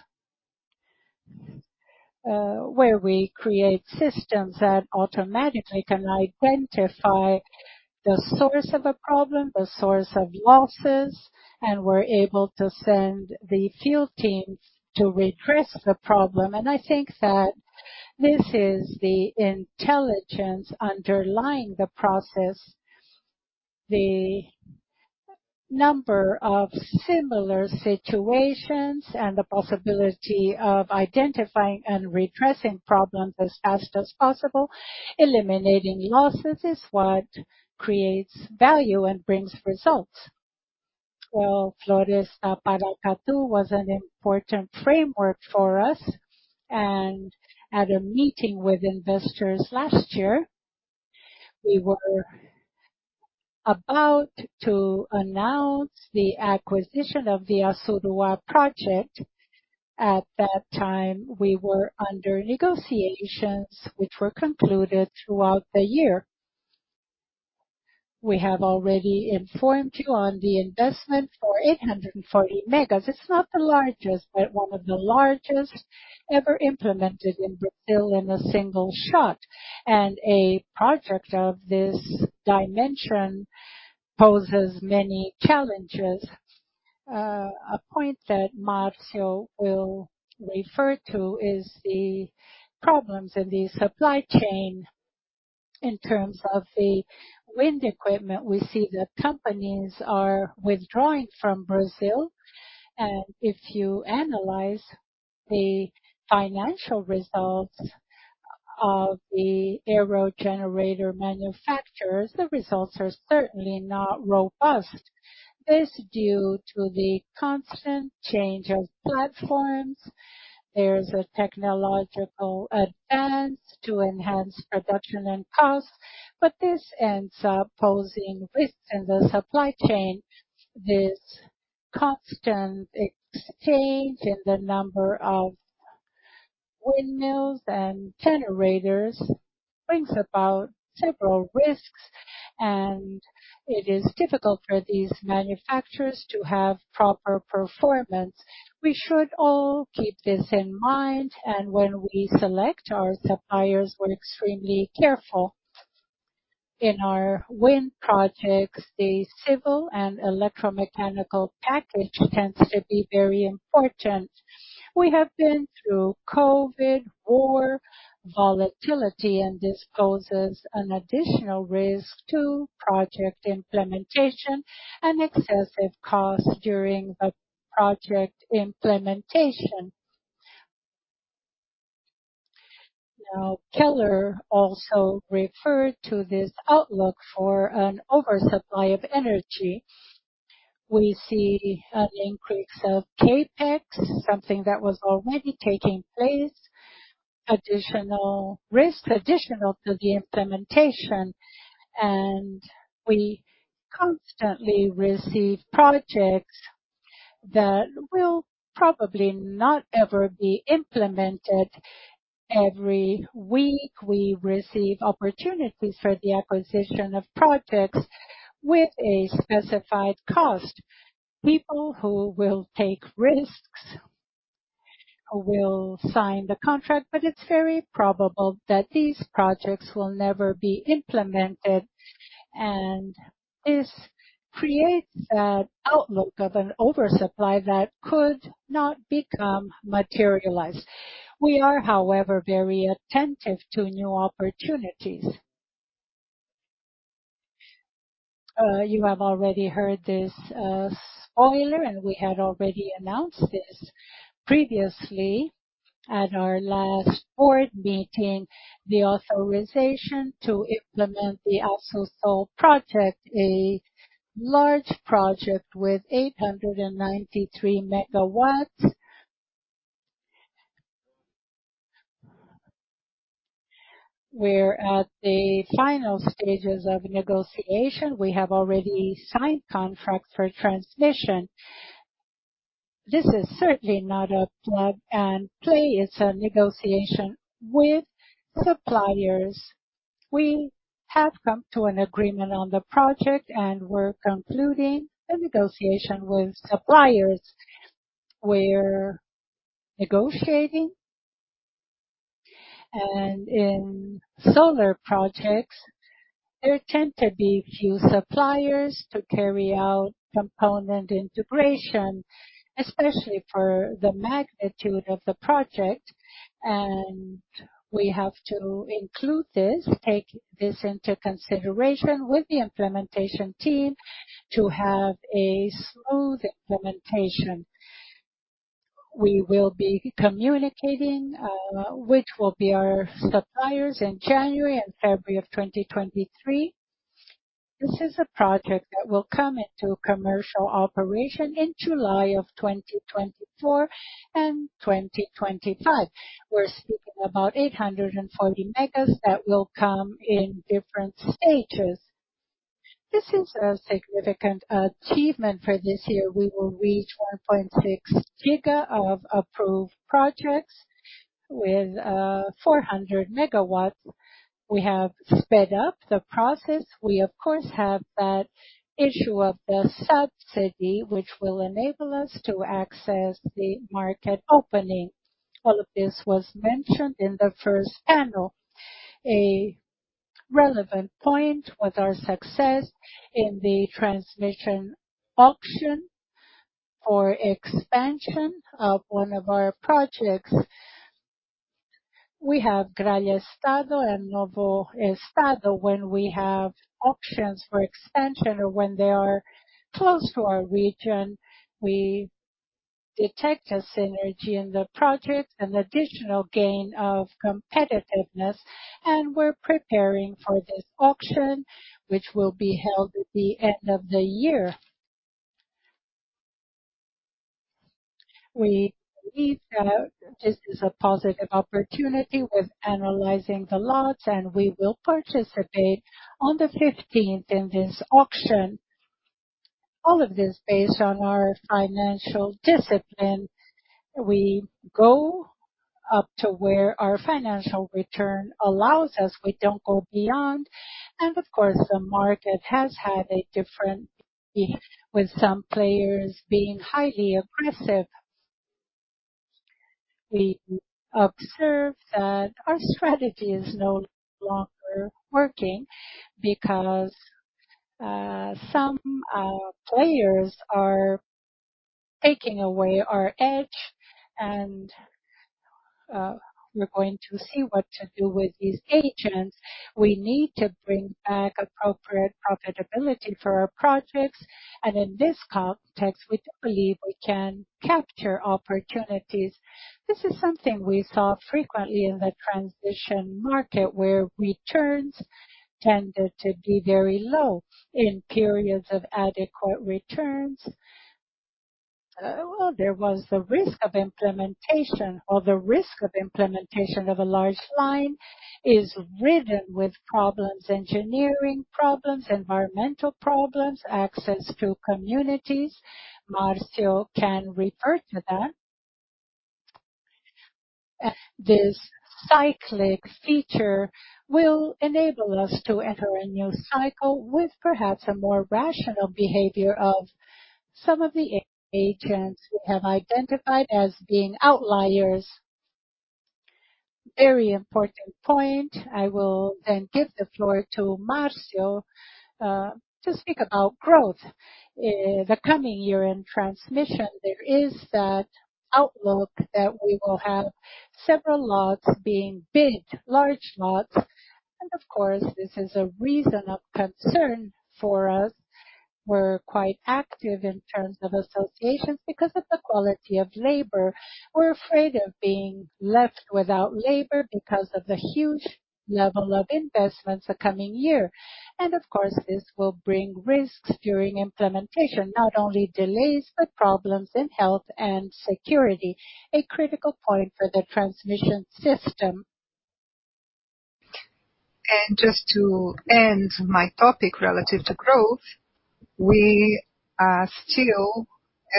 where we create systems that automatically can identify the source of a problem, the source of losses, and we're able to send the field team to redress the problem. I think that this is the intelligence underlying the process. The number of similar situations and the possibility of identifying and redressing problems as fast as possible, eliminating losses is what creates value and brings results. Well, Floresta e Paracatu was an important framework for us. At a meeting with investors last year, we were about to announce the acquisition of the Açudua project. At that time, we were under negotiations which were concluded throughout the year. We have already informed you on the investment for 840 megas. It's not the largest, but one of the largest ever implemented in Brazil in a single shot. A project of this dimension poses many challenges. A point that Marcio will refer to is the problems in the supply chain in terms of the wind equipment. We see that companies are withdrawing from Brazil. If you analyze the financial results of the aero generator manufacturers, the results are certainly not robust. This due to the constant change of platforms. There's a technological advance to enhance production and costs, but this ends up posing risks in the supply chain. This constant exchange in the number of windmills and generators brings about several risks, and it is difficult for these manufacturers to have proper performance. We should all keep this in mind, and when we select our suppliers, we're extremely careful. In our wind projects, the civil and electromechanical package tends to be very important. We have been through COVID war volatility. This poses an additional risk to project implementation and excessive costs during the project implementation. Now, Keller also referred to this outlook for an oversupply of energy. We see an increase of CapEx, something that was already taking place, additional risk, additional to the implementation. We constantly receive projects that will probably not ever be implemented. Every week, we receive opportunities for the acquisition of projects with a specified cost. People who will take risks will sign the contract. It's very probable that these projects will never be implemented. This creates an outlook of an oversupply that could not become materialized. We are, however, very attentive to new opportunities. You have already heard this spoiler. We had already announced this previously at our last board meeting, the authorization to implement the Açu Sol project, a large project with 893 megawatts. We're at the final stages of negotiation. We have already signed contract for transmission. This is certainly not a plug-and-play. It's a negotiation with suppliers. We have come to an agreement on the project, and we're concluding a negotiation with suppliers. We're negotiating. In solar projects, there tend to be few suppliers to carry out component integration, especially for the magnitude of the project, and we have to include this, take this into consideration with the implementation team to have a smooth implementation. We will be communicating which will be our suppliers in January and February of 2023. This is a project that will come into commercial operation in July of 2024 and 2025. We're speaking about 840 megas that will come in different stages. This is a significant achievement for this year. W e will reach 1.6 giga of approved projects with 400 megawatts. We have sped up the process. We of course have that issue of the subsidy, which will enable us to access the market opening. All of this was mentioned in the first panel. A relevant point with our success in the transmission auction for expansion of one of our projects. We have Gralha Azul and Novo Estado. When we have auctions for expansion or when they are close to our region, we detect a synergy in the project, an additional gain of competitiveness, and we're preparing for this auction, which will be held at the end of the year. We believe that this is a positive opportunity with analyzing the lots, and we will participate on the 15th in this auction. All of this based on our financial discipline. We go up to where our financial return allows us. We don't go beyond. Of course, the market has had a different behavior with some players being highly aggressive. We observe that our strategy is no longer working because some players are taking away our edge and we're going to see what to do with these agents. We need to bring back appropriate profitability for our projects. In this context, we do believe we can capture opportunities. This is something we saw frequently in the transition market, where returns tended to be very low in periods of adequate returns. Well, there was the risk of implementation, or the risk of implementation of a large line is ridden with problems, engineering problems, environmental problems, access to communities. Marcio can refer to that. This cyclic feature will enable us to enter a new cycle with perhaps a more rational behavior of some of the agents we have identified as being outliers. Very important point. I will then give the floor to Marcio, to speak about growth. The coming year in transmission, there is that outlook that we will have several lots being bid, large lots. Of course, this is a reason of concern for us. We're quite active in terms of associations because of the quality of labor. We're afraid of being left without labor because of the huge level of investments the coming year. Of course, this will bring risks during implementation, not only delays, but problems in health and security, a critical point for the transmission system. Just to end my topic relative to growth, we are still,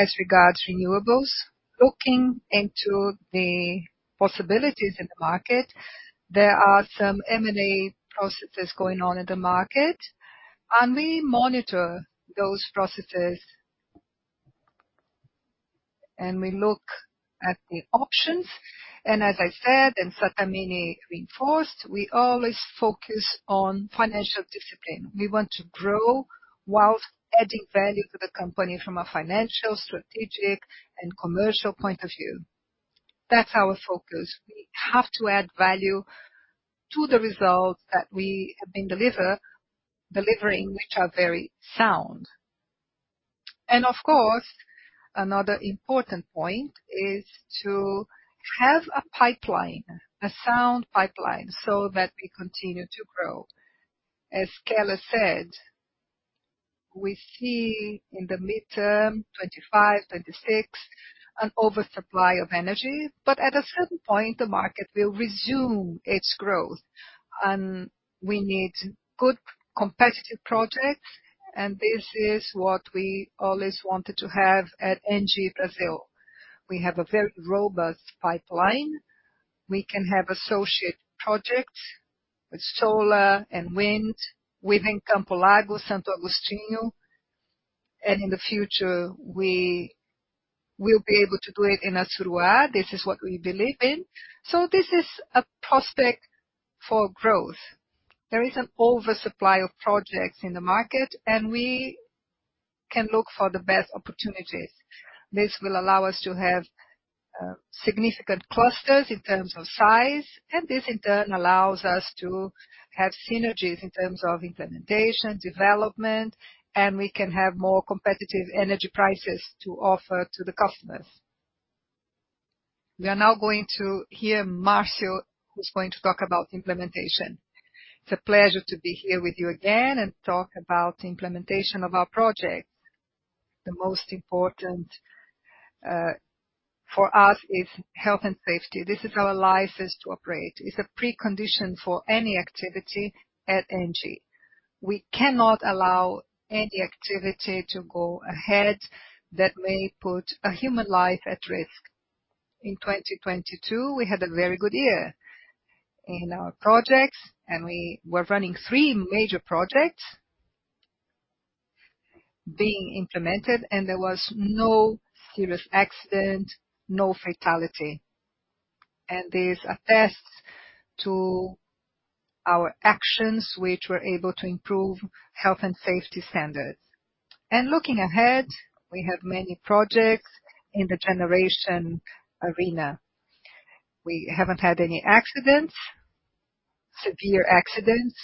as regards renewables, looking into the possibilities in the market. There are some M&A processes going on in the market, and we monitor those processes. We look at the options, and as I said, and Sattamini reinforced, we always focus on financial discipline. We want to grow whilst adding value to the company from a financial, strategic, and commercial point of view. That's our focus. We have to add value to the results that we have been delivering, which are very sound. Of course, another important point is to have a pipeline, a sound pipeline, so that we continue to grow. As Keller said, we see in the midterm, 2025, 2026, an oversupply of energy. At a certain point, the market will resume its growth, and we need good competitive projects, and this is what we always wanted to have at Engie Brasil. We have a very robust pipeline. We can have associate projects with solar and wind within Campo Largo, Santo Agostinho. In the future, we will be able to do it in Açu. This is what we believe in. This is a prospect for growth. There is an oversupply of projects in the market and we can look for the best opportunities. This will allow us to have significant clusters in terms of size, and this in turn allows us to have synergies in terms of implementation, development, and we can have more competitive energy prices to offer to the customers. We are now going to hear Marcio, who's going to talk about implementation. It's a pleasure to be here with you again and talk about the implementation of our projects. The most important for us is health and safety. This is our license to operate. It's a precondition for any activity at Engie. We cannot allow any activity to go ahead that may put a human life at risk. In 2022, we had a very good year in our projects. We were running 3 major projects being implemented and there was no serious accident, no fatality. This attests to our actions which were able to improve health and safety standards. Looking ahead, we have many projects in the generation arena. We haven't had any accidents, severe accidents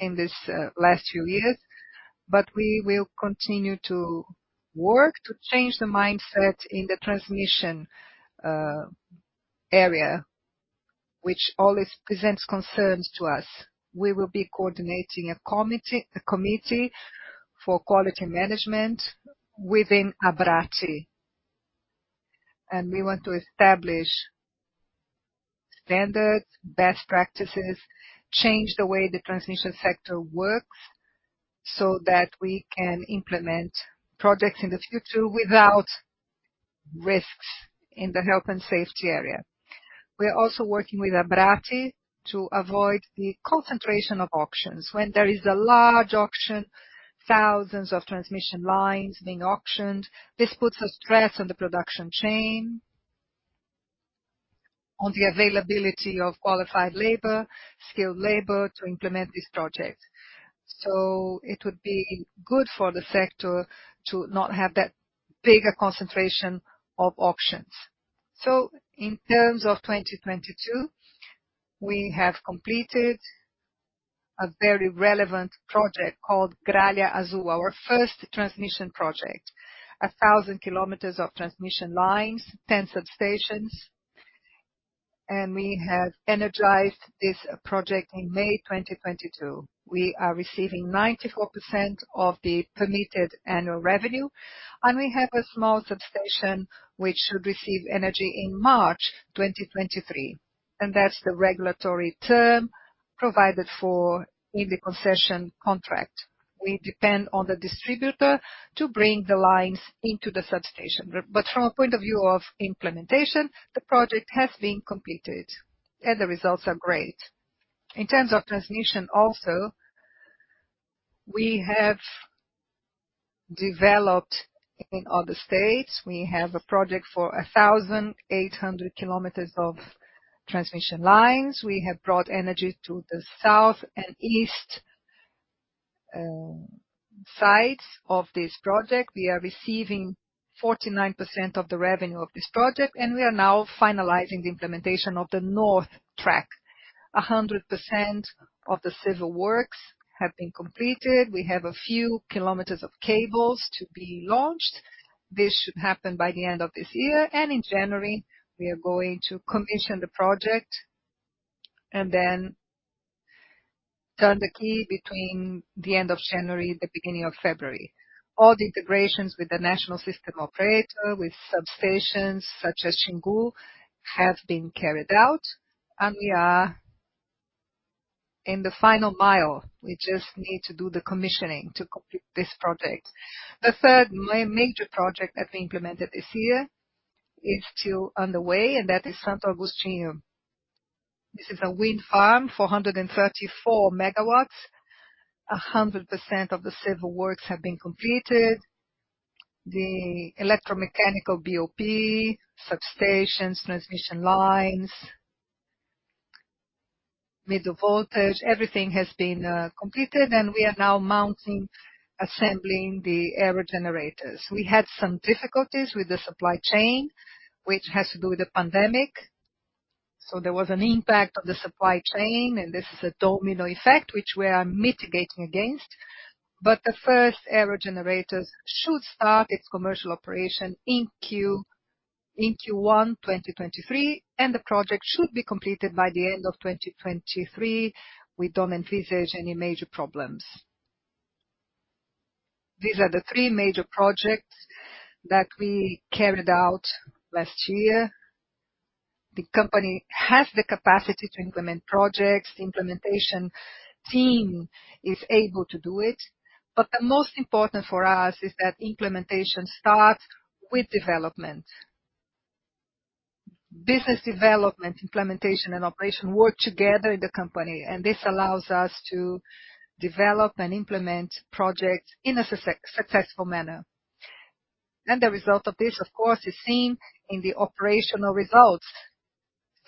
in this last few years. We will continue to work to change the mindset in the transmission area, which always presents concerns to us. We will be coordinating a committee for quality management within ABRATE. We want to establish standards, best practices, change the way the transmission sector works so that we can implement projects in the future without risks in the health and safety area. We are also working with ABRATE to avoid the concentration of auctions. When there is a large auction, thousands of transmission lines being auctioned, this puts a stress on the production chain, on the availability of qualified labor, skilled labor to implement this project. It would be good for the sector to not have that big a concentration of auctions. In terms of 2022, we have completed a very relevant project called Gralha Azul, our first transmission project. 1,000 km of transmission lines, 10 substations, and we have energized this project in May 2022. We are receiving 94% of the permitted annual revenue, and we have a small substation which should receive energy in March 2023. That's the regulatory term provided for in the concession contract. We depend on the distributor to bring the lines into the substation. From a point of view of implementation, the project has been completed and the results are great. In terms of transmission also, we have developed in other states, we have a project for 1,800 km of transmission lines. We have brought energy to the south and east sides of this project. We are receiving 49% of the revenue of this project, and we are now finalizing the implementation of the north track. 100% of the civil works have been completed. We have a few km of cables to be launched. This should happen by the end of this year. In January, we are going to commission the project and then turn the key between the end of January, the beginning of February. All the integrations with the national system operator, with substations such as Xingu, have been carried out and we are in the final mile. We just need to do the commissioning to complete this project. The third major project that we implemented this year is still underway and that is Santo Agostinho. This is a wind farm, 434 megawatts. 100% of the civil works have been completed. The electromechanical BOP, substations, transmission lines, middle voltage, everything has been completed and we are now assembling the aero generators. We had some difficulties with the supply chain, which has to do with the pandemic. There was an impact on the supply chain and this is a domino effect which we are mitigating against. The first aerogenerators should start its commercial operation in Q1 2023, and the project should be completed by the end of 2023. We don't envisage any major problems. These are the three major projects that we carried out last year. The company has the capacity to implement projects. The implementation team is able to do it. The most important for us is that implementation starts with development. Business development, implementation and operation work together in the company, and this allows us to develop and implement projects in a successful manner. The result of this, of course, is seen in the operational results.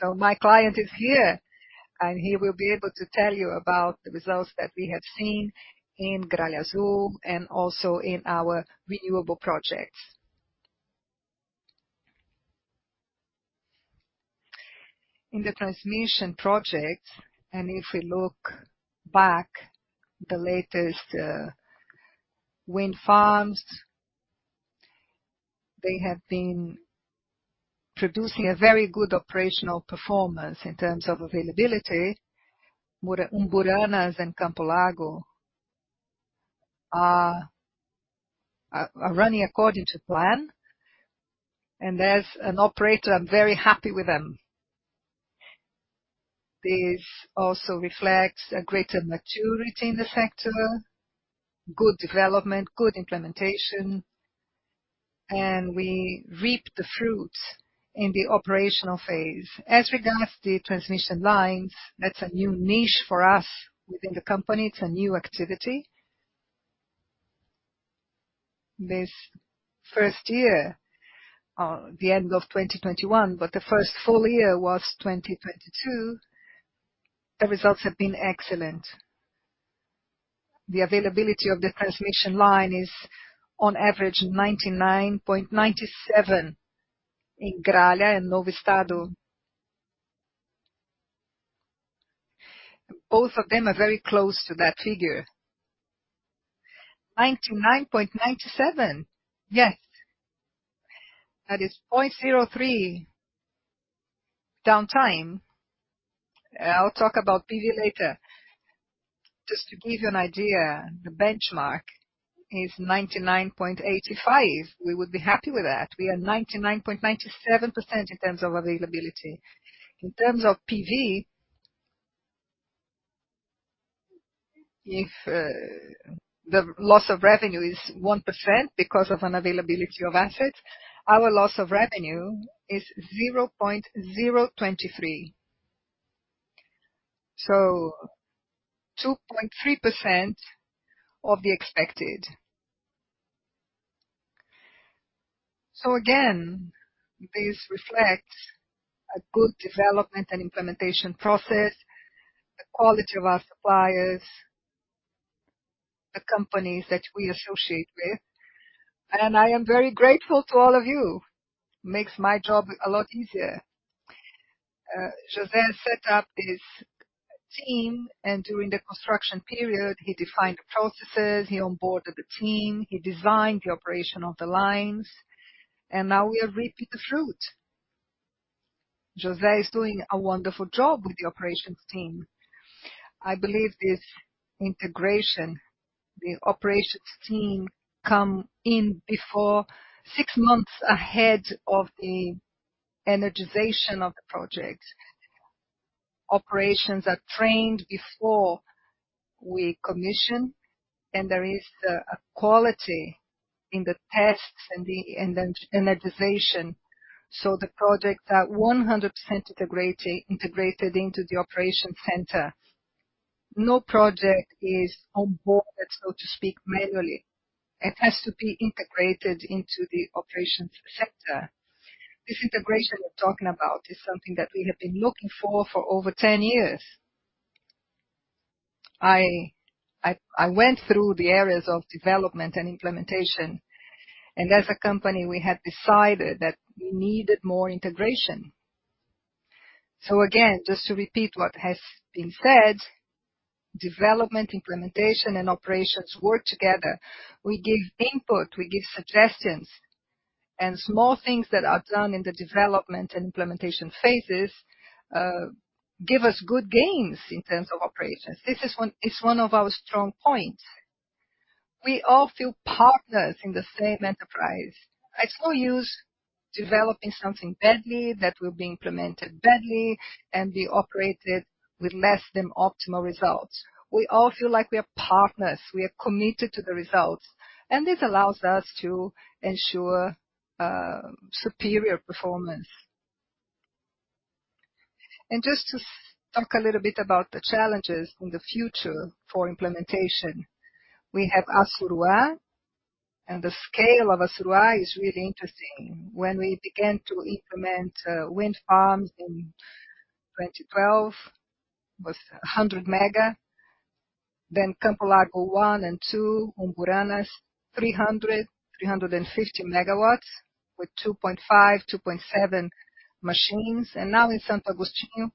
My client is here, and he will be able to tell you about the results that we have seen in Gralha Azul and also in our renewable projects. The transmission projects, and if we look back, the latest wind farms, they have been producing a very good operational performance in terms of availability. Umburanas and Campo Largo are running according to plan, and as an operator, I'm very happy with them. This also reflects a greater maturity in the sector, good development, good implementation, and we reap the fruits in the operational phase. As regards the transmission lines, that's a new niche for us within the company. It's a new activity. This first year, the end of 2021, but the first full year was 2022, the results have been excellent. The availability of the transmission line is on average 99.97 in Gralha and Novo Estado. Both of them are very close to that figure. 99.97. Yes. That is 0.03 downtime. I'll talk about PV later. Just to give you an idea, the benchmark is 99.85. We would be happy with that. We are 99.97% in terms of availability. In terms of PV, if the loss of revenue is 1% because of unavailability of assets, our loss of revenue is 0.023. 2.3% of the expected. Again, this reflects a good development and implementation process, the quality of our suppliers, the companies that we associate with, and I am very grateful to all of you. Makes my job a lot easier. José set up his team, and during the construction period, he defined the processes, he onboarded the team, he designed the operation of the lines, and now we are reaping the fruit. José is doing a wonderful job with the operations team. I believe this integration, the operations team come in before 6 months ahead of the energization of the project. Operations are trained before we commission, and there is a quality in the tests and the energization. The projects are 100% integrated into the operation center. No project is on board, so to speak, manually. It has to be integrated into the operations center. This integration we're talking about is something that we have been looking for over 10 years. I went through the areas of development and implementation. As a company, we had decided that we needed more integration. Again, just to repeat what has been said, development, implementation and operations work together. We give input, we give suggestions, small things that are done in the development and implementation phases give us good gains in terms of operations. This is one of our strong points. We all feel partners in the same enterprise. It's no use developing something badly that will be implemented badly and be operated with less than optimal results. We all feel like we are partners. We are committed to the results, and this allows us to ensure superior performance. Just to talk a little bit about the challenges in the future for implementation, we have Açu, and the scale of Açu is really interesting. When we began to implement wind farms in 2012, it was 100 MW. Campo Largo 1 and 2, Umburanas, 300-350 megawatts with 2.5-2.7 machines. Now in Santo Agostinho,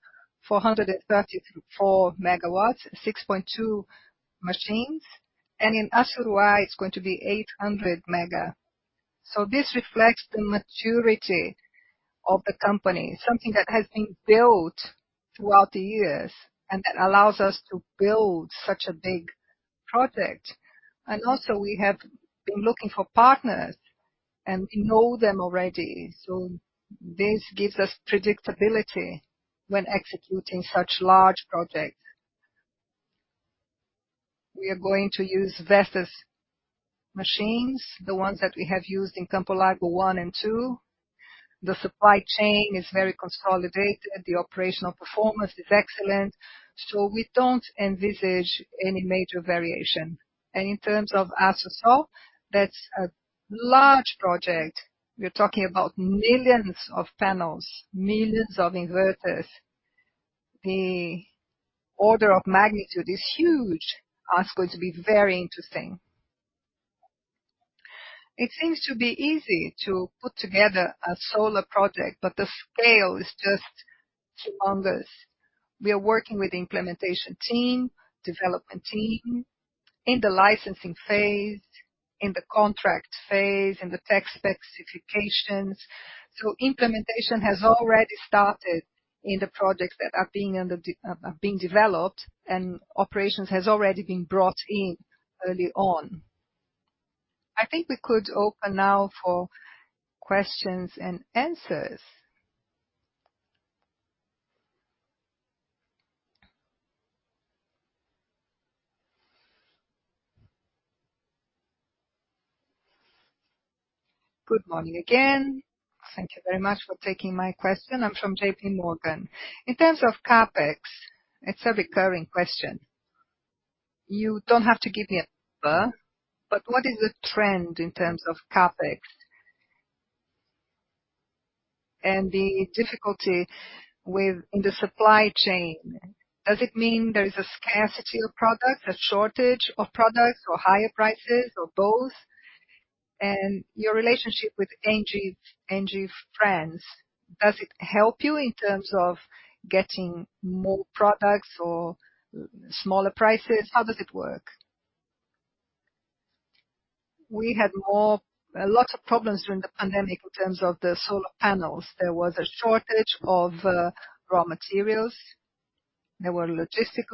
434 megawatts, 6.2 machines. In Açu, it's going to be 800 MW. This reflects the maturity of the company, something that has been built throughout the years, and that allows us to build such a big project. Also, we have been looking for partners and we know them already. This gives us predictability when executing such large projects. We are going to use Vestas machines, the ones that we have used in Campo Largo 1 and 2. The supply chain is very consolidated. The operational performance is excellent. We don't envisage any major variation. In terms of Açu Sol, that's a large project. We're talking about millions of panels, millions of inverters. The order of magnitude is huge and it's going to be very interesting. It seems to be easy to put together a solar project, but the scale is just humongous. We are working with the implementation team, development team in the licensing phase, in the contract phase, in the tech specifications. Implementation has already started in the projects that are being developed, and operations has already been brought in early on. I think we could open now for questions and answers. Good morning again. Thank you very much for taking my question. I'm from JPMorgan. In terms of CapEx, it's a recurring question. You don't have to give me a number, but what is the trend in terms of CapEx? The difficulty in the supply chain, does it mean there is a scarcity of products, a shortage of products or higher prices or both? Your relationship with ENGIE, does it help you in terms of getting more products or smaller prices? How does it work? We had lots of problems during the pandemic in terms of the solar panels. There was a shortage of raw materials. There were logistic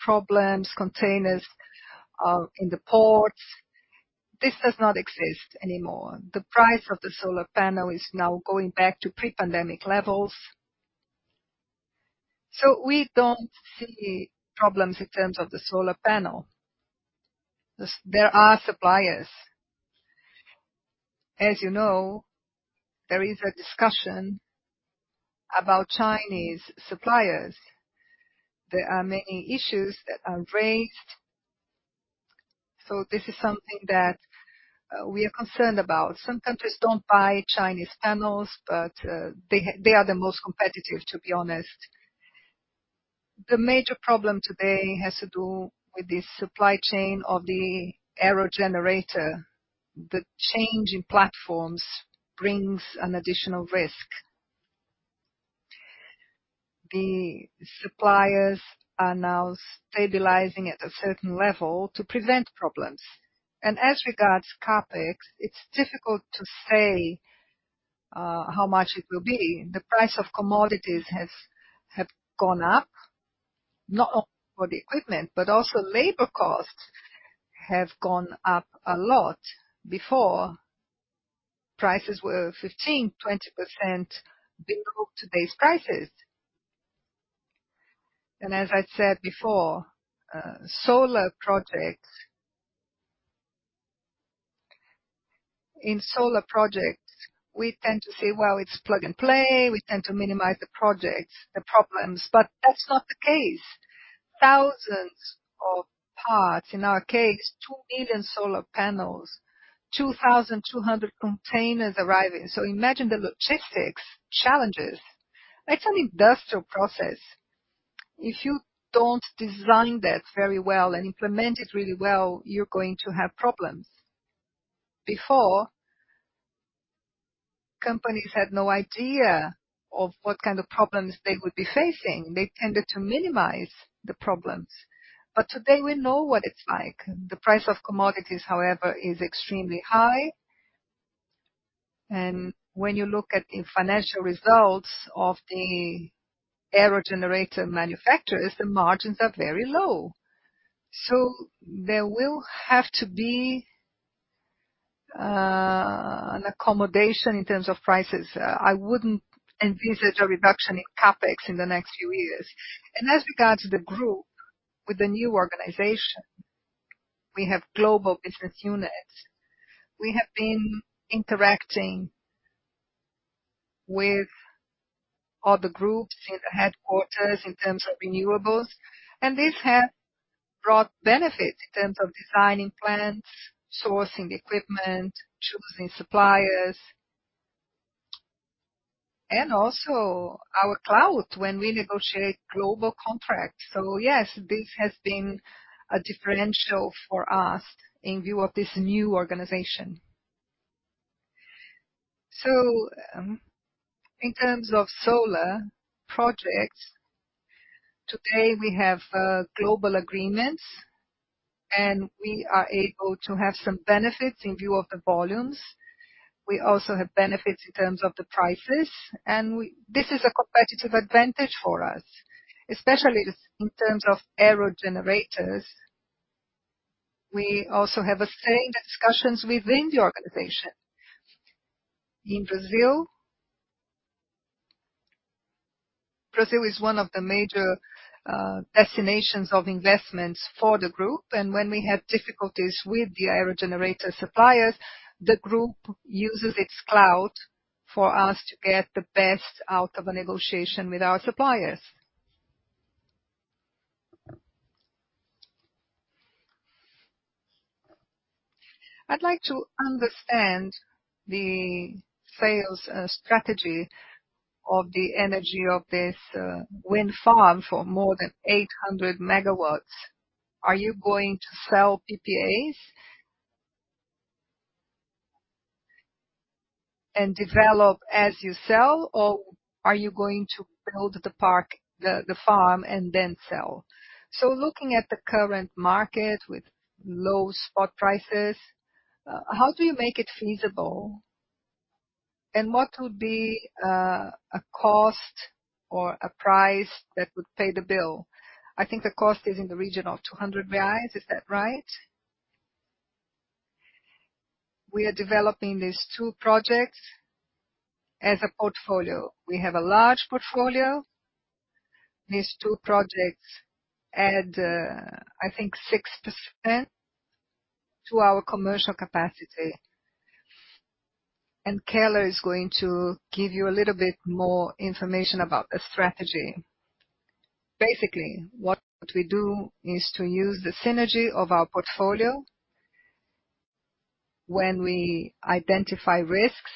problems, containers in the ports. This does not exist anymore. The price of the solar panel is now going back to pre-pandemic levels. We don't see problems in terms of the solar panel. There are suppliers. As there is a discussion about Chinese suppliers. There are many issues that are raised. This is something that we are concerned about. Some countries don't buy Chinese panels. They are the most competitive, to be honest. The major problem today has to do with the supply chain of the aerogenerator. The change in platforms brings an additional risk. The suppliers are now stabilizing at a certain level to prevent problems. As regards CapEx, it's difficult to say how much it will be. The price of commodities have gone up, not only for the equipment, but also labor costs have gone up a lot. Before, prices were 15%, 20% below today's prices. As I said before, solar projects. In solar projects, we tend to say, well, it's plug-and-play. We tend to minimize the projects, the problems, but that's not the case. Thousands of parts, in our case, 2 million solar panels, 2,200 containers arriving. Imagine the logistics challenges. That's an industrial process. If you don't design that very well and implement it really well, you're going to have problems. Before, companies had no idea of what kind of problems they would be facing. They tended to minimize the problems. Today we know what it's like. The price of commodities, however, is extremely high. When you look at the financial results of the aerogenerator manufacturers, the margins are very low. There will have to be an accommodation in terms of prices. I wouldn't envisage a reduction in CapEx in the next few years. As regards the group with the new organization, we have global business units. We have been interacting with other groups in the headquarters in terms of renewables, and this has brought benefits in terms of designing plants, sourcing equipment, choosing suppliers, and also our clout when we negotiate global contracts. Yes, this has been a differential for us in view of this new organization. In terms of solar projects, today we have global agreements, and we are able to have some benefits in view of the volumes. We also have benefits in terms of the prices, and this is a competitive advantage for us, especially just in terms of aerogenerators. We also have the same discussions within the organization. Brazil is one of the major destinations of investments for the group. When we have difficulties with the aerogenerator suppliers, the group uses its cloud for us to get the best out of a negotiation with our suppliers. I'd like to understand the sales strategy of the energy of this wind farm for more than 800 megawatts. Are you going to sell PPAs and develop as you sell, or are you going to build the park, the farm and then sell? Looking at the current market with low spot prices, how do you make it feasible? What would be a cost or a price that would pay the bill? I think the cost is in the region of 200 reais. Is that right? We are developing these two projects as a portfolio. We have a large portfolio. These two projects add, I think 6% to our commercial capacity. Keller is going to give you a little bit more information about the strategy. Basically, what we do is to use the synergy of our portfolio when we identify risks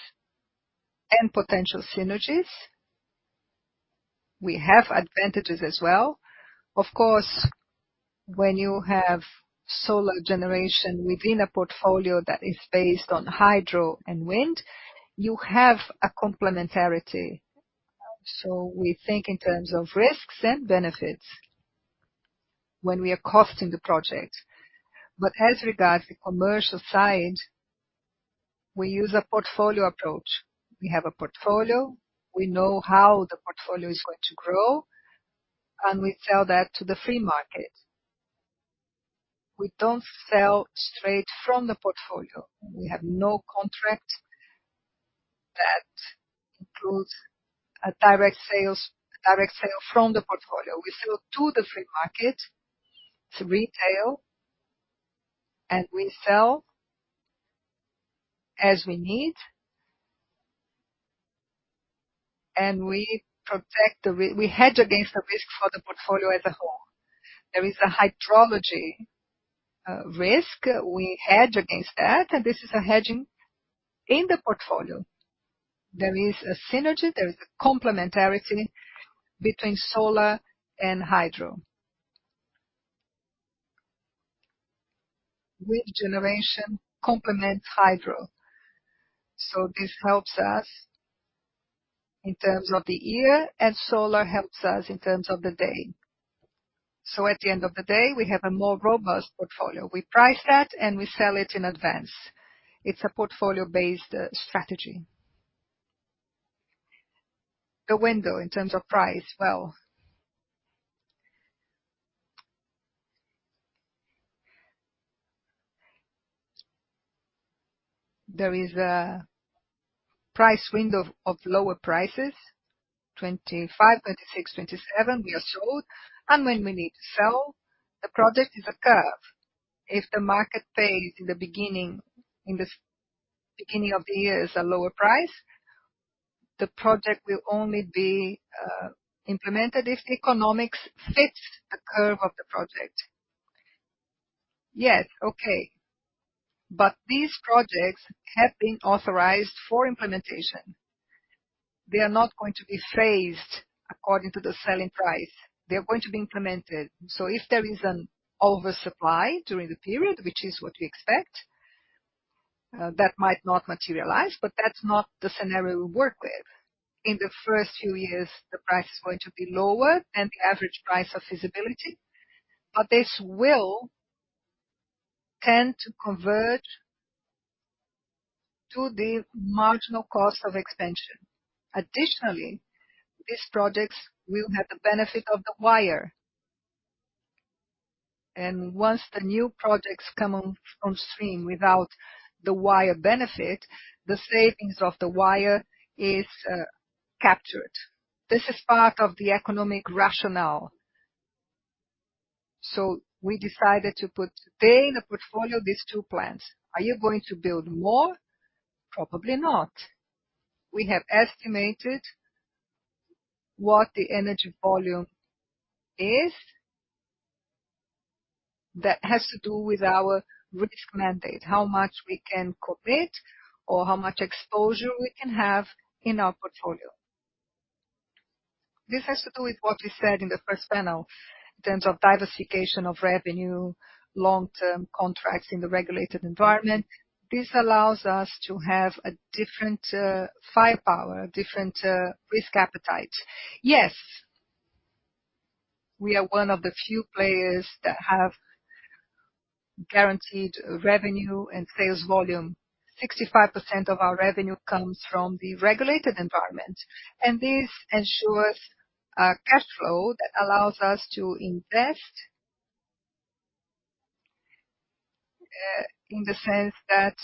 and potential synergies. We have advantages as well. Of course, when you have solar generation within a portfolio that is based on hydro and wind, you have a complementarity. We think in terms of risks and benefits when we are costing the project. As regards the commercial side, we use a portfolio approach. We have a portfolio, we know how the portfolio is going to grow, and we sell that to the free market. We don't sell straight from the portfolio. We have no contract that includes a direct sale from the portfolio. We sell to the free market, to retail, and we sell as we need. We protect, we hedge against the risk for the portfolio as a whole. There is a hydrology risk. We hedge against that, and this is a hedging in the portfolio. There is a synergy, there is complementarity between solar and hydro. Wind generation complements hydro. This helps us in terms of the year, solar helps us in terms of the day. At the end of the day, we have a more robust portfolio. We price that and we sell it in advance. It's a portfolio-based strategy. The window in terms of price, well, there is a price window of lower prices, 25, 26, 27. We are sold. When we need to sell, the project is a curve. If the market pays in the beginning, in the beginning of the year is a lower price, the project will only be implemented if the economics fits the curve of the project. Yes, okay. These projects have been authorized for implementation. They are not going to be phased according to the selling price. They're going to be implemented. If there is an oversupply during the period, which is what we expect, that might not materialize, but that's not the scenario we work with. In the first few years, the price is going to be lower and the average price of feasibility. This will tend to converge to the marginal cost of expansion. Additionally, these projects will have the benefit of the wire. Once the new projects come on stream without the wire benefit, the savings of the wire is captured. This is part of the economic rationale. We decided to put today in the portfolio these two plans. Are you going to build more? Probably not. We have estimated what the energy volume is that has to do with our risk mandate, how much we can commit or how much exposure we can have in our portfolio. This has to do with what we said in the first panel in terms of diversification of revenue, long-term contracts in the regulated environment. This allows us to have a different firepower, different risk appetite. Yes, we are one of the few players that have guaranteed revenue and sales volume. 65% of our revenue comes from the regulated environment, and this ensures a cash flow that allows us to invest in the sense that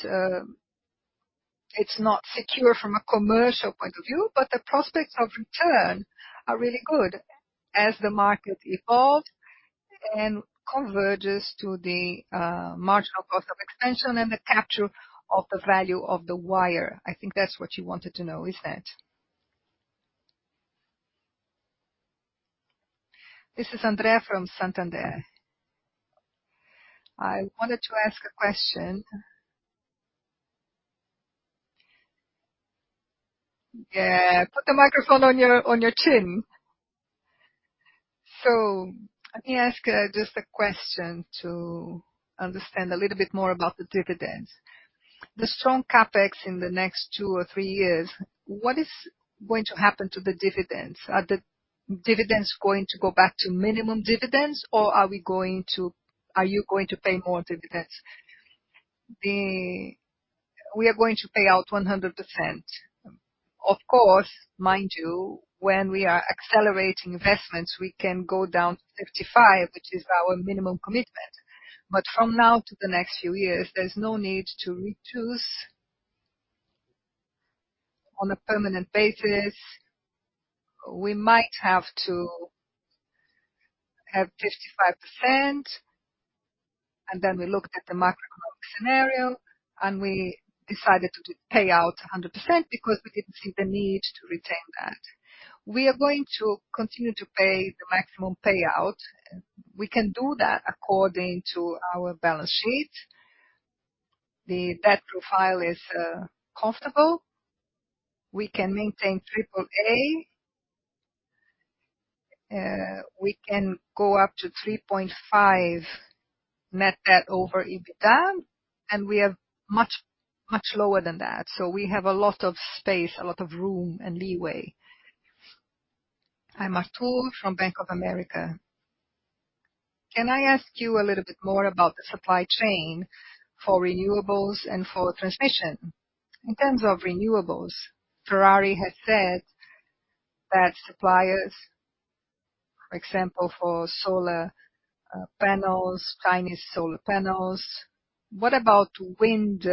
it's not secure from a commercial point of view, but the prospects of return are really good as the market evolves and converges to the marginal cost of expansion and the capture of the value of the wire. I think that's what you wanted to know, is that. This is Andrea from Santander. I wanted to ask a question. Yeah. Put the microphone on your chin. Let me ask just a question to understand a little bit more about the dividends. The strong CapEx in the next 2 or 3 years, what is going to happen to the dividends? Are the dividends going to go back to minimum dividends, or are you going to pay more dividends? We are going to pay out 100%. Of course, mind you, when we are accelerating investments, we can go down to 55%, which is our minimum commitment. From now to the next few years, there's no need to reduce on a permanent basis. We might have to have 55%, and then we looked at the macroeconomic scenario, and we decided to pay out 100% because we didn't see the need to retain that. We are going to continue to pay the maximum payout. We can do that according to our balance sheet. The debt profile is comfortable. We can maintain AAA. We can go up to 3.5 net debt over EBITDA, and we are much, much lower than that. We have a lot of space, a lot of room and leeway. I'm Arthur from Bank of America. Can I ask you a little bit more about the supply chain for renewables and for transmission? In terms of renewables, Ferrari had said that suppliers, for example, for solar panels, Chinese solar panels. What about wind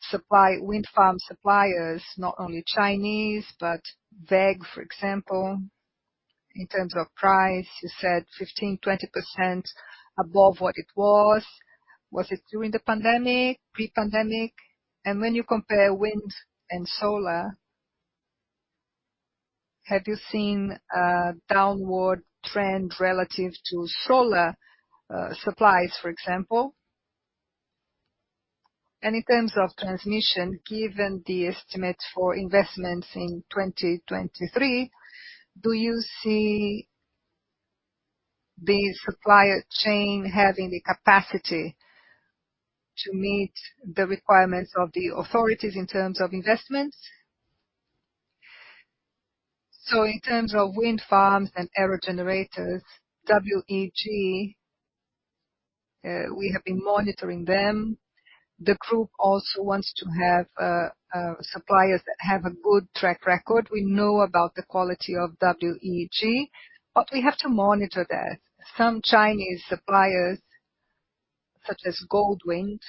supply, wind farm suppliers, not only Chinese, but WEG, for example, in terms of price, you said 15%-20% above what it was. Was it during the pandemic, pre-pandemic? When you compare wind and solar, have you seen a downward trend relative to solar supplies, for example? In terms of transmission, given the estimates for investments in 2023, do you see the supplier chain having the capacity to meet the requirements of the authorities in terms of investments? In terms of wind farms and aerogenerators, WEG, we have been monitoring them. The group also wants to have suppliers that have a good track record. We know about the quality of WEG, but we have to monitor that. Some Chinese suppliers, such as Goldwind,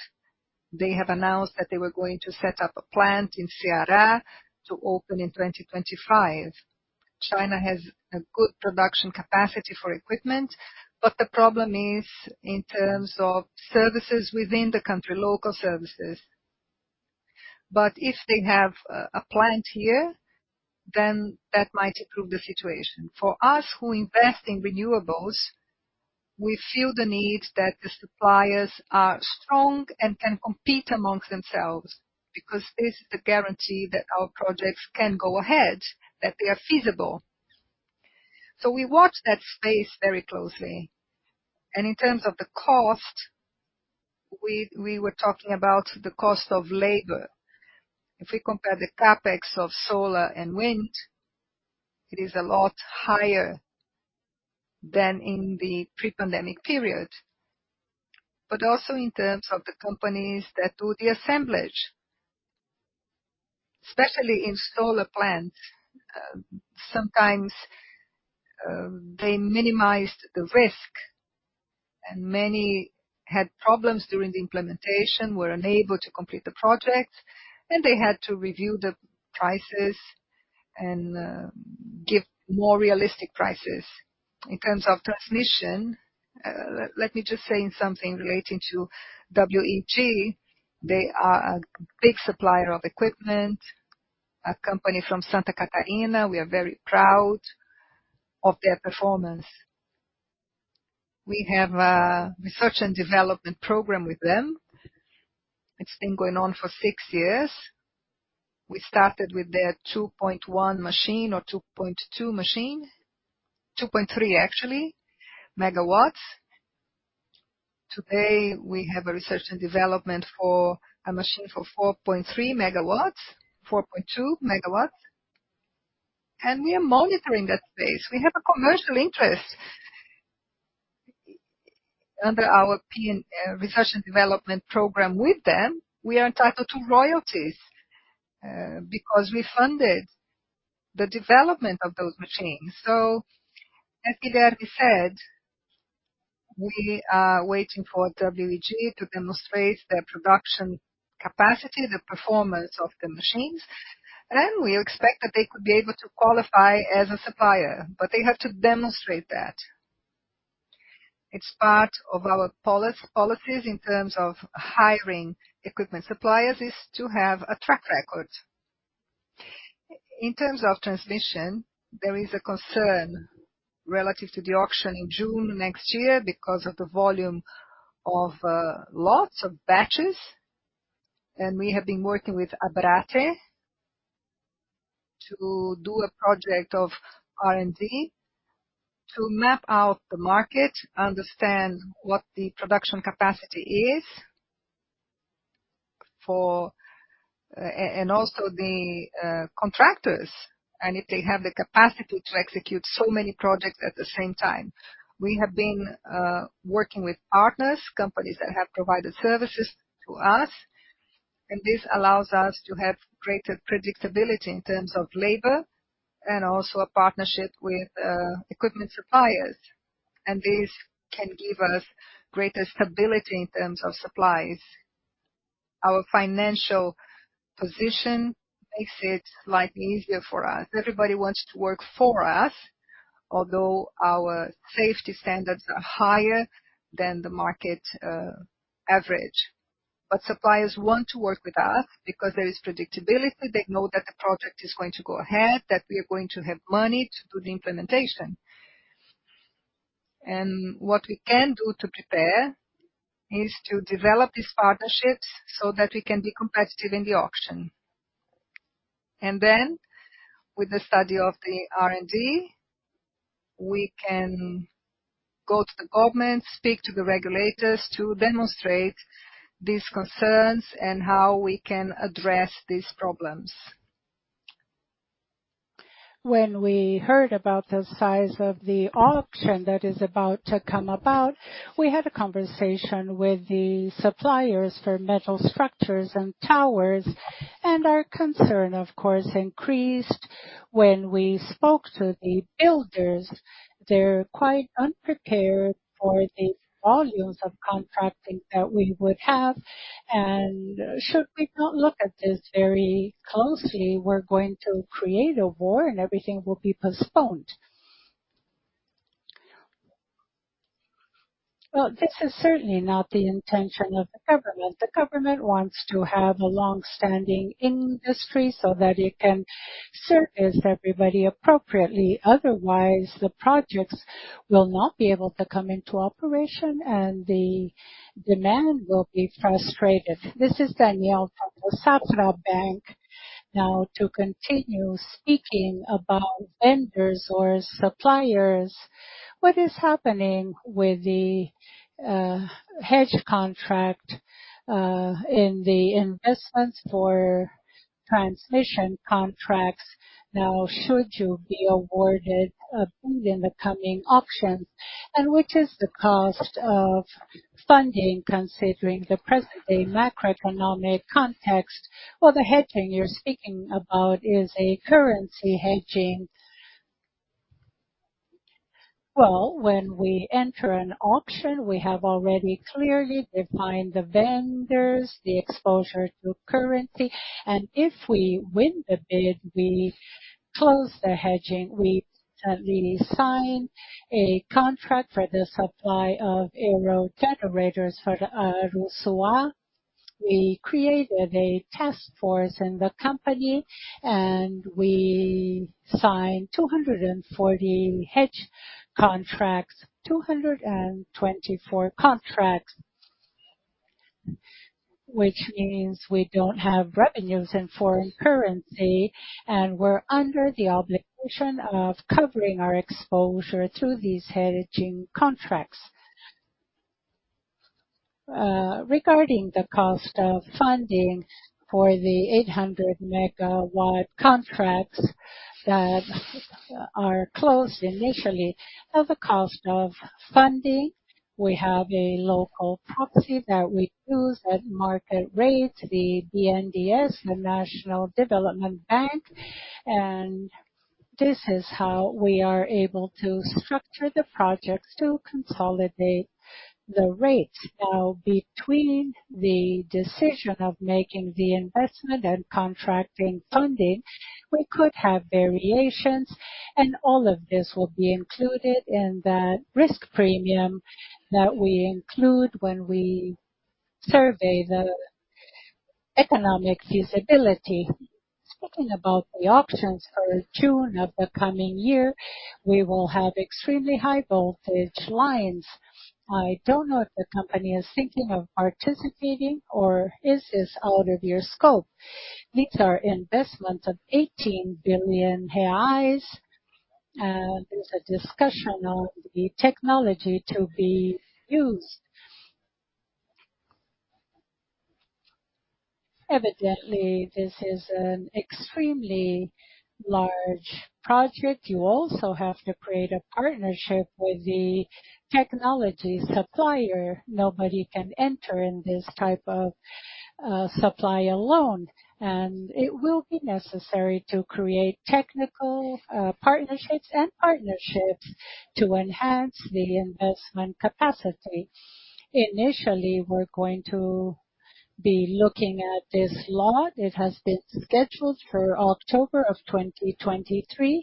they have announced that they were going to set up a plant in Ceará to open in 2025. China has a good production capacity for equipment, but the problem is in terms of services within the country, local services. If they have a plant here, then that might improve the situation. For us who invest in renewables, we feel the need that the suppliers are strong and can compete amongst themselves, because this is the guarantee that our projects can go ahead, that they are feasible. We watch that space very closely. In terms of the cost, we were talking about the cost of labor. If we compare the CapEx of solar and wind, it is a lot higher than in the pre-pandemic period. Also in terms of the companies that do the assemblage, especially in solar plants, sometimes they minimized the risk, and many had problems during the implementation, were unable to complete the project, and they had to review the prices and give more realistic prices. In terms of transmission, let me just say something relating to WEG. They are a big supplier of equipment, a company from Santa Catarina. We are very proud of their performance. We have a research and development program with them. It's been going on for 6 years. We started with their 2.1 machine or 2.2 machine, 2.3, actually, megawatts. Today, we have a research and development for a machine for 4.3 megawatts, 4.2 megawatts. We are monitoring that space. We have a commercial interest. Under our research and development program with them, we are entitled to royalties because we funded the development of those machines. As Eduardo said, we are waiting for WEG to demonstrate their production capacity, the performance of the machines. We expect that they could be able to qualify as a supplier. They have to demonstrate that. It's part of our policies in terms of hiring equipment suppliers, is to have a track record. In terms of transmission, there is a concern relative to the auction in June next year because of the volume of lots of batches. We have been working with ABRATE to do a project of R&D to map out the market, understand what the production capacity is for and also the contractors, and if they have the capacity to execute so many projects at the same time. We have been working with partners, companies that have provided services to us, this allows us to have greater predictability in terms of labor and also a partnership with equipment suppliers. This can give us greater stability in terms of supplies. Our financial position makes it slightly easier for us. Everybody wants to work for us, although our safety standards are higher than the market average. Suppliers want to work with us because there is predictability. They know that the project is going to go ahead, that we are going to have money to do the implementation. What we can do to prepare is to develop these partnerships so that we can be competitive in the auction. With the study of the R&D, we can go to the government, speak to the regulators to demonstrate these concerns and how we can address these problems. When we heard about the size of the auction that is about to come about, we had a conversation with the suppliers for metal structures and towers. Our concern, of course, increased when we spoke to the builders. They're quite unprepared for the volumes of contracting that we would have. Should we not look at this very closely, we're going to create a war and everything will be postponed. Well, this is certainly not the intention of the government. The government wants to have a long-standing industry so that it can service everybody appropriately. Otherwise, the projects will not be able to come into operation and the demand will be frustrated. This is Danielle from the Banco Safra. To continue speaking about vendors or suppliers, what is happening with the hedge contract in the investments for transmission contracts, should you be awarded a bid in the coming auction? Which is the cost of funding, considering the present-day macroeconomic context? Well, the hedging you're speaking about is a currency hedging. Well, when we enter an auction, we have already clearly defined the vendors, the exposure to currency, and if we win the bid, we close the hedging. We sign a contract for the supply of aero generators for the Araruama. We created a task force in the company, and we signed 240 hedge contracts, 224 contracts, which means we don't have revenues in foreign currency, and we're under the obligation of covering our exposure through these hedging contracts. Regarding the cost of funding for the 800 MW contracts that are closed initially, now the cost of funding, we have a local proxy that we use at market rate, the BNDES, the National Development Bank, and this is how we are able to structure the projects to consolidate the rate. Between the decision of making the investment and contracting funding, we could have variations, and all of this will be included in that risk premium that we include when we survey the economic feasibility. Speaking about the auctions for June of the coming year, we will have extremely high voltage lines. I don't know if the company is thinking of participating or is this out of your scope. These are investments of 18 billion reais. There's a discussion of the technology to be used. Evidently, this is an extremely large project. You also have to create a partnership with the technology supplier. Nobody can enter in this type of Supply alone, it will be necessary to create technical partnerships to enhance the investment capacity. Initially, we're going to be looking at this lot. It has been scheduled for October of 2023,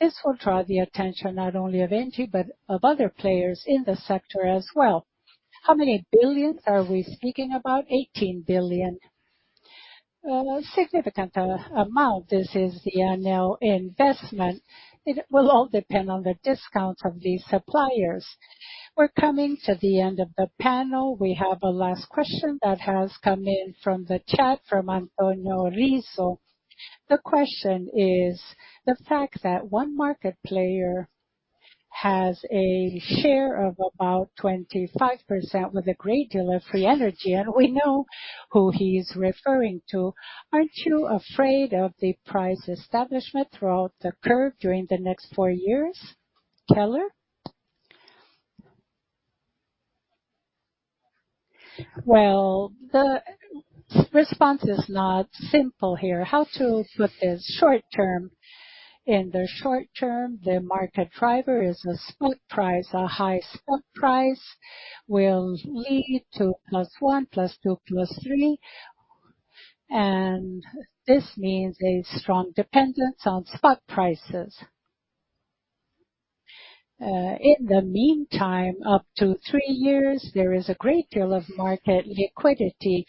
this will draw the attention not only of Engie but of other players in the sector as well. How many billions are we speaking about? 18 billion. Significant amount. This is the annual investment. It will all depend on the discount from these suppliers. We're coming to the end of the panel. We have a last question that has come in from the chat from Antonio Rizzo. The question is: the fact that one market player has a share of about 25% with a great deal of free energy, we know who he's referring to. Aren't you afraid of the price establishment throughout the curve during the next 4 years? Keller? Well, the response is not simple here. How to put this short term. In the short term, the market driver is a spot price. A high spot price will lead to +1, +2, +3, and this means a strong dependence on spot prices. In the meantime, up to 3 years, there is a great deal of market liquidity.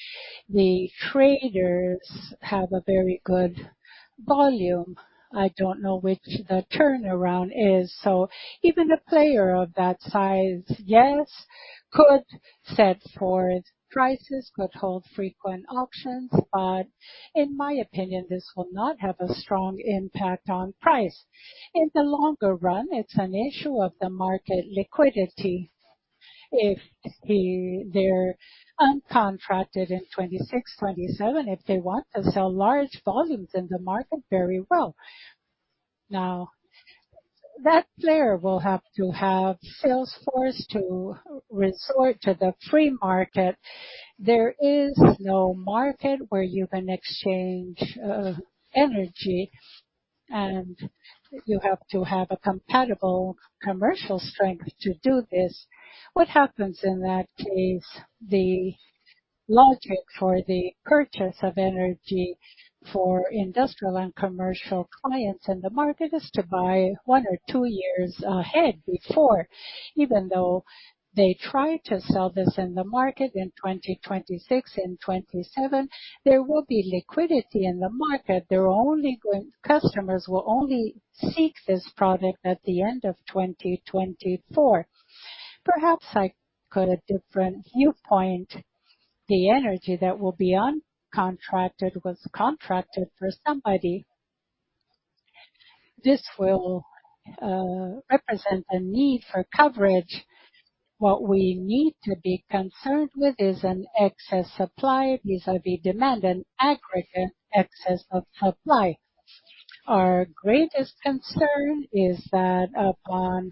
The traders have a very good volume. I don't know which the turnaround is. Even a player of that size, yes, could set forward prices, could hold frequent auctions, but in my opinion, this will not have a strong impact on price. In the longer run, it's an issue of the market liquidity. If the. They're uncontracted in 26, 27, if they want to sell large volumes in the market, very well. That player will have to have sales force to resort to the free market. There is no market where you can exchange energy, and you have to have a compatible commercial strength to do this. What happens in that case, the logic for the purchase of energy for industrial and commercial clients in the market is to buy 1 or 2 years ahead before. Even though they try to sell this in the market in 2026 and 27, there will be liquidity in the market. Customers will only seek this product at the end of 2024. Perhaps I got a different viewpoint. The energy that will be uncontracted was contracted for somebody. This will represent a need for coverage. What we need to be concerned with is an excess supply vis-à-vis demand and aggregate excess of supply. Our greatest concern is that upon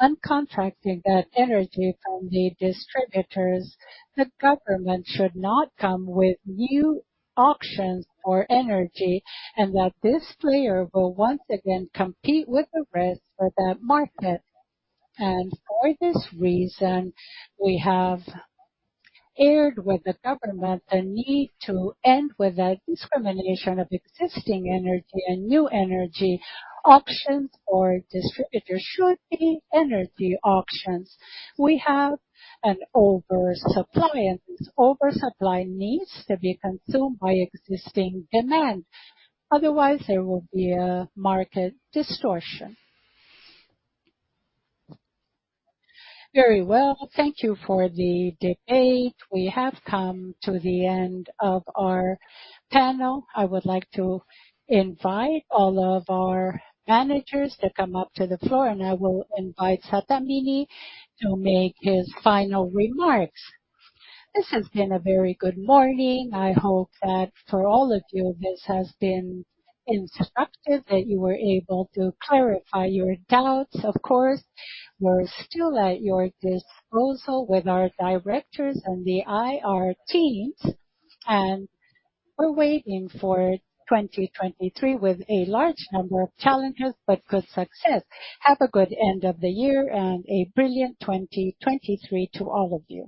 uncontracting that energy from the distributors, the government should not come with new auctions for energy, and that this player will once again compete with the rest for that market. For this reason, we have aired with the government the need to end with the discrimination of existing energy and new energy auctions or distributors should be energy auctions. We have an oversupply, and this oversupply needs to be consumed by existing demand. Otherwise, there will be a market distortion. Very well. Thank you for the debate. We have come to the end of our panel. I would like to invite all of our managers to come up to the floor, and I will invite Sattamini to make his final remarks. This has been a very good morning. I hope that for all of you, this has been instructive, that you were able to clarify your doubts. Of course, we're still at your disposal with our directors and the IR teams. We're waiting for 2023 with a large number of challenges, but good success. Have a good end of the year. A brilliant 2023 to all of you.